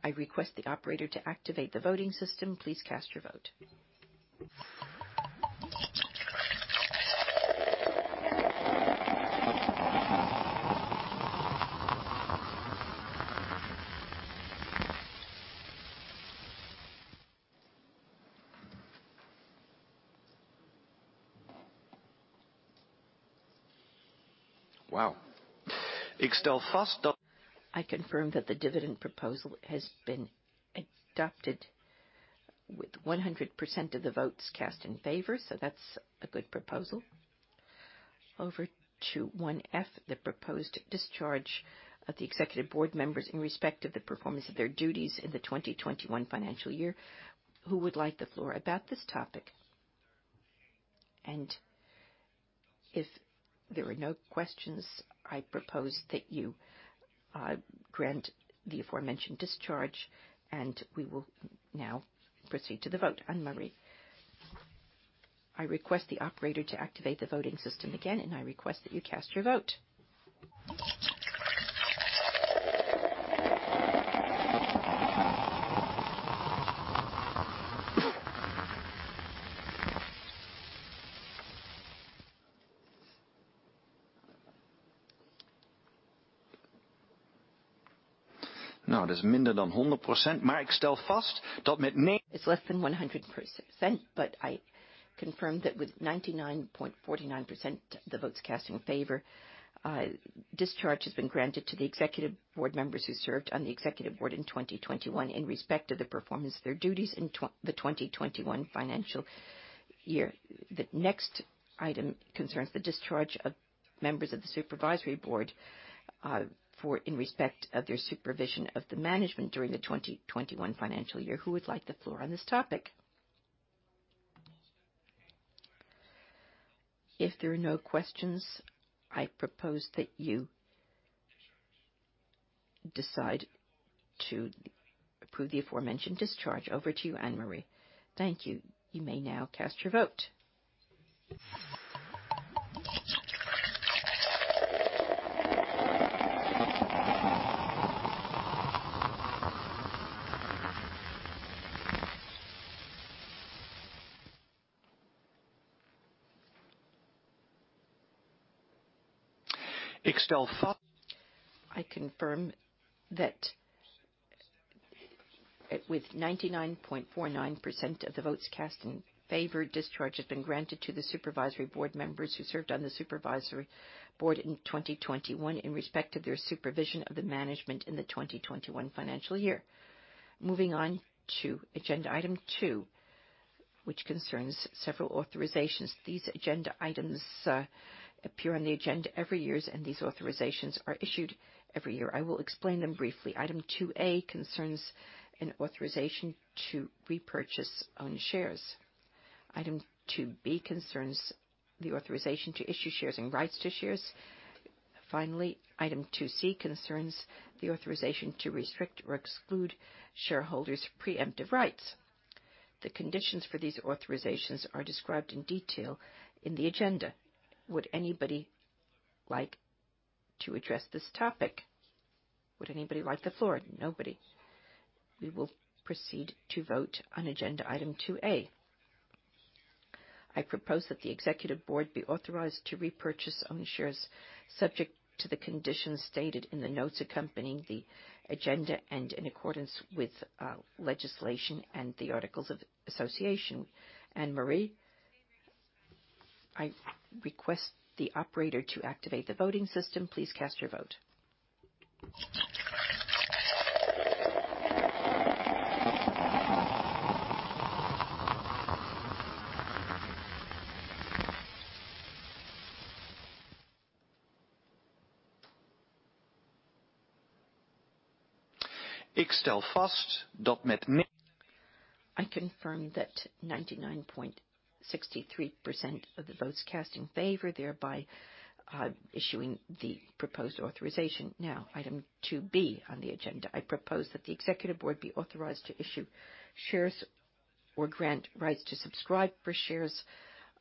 I request the operator to activate the voting system. Please cast your vote. I confirm that the dividend proposal has been adopted with 100% of the votes cast in favor, so that's a good proposal. Over to 1F, the proposed discharge of the Executive Board members in respect of the performance of their duties in the 2021 financial year. Who would like the floor about this topic? If there are no questions, I propose that you grant the aforementioned discharge and we will now proceed to the vote. Anne-Marie. I request the operator to activate the voting system again and I request that you cast your vote. It's less than 100% but I confirm that with 99.49% of the votes cast in favor, discharge has been granted to the Executive Board members who served on the Executive Board in 2021 in respect of the performance of their duties in the 2021 financial year. The next item concerns the discharge of members of the Supervisory Board in respect of their supervision of the management during the 2021 financial year. Who would like the floor on this topic? If there are no questions, I propose that you decide to approve the aforementioned discharge. Over to you, Anne-Marie. Thank you. You may now cast your vote. I confirm that with 99.49% of the votes cast in favor, discharge has been granted to the Supervisory Board members who served on the Supervisory Board in 2021 in respect of their supervision of the management in the 2021 financial year. Moving on to agenda item two, which concerns several authorizations. These agenda items appear on the agenda every year and these authorizations are issued every year. I will explain them briefly. Item 2A concerns an authorization to repurchase own shares. Item 2B concerns the authorization to issue shares and rights to shares. Finally, item 2C concerns the authorization to restrict or exclude shareholders preemptive rights. The conditions for these authorizations are described in detail in the agenda. Would anybody like to address this topic? Would anybody like the floor? Nobody. We will proceed to vote on agenda item 2A. I propose that the Executive Board be authorized to repurchase own shares subject to the conditions stated in the notes accompanying the agenda and in accordance with legislation and the articles of association. Anne-Marie. I request the operator to activate the voting system. Please cast your vote. I confirm that 99.63% of the votes cast in favor, thereby issuing the proposed authorization. Now, item 2B on the agenda. I propose that the Executive Board be authorized to issue shares or grant rights to subscribe for shares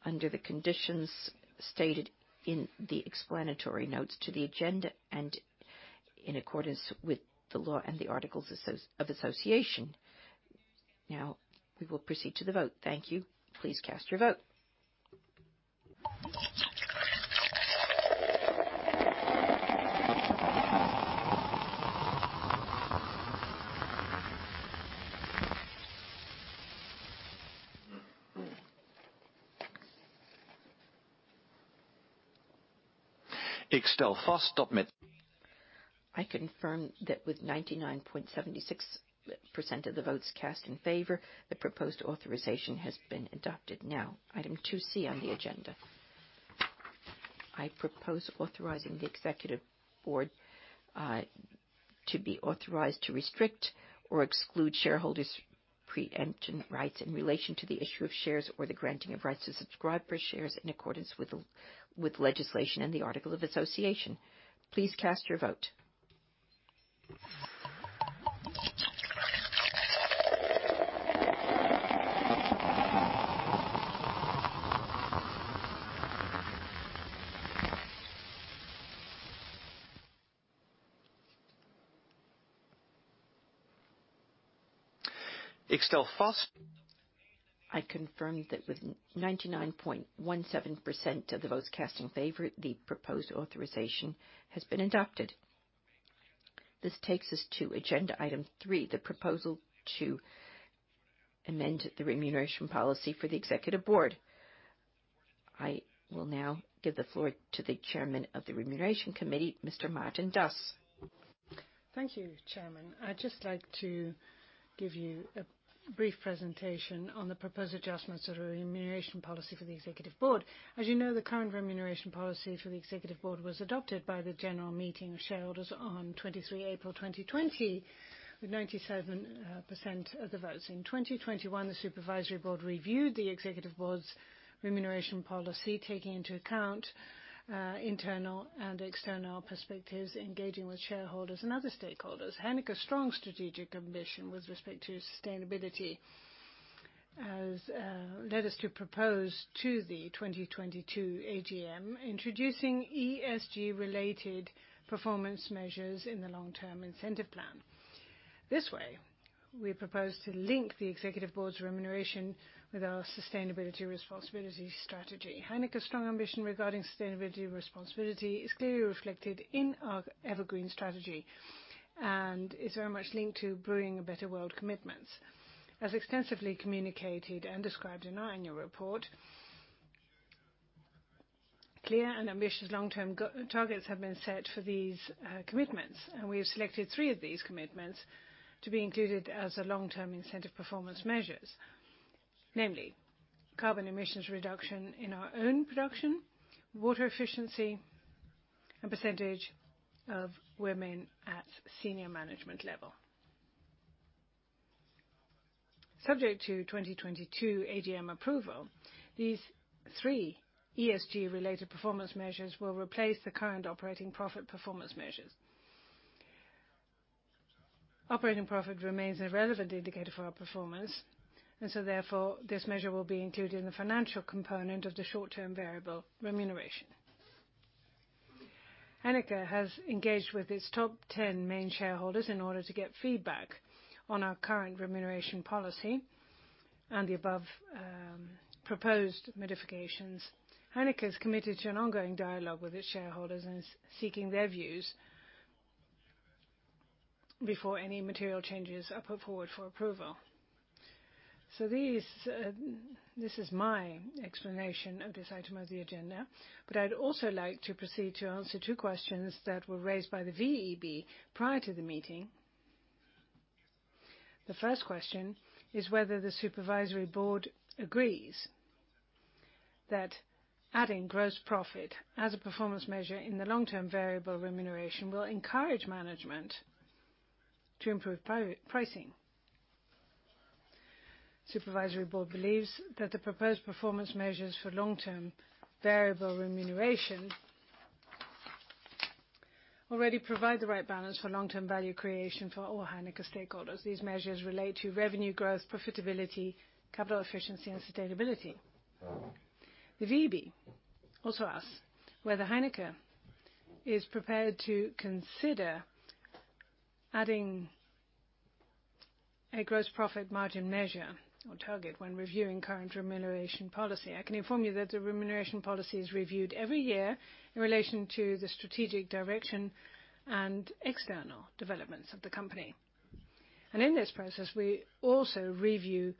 under the conditions stated in the explanatory notes to the agenda and in accordance with the law and the articles of association. Now we will proceed to the vote. Thank you. Please cast your vote. I confirm that with 99.76% of the votes cast in favor, the proposed authorization has been adopted. Now, item 2C on the agenda. I propose authorizing the Executive Board to be authorized to restrict or exclude shareholders' pre-emption rights in relation to the issue of shares or the granting of rights to subscribe for shares in accordance with legislation and the article of association. Please cast your vote. I confirm that with 99.17% of the votes cast in favor, the proposed authorization has been adopted. This takes us to agenda item three, the proposal to amend the remuneration policy for the Executive Board. I will now give the floor to the Chairman of the Remuneration Committee, Mr. Maarten Das. Thank you, Chairman. I'd just like to give you a brief presentation on the proposed adjustments of the remuneration policy for the Executive Board. As you know, the current remuneration policy for the Executive Board was adopted by the annual general meeting of shareholders on 23 April 2020, with 97% of the votes. In 2021, the Supervisory Board reviewed the Executive Board's remuneration policy, taking into account internal and external perspectives, engaging with shareholders and other stakeholders. Heineken's strong strategic ambition with respect to sustainability has led us to propose to the 2022 AGM introducing ESG-related performance measures in the long-term incentive plan. This way, we propose to link the Executive Board's remuneration with our sustainability responsibility strategy. Heineken's strong ambition regarding sustainability responsibility is clearly reflected in our EverGreen strategy and is very much linked to Brew a Better World commitments. As extensively communicated and described in our annual report, clear and ambitious long-term targets have been set for these, commitments and we have selected three of these commitments to be included as a long-term incentive performance measures. Namely, carbon emissions reduction in our own production, water efficiency and percentage of women at senior management level. Subject to 2022 AGM approval, these three ESG-related performance measures will replace the current operating profit performance measures. Operating profit remains a relevant indicator for our performance and so therefore this measure will be included in the financial component of the short-term variable remuneration. Heineken has engaged with its top ten main shareholders in order to get feedback on our current remuneration policy and the above, proposed modifications. Heineken is committed to an ongoing dialogue with its shareholders and is seeking their views before any material changes are put forward for approval. These, this is my explanation of this item of the agenda but I'd also like to proceed to answer two questions that were raised by the VEB prior to the meeting. The first question is whether the Supervisory Board agrees that adding gross profit as a performance measure in the long-term variable remuneration will encourage management to improve pricing. Supervisory Board believes that the proposed performance measures for long-term variable remuneration already provide the right balance for long-term value creation for all Heineken stakeholders. These measures relate to revenue growth, profitability, capital efficiency and sustainability. The VEB also asks whether Heineken is prepared to consider adding a gross profit margin measure or target when reviewing current remuneration policy. I can inform you that the remuneration policy is reviewed every year in relation to the strategic direction and external developments of the company. In this process, we also review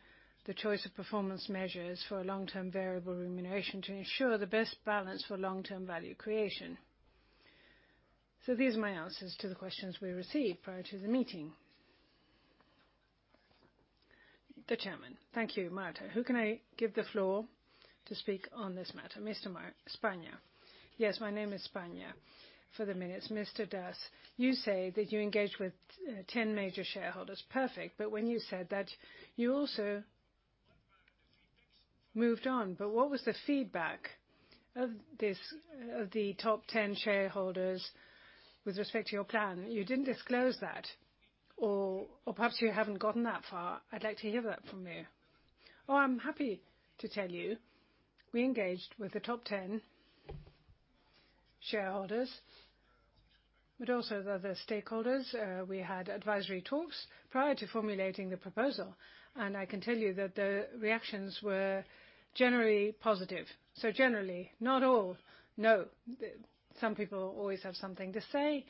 the choice of performance measures for long-term variable remuneration to ensure the best balance for long-term value creation. These are my answers to the questions we received prior to the meeting. Thank you, Maarten. Who can I give the floor to speak on this matter? Mr. Spanjer. Yes, my name is Spanjer for the minutes. Mr. Das, you say that you engaged with 10 major shareholders. Perfect. But when you said that you also moved on but what was the feedback of the top 10 shareholders with respect to your plan? You didn't disclose that or perhaps you haven't gotten that far. I'd like to hear that from you. Oh, I'm happy to tell you, we engaged with the top 10 shareholders but also the other stakeholders. We had advisory talks prior to formulating the proposal and I can tell you that the reactions were generally positive. Generally, not all. No. Some people always have something to say.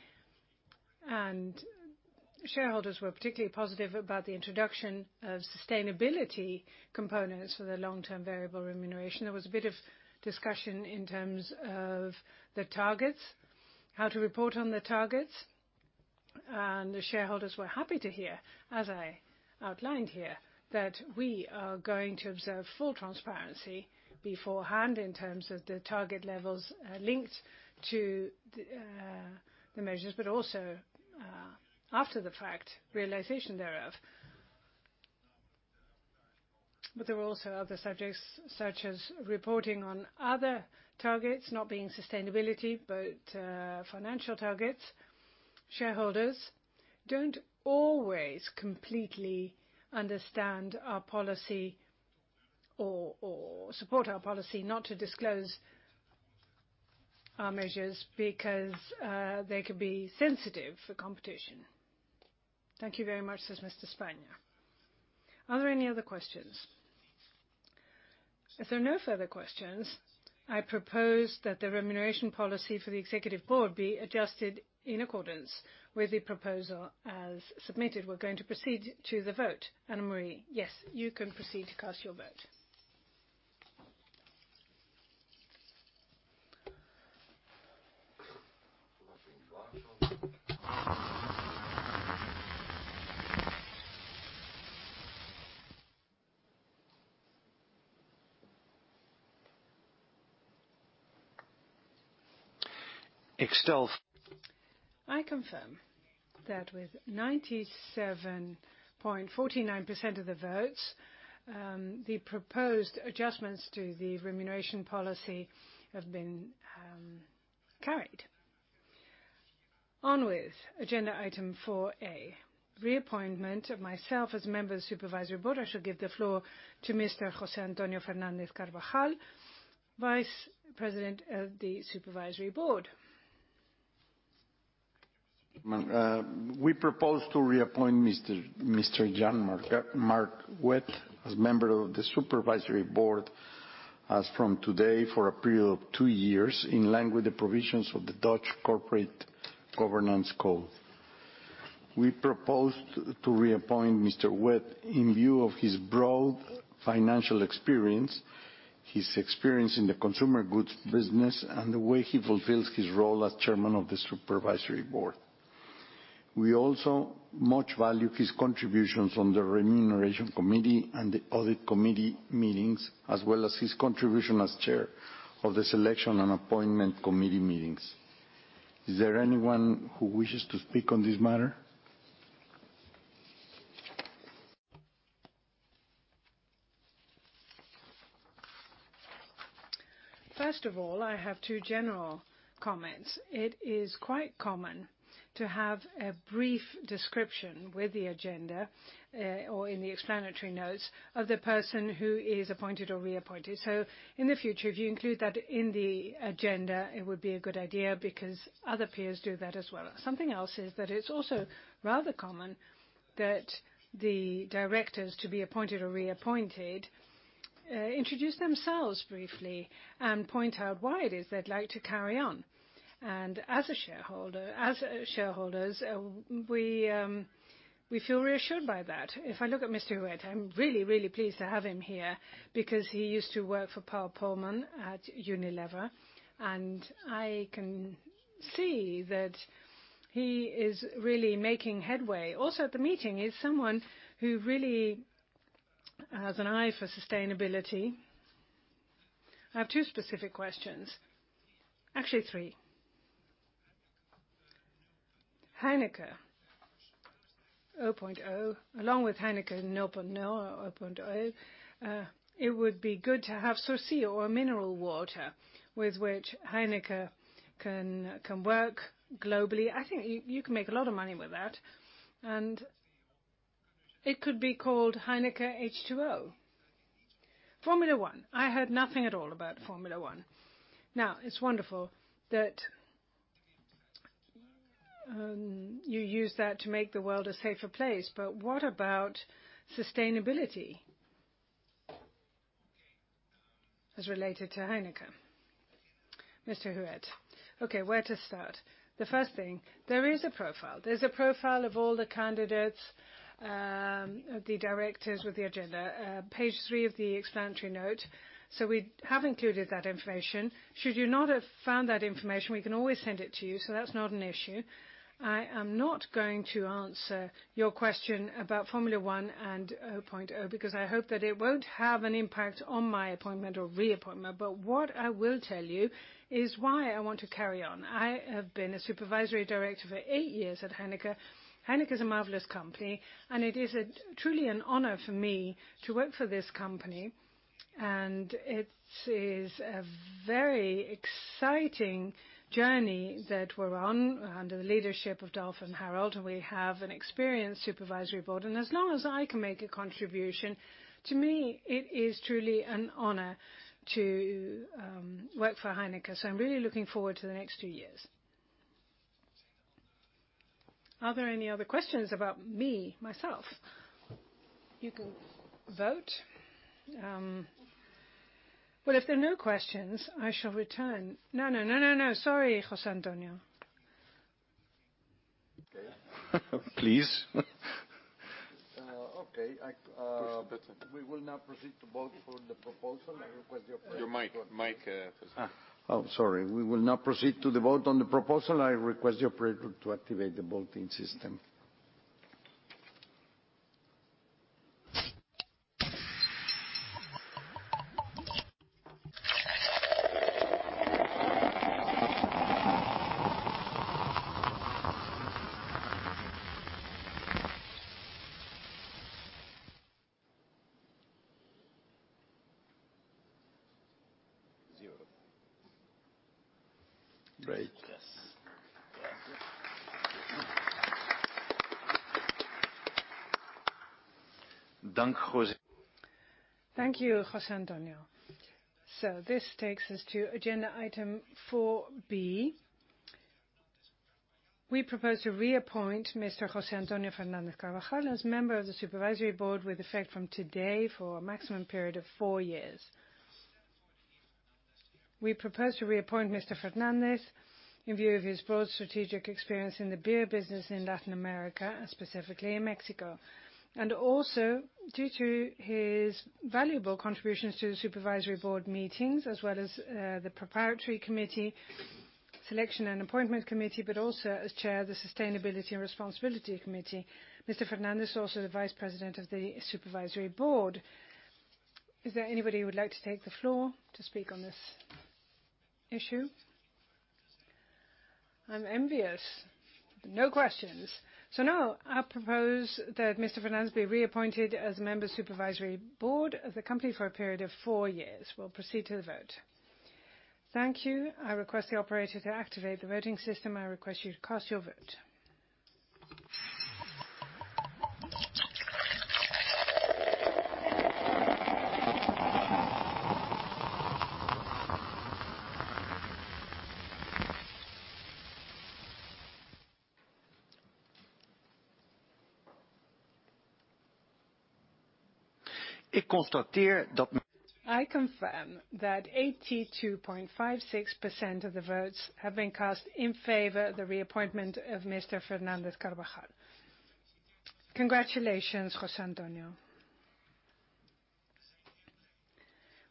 Shareholders were particularly positive about the introduction of sustainability components for the long-term variable remuneration. There was a bit of discussion in terms of the targets, how to report on the targets. The shareholders were happy to hear, as I outlined here, that we are going to observe full transparency beforehand in terms of the target levels, linked to the measures but also, after the fact realization thereof. There were also other subjects, such as reporting on other targets, not being sustainability but financial targets. Shareholders don't always completely understand our policy or support our policy not to disclose our measures because, they could be sensitive for competition. Thank you very much," says Mr. Spanjer. Are there any other questions? If there are no further questions, I propose that the remuneration policy for the Executive Board be adjusted in accordance with the proposal as submitted. We're going to proceed to the vote. Anne-Marie. Yes, you can proceed to cast your vote. I confirm that with 97.49% of the votes, the proposed adjustments to the remuneration policy have been carried. On with agenda item 4A, reappointment of myself as member of the Supervisory Board. I shall give the floor to Mr. José Antonio Fernández Carbajal, Vice-Chairman of the Supervisory Board. We propose to reappoint Mr. Jean-Marc Huët as member of the Supervisory Board as from today for a period of two years, in line with the provisions of the Dutch Corporate Governance Code. We propose to reappoint Mr. Huët in view of his broad financial experience, his experience in the consumer goods business and the way he fulfills his role as Chairman of the Supervisory Board. We also much value his contributions on the Remuneration Committee and the Audit Committee meetings, as well as his contribution as Chair of the Selection and Appointment Committee meetings. Is there anyone who wishes to speak on this matter? First of all, I have two general comments. It is quite common to have a brief description with the agenda or in the explanatory notes of the person who is appointed or reappointed. In the future, if you include that in the agenda, it would be a good idea because other peers do that as well. Something else is that it's also rather common that the directors to be appointed or reappointed introduce themselves briefly and point out why it is they'd like to carry on. As shareholders, we feel reassured by that. If I look at Mr. Huët, I'm really, really pleased to have him here because he used to work for Paul Polman at Unilever and I can see that he is really making headway. Also, at the meeting is someone who really has an eye for sustainability. I have two specific questions. Actually, three. Heineken 0.0, along with Heineken 0.0 or O.O, it would be good to have Sourcy or a mineral water with which Heineken can work globally. I think you can make a lot of money with that. It could be called Heineken H2O. Formula 1. I heard nothing at all about Formula 1. Now, it's wonderful that you use that to make the world a safer place but what about sustainability as related to Heineken? Mr. Huët. Okay, where to start? The first thing, there is a profile. There's a profile of all the candidates, the directors with the agenda, page three of the explanatory note. So we have included that information. Should you not have found that information, we can always send it to you, so that's not an issue. I am not going to answer your question about Formula 1 and 0.0, because I hope that it won't have an impact on my appointment or reappointment. What I will tell you is why I want to carry on. I have been a supervisory director for eight years at Heineken. Heineken is a marvelous company and it is truly an honor for me to work for this company. It is a very exciting journey that we're on under the leadership of Dolf and Harold and we have an experienced supervisory board. As long as I can make a contribution, to me, it is truly an honor to work for Heineken. I'm really looking forward to the next two years. Are there any other questions about me, myself? You can vote, well, if there are no questions, I shall return. No, no, no. Sorry, José Antonio. Okay. Please. Push the button. We will now proceed to the vote on the proposal. I request the operator your mic, José. Oh, sorry. We will now proceed to the vote on the proposal. I request the operator to activate the voting system. Zero. Great. Yes. Thanks, José. Thank you, José Antonio. This takes us to agenda item four B. We propose to reappoint Mr. José Antonio Fernández Carbajal as member of the Supervisory Board with effect from today for a maximum period of four years. We propose to reappoint Mr. Fernández in view of his broad strategic experience in the beer business in Latin America, specifically in Mexico. Also due to his valuable contributions to the Supervisory Board meetings, as well as the Remuneration Committee, Selection and Appointment Committee but also as chair of the Sustainability and Responsibility Committee. Mr. Fernández is also the vice president of the Supervisory Board. Is there anybody who would like to take the floor to speak on this issue? Any issues. No questions. Now I propose that Mr. Fernández be reappointed as member of the Supervisory Board of the company for a period of four years. We'll proceed to the vote. Thank you. I request the operator to activate the voting system. I request you to cast your vote. I confirm that 82.56% of the votes have been cast in favor of the reappointment of Mr. Fernández Carbajal. Congratulations, José Antonio.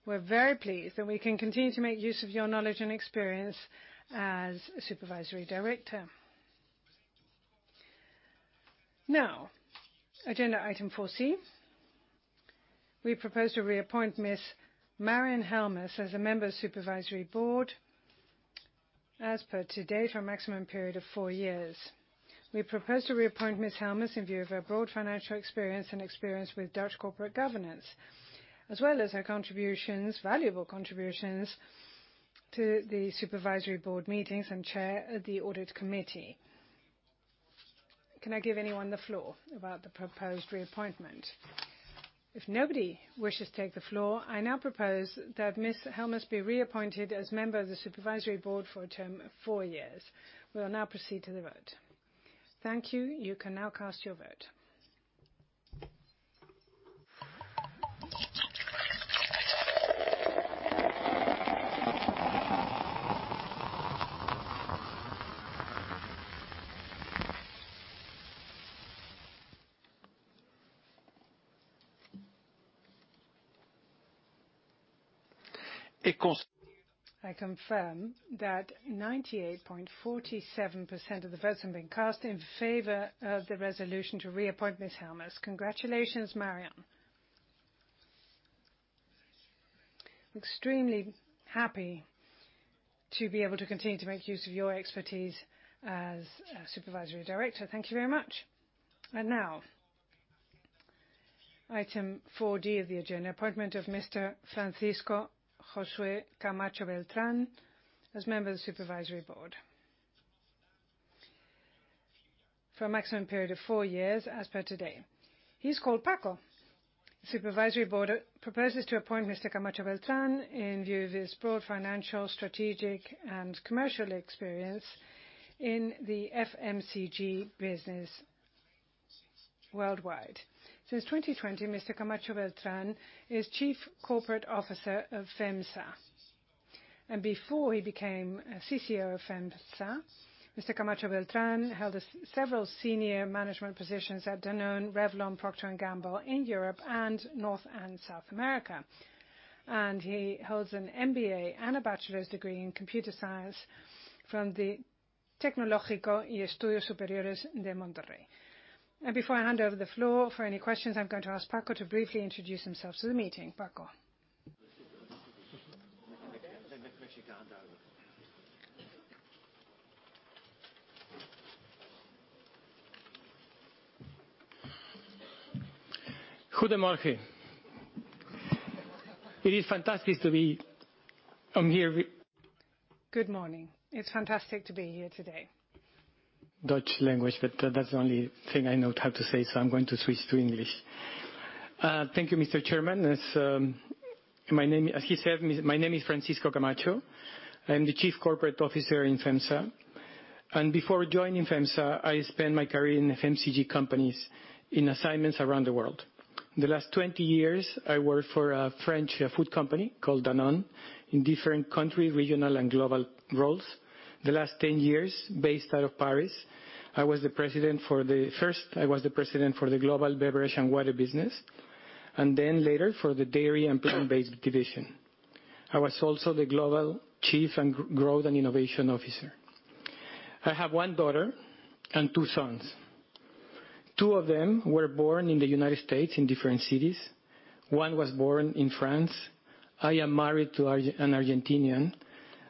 We're very pleased that we can continue to make use of your knowledge and experience as a supervisory director. Now, agenda item four C. We propose to reappoint Ms. Marion Helmes as a member of Supervisory Board as per today for a maximum period of four years. We propose to reappoint Ms. Helmes in view of her broad financial experience and experience with Dutch corporate governance, as well as her contributions, valuable contributions to the Supervisory Board meetings and chair of the audit committee. Can I give anyone the floor about the proposed reappointment? If nobody wishes to take the floor, I now propose that Ms. Helmes be reappointed as member of the supervisory board for a term of four years. We will now proceed to the vote. Thank you. You can now cast your vote. I confirm that 98.47% of the votes have been cast in favor of the resolution to reappoint Ms. Helmes. Congratulations, Marion. Extremely happy to be able to continue to make use of your expertise as a supervisory director. Thank you very much. Now, item four D of the agenda, appointment of Mr. Francisco Josué Camacho Beltrán as member of the supervisory board for a maximum period of four years as per today. He's called Paco. Supervisory board proposes to appoint Mr. Camacho Beltrán in view of his broad financial, strategic and commercial experience in the FMCG business worldwide. Since 2020, Mr. Camacho Beltrán is Chief Corporate Officer of FEMSA. Before he became a CCO of FEMSA, Mr. Camacho Beltrán held several senior management positions at Danone, Revlon, Procter & Gamble in Europe and North and South America. He holds an MBA and a bachelor's degree in computer science from the Instituto Tecnológico y de Estudios Superiores de Monterrey. Before I hand over the floor for any questions, I'm going to ask Paco to briefly introduce himself to the meeting. Paco. It is fantastic to be here. Good morning. It's fantastic to be here today. Dutch language but that's the only thing I know how to say, so I'm going to switch to English. Thank you, Mr. Chairman. My name, as he said, is Francisco Camacho. I'm the Chief Corporate Officer in FEMSA. Before joining FEMSA, I spent my career in FMCG companies in assignments around the world. The last 20 years, I worked for a French food company called Danone in different country, regional and global roles. The last 10 years, based out of Paris, I was the president for the global beverage and water business and then later for the dairy and plant-based division. I was also the Global Chief and Growth and Innovation Officer. I have one daughter and two sons. Two of them were born in the United States in different cities. One was born in France. I am married to an Argentinian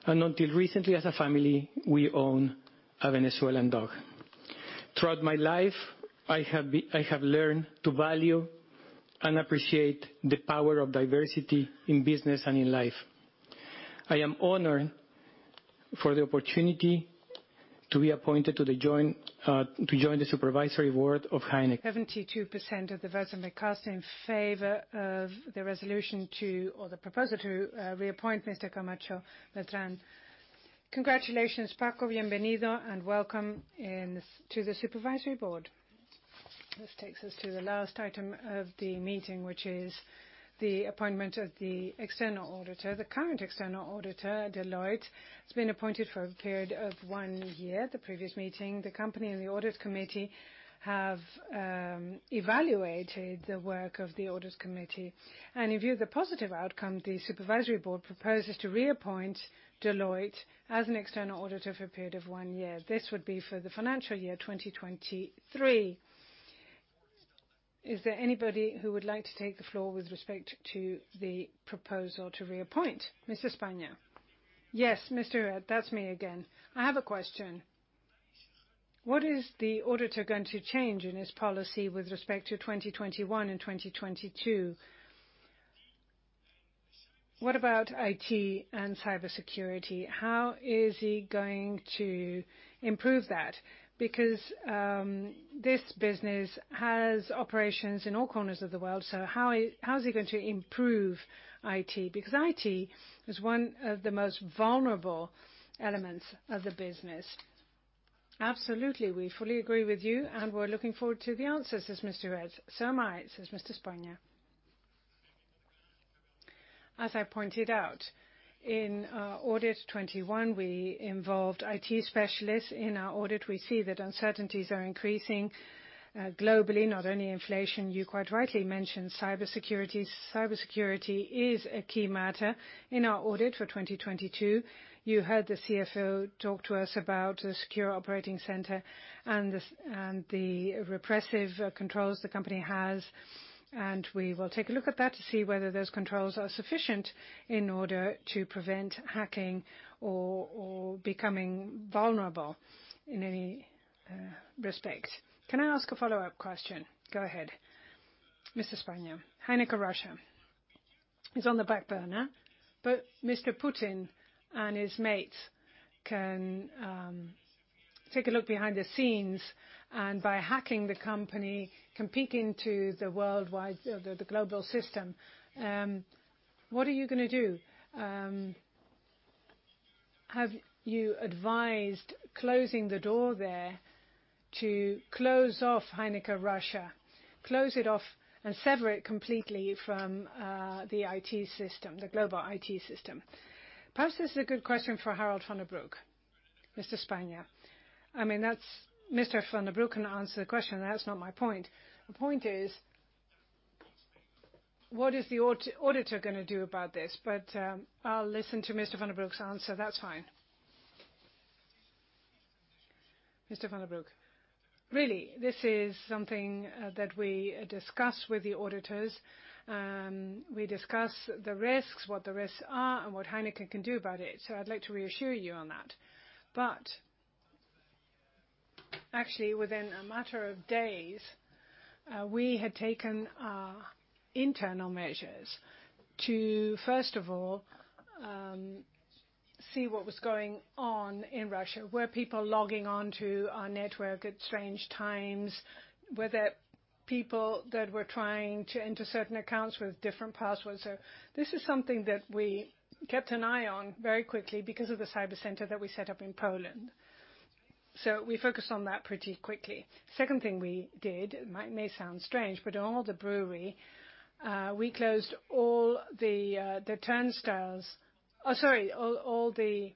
and until recently, as a family, we own a Venezuelan dog. Throughout my life, I have learned to value and appreciate the power of diversity in business and in life. I am honored for the opportunity to be appointed to join the Supervisory Board of Heineken. 72% of the votes have been cast in favor of the proposal to reappoint Mr. Camacho Beltrán. Congratulations, Paco. Bienvenido and welcome to the supervisory board. This takes us to the last item of the meeting, which is the appointment of the external auditor. The current external auditor, Deloitte, has been appointed for a period of one year at the previous meeting. The company and the audit committee have evaluated the work of the audit committee and reviewed the positive outcome. The supervisory board proposes to reappoint Deloitte as an external auditor for a period of one year. This would be for the financial year 2023. Is there anybody who would like to take the floor with respect to the proposal to reappoint? Mr. Spanjer. Yes, Mr. Huët. That's me again. I have a question. What is the auditor going to change in his policy with respect to 2021 and 2022? What about IT and cybersecurity? How is he going to improve that? Because this business has operations in all corners of the world, so how is he going to improve IT? Because IT is one of the most vulnerable elements of the business. Absolutely. We fully agree with you and we're looking forward to the answers, says Mr. Huët. Am I, says Mr. Spanjer. As I pointed out, in audit 2021, we involved IT specialists in our audit. We see that uncertainties are increasing globally, not only inflation. You quite rightly mentioned cybersecurity. Cybersecurity is a key matter in our audit for 2022. You heard the CFO talk to us about a secure operating center and the repressive controls the company has and we will take a look at that to see whether those controls are sufficient in order to prevent hacking or becoming vulnerable in any respect. Can I ask a follow-up question? Go ahead. Mr. Spanjer. Heineken Russia is on the back burner but Mr. Putin and his mates can take a look behind the scenes and by hacking the company, can peek into the worldwide, the global system. What are you gonna do? Have you advised closing the door there to close off Heineken Russia, close it off and sever it completely from the IT system, the global IT system? Perhaps this is a good question for Harold van den Broek. Mr. Spanjer. I mean, that's Mr. van den Broek can answer the question. That's not my point. The point is, what is the auditor gonna do about this? I'll listen to Mr. van den Broek's answer. That's fine. Mr. van den Broek. Really, this is something that we discuss with the auditors. We discuss the risks, what the risks are and what Heineken can do about it. I'd like to reassure you on that. Actually, within a matter of days, we had taken internal measures to, first of all, see what was going on in Russia, were people logging on to our network at strange times, were there people that were trying to enter certain accounts with different passwords? This is something that we kept an eye on very quickly because of the cyber center that we set up in Poland. We focused on that pretty quickly. Second thing we did, it might sound strange but in all the brewery, we closed all the turnstiles. Sorry, all the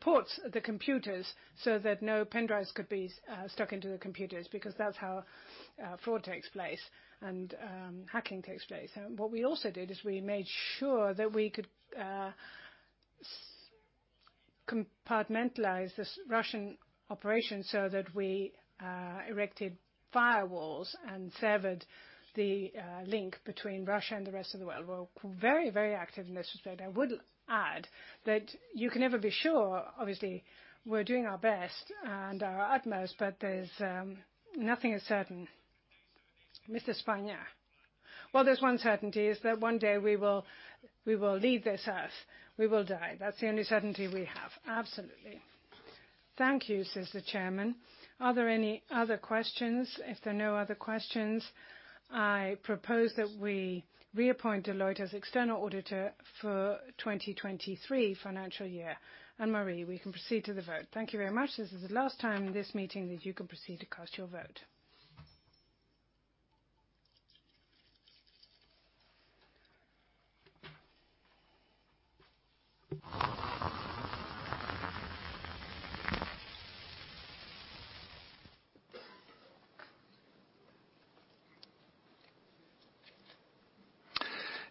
ports of the computers so that no pen drives could be stuck into the computers because that's how fraud takes place and hacking takes place. What we also did is we made sure that we could compartmentalize this Russian operation so that we erected firewalls and severed the link between Russia and the rest of the world. We're very, very active in this respect. I would add that you can never be sure. Obviously, we're doing our best and our utmost but there's nothing is certain. Mr. Spanjer. Well, there's one certainty, is that one day we will leave this earth. We will die. That's the only certainty we have. Absolutely. Thank you, says the chairman. Are there any other questions? If there are no other questions, I propose that we reappoint Deloitte as external auditor for 2023 financial year. Anne-Marie, we can proceed to the vote. Thank you very much. This is the last time in this meeting that you can proceed to cast your vote.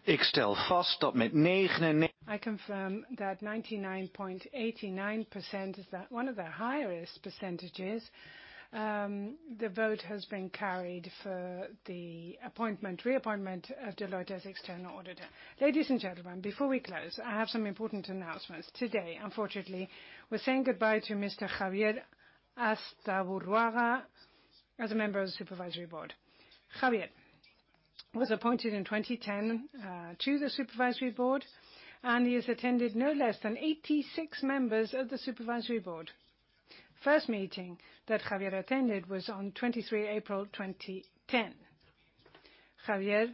I confirm that 99.89% is that one of the highest percentages, the vote has been carried for the reappointment of Deloitte as external auditor. Ladies and gentlemen, before we close, I have some important announcements. Today, unfortunately, we're saying goodbye to Mr. Javier Gerardo Astaburuaga Sanjinés as a member of the supervisory board. Javier was appointed in 2010 to the supervisory board and he has attended no less than 86 meetings of the supervisory board. First meeting that Javier attended was on 23 April 2010. Javier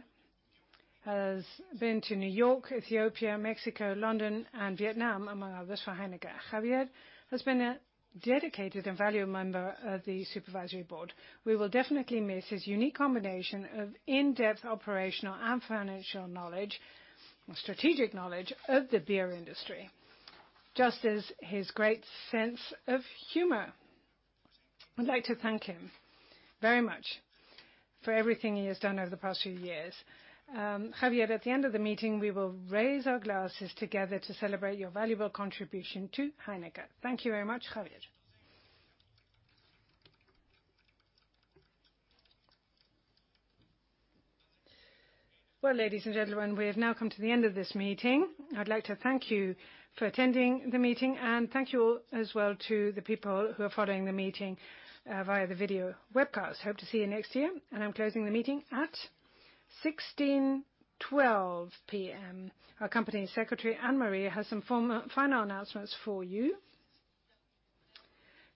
has been to New York, Ethiopia, Mexico, London and Vietnam, among others for Heineken. Javier has been a dedicated and valued member of the supervisory board. We will definitely miss his unique combination of in-depth operational and financial knowledge, strategic knowledge of the beer industry, just as his great sense of humor. I'd like to thank him very much for everything he has done over the past few years. Javier, at the end of the meeting, we will raise our glasses together to celebrate your valuable contribution to Heineken. Thank you very much, Javier. Well, ladies and gentlemen, we have now come to the end of this meeting. I'd like to thank you for attending the meeting and thank you all as well to the people who are following the meeting via the video webcast. Hope to see you next year and I'm closing the meeting at 4:12 P.M. Our company secretary, Anne-Marie, has some final announcements for you.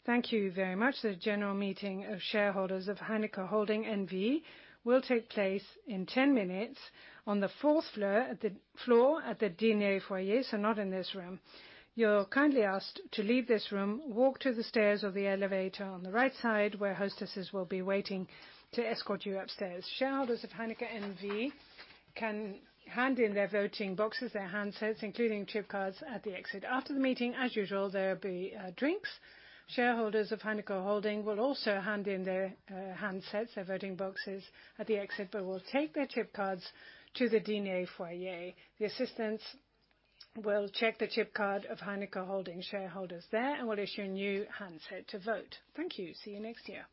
Thank you very much. The general meeting of shareholders of Heineken Holding N.V. will take place in 10 minutes on the fourth floor at the DNA foyer, so not in this room. You're kindly asked to leave this room, walk to the stairs or the elevator on the right side, where hostesses will be waiting to escort you upstairs. Shareholders of Heineken N.V. can hand in their voting boxes, their handsets, including chip cards at the exit. After the meeting, as usual, there'll be drinks. Shareholders of Heineken Holding will also hand in their handsets, their voting boxes at the exit but will take their chip cards to the DNA foyer. The assistants will check the chip card of Heineken Holding shareholders there and will issue a new handset to vote. Thank you. See you next year.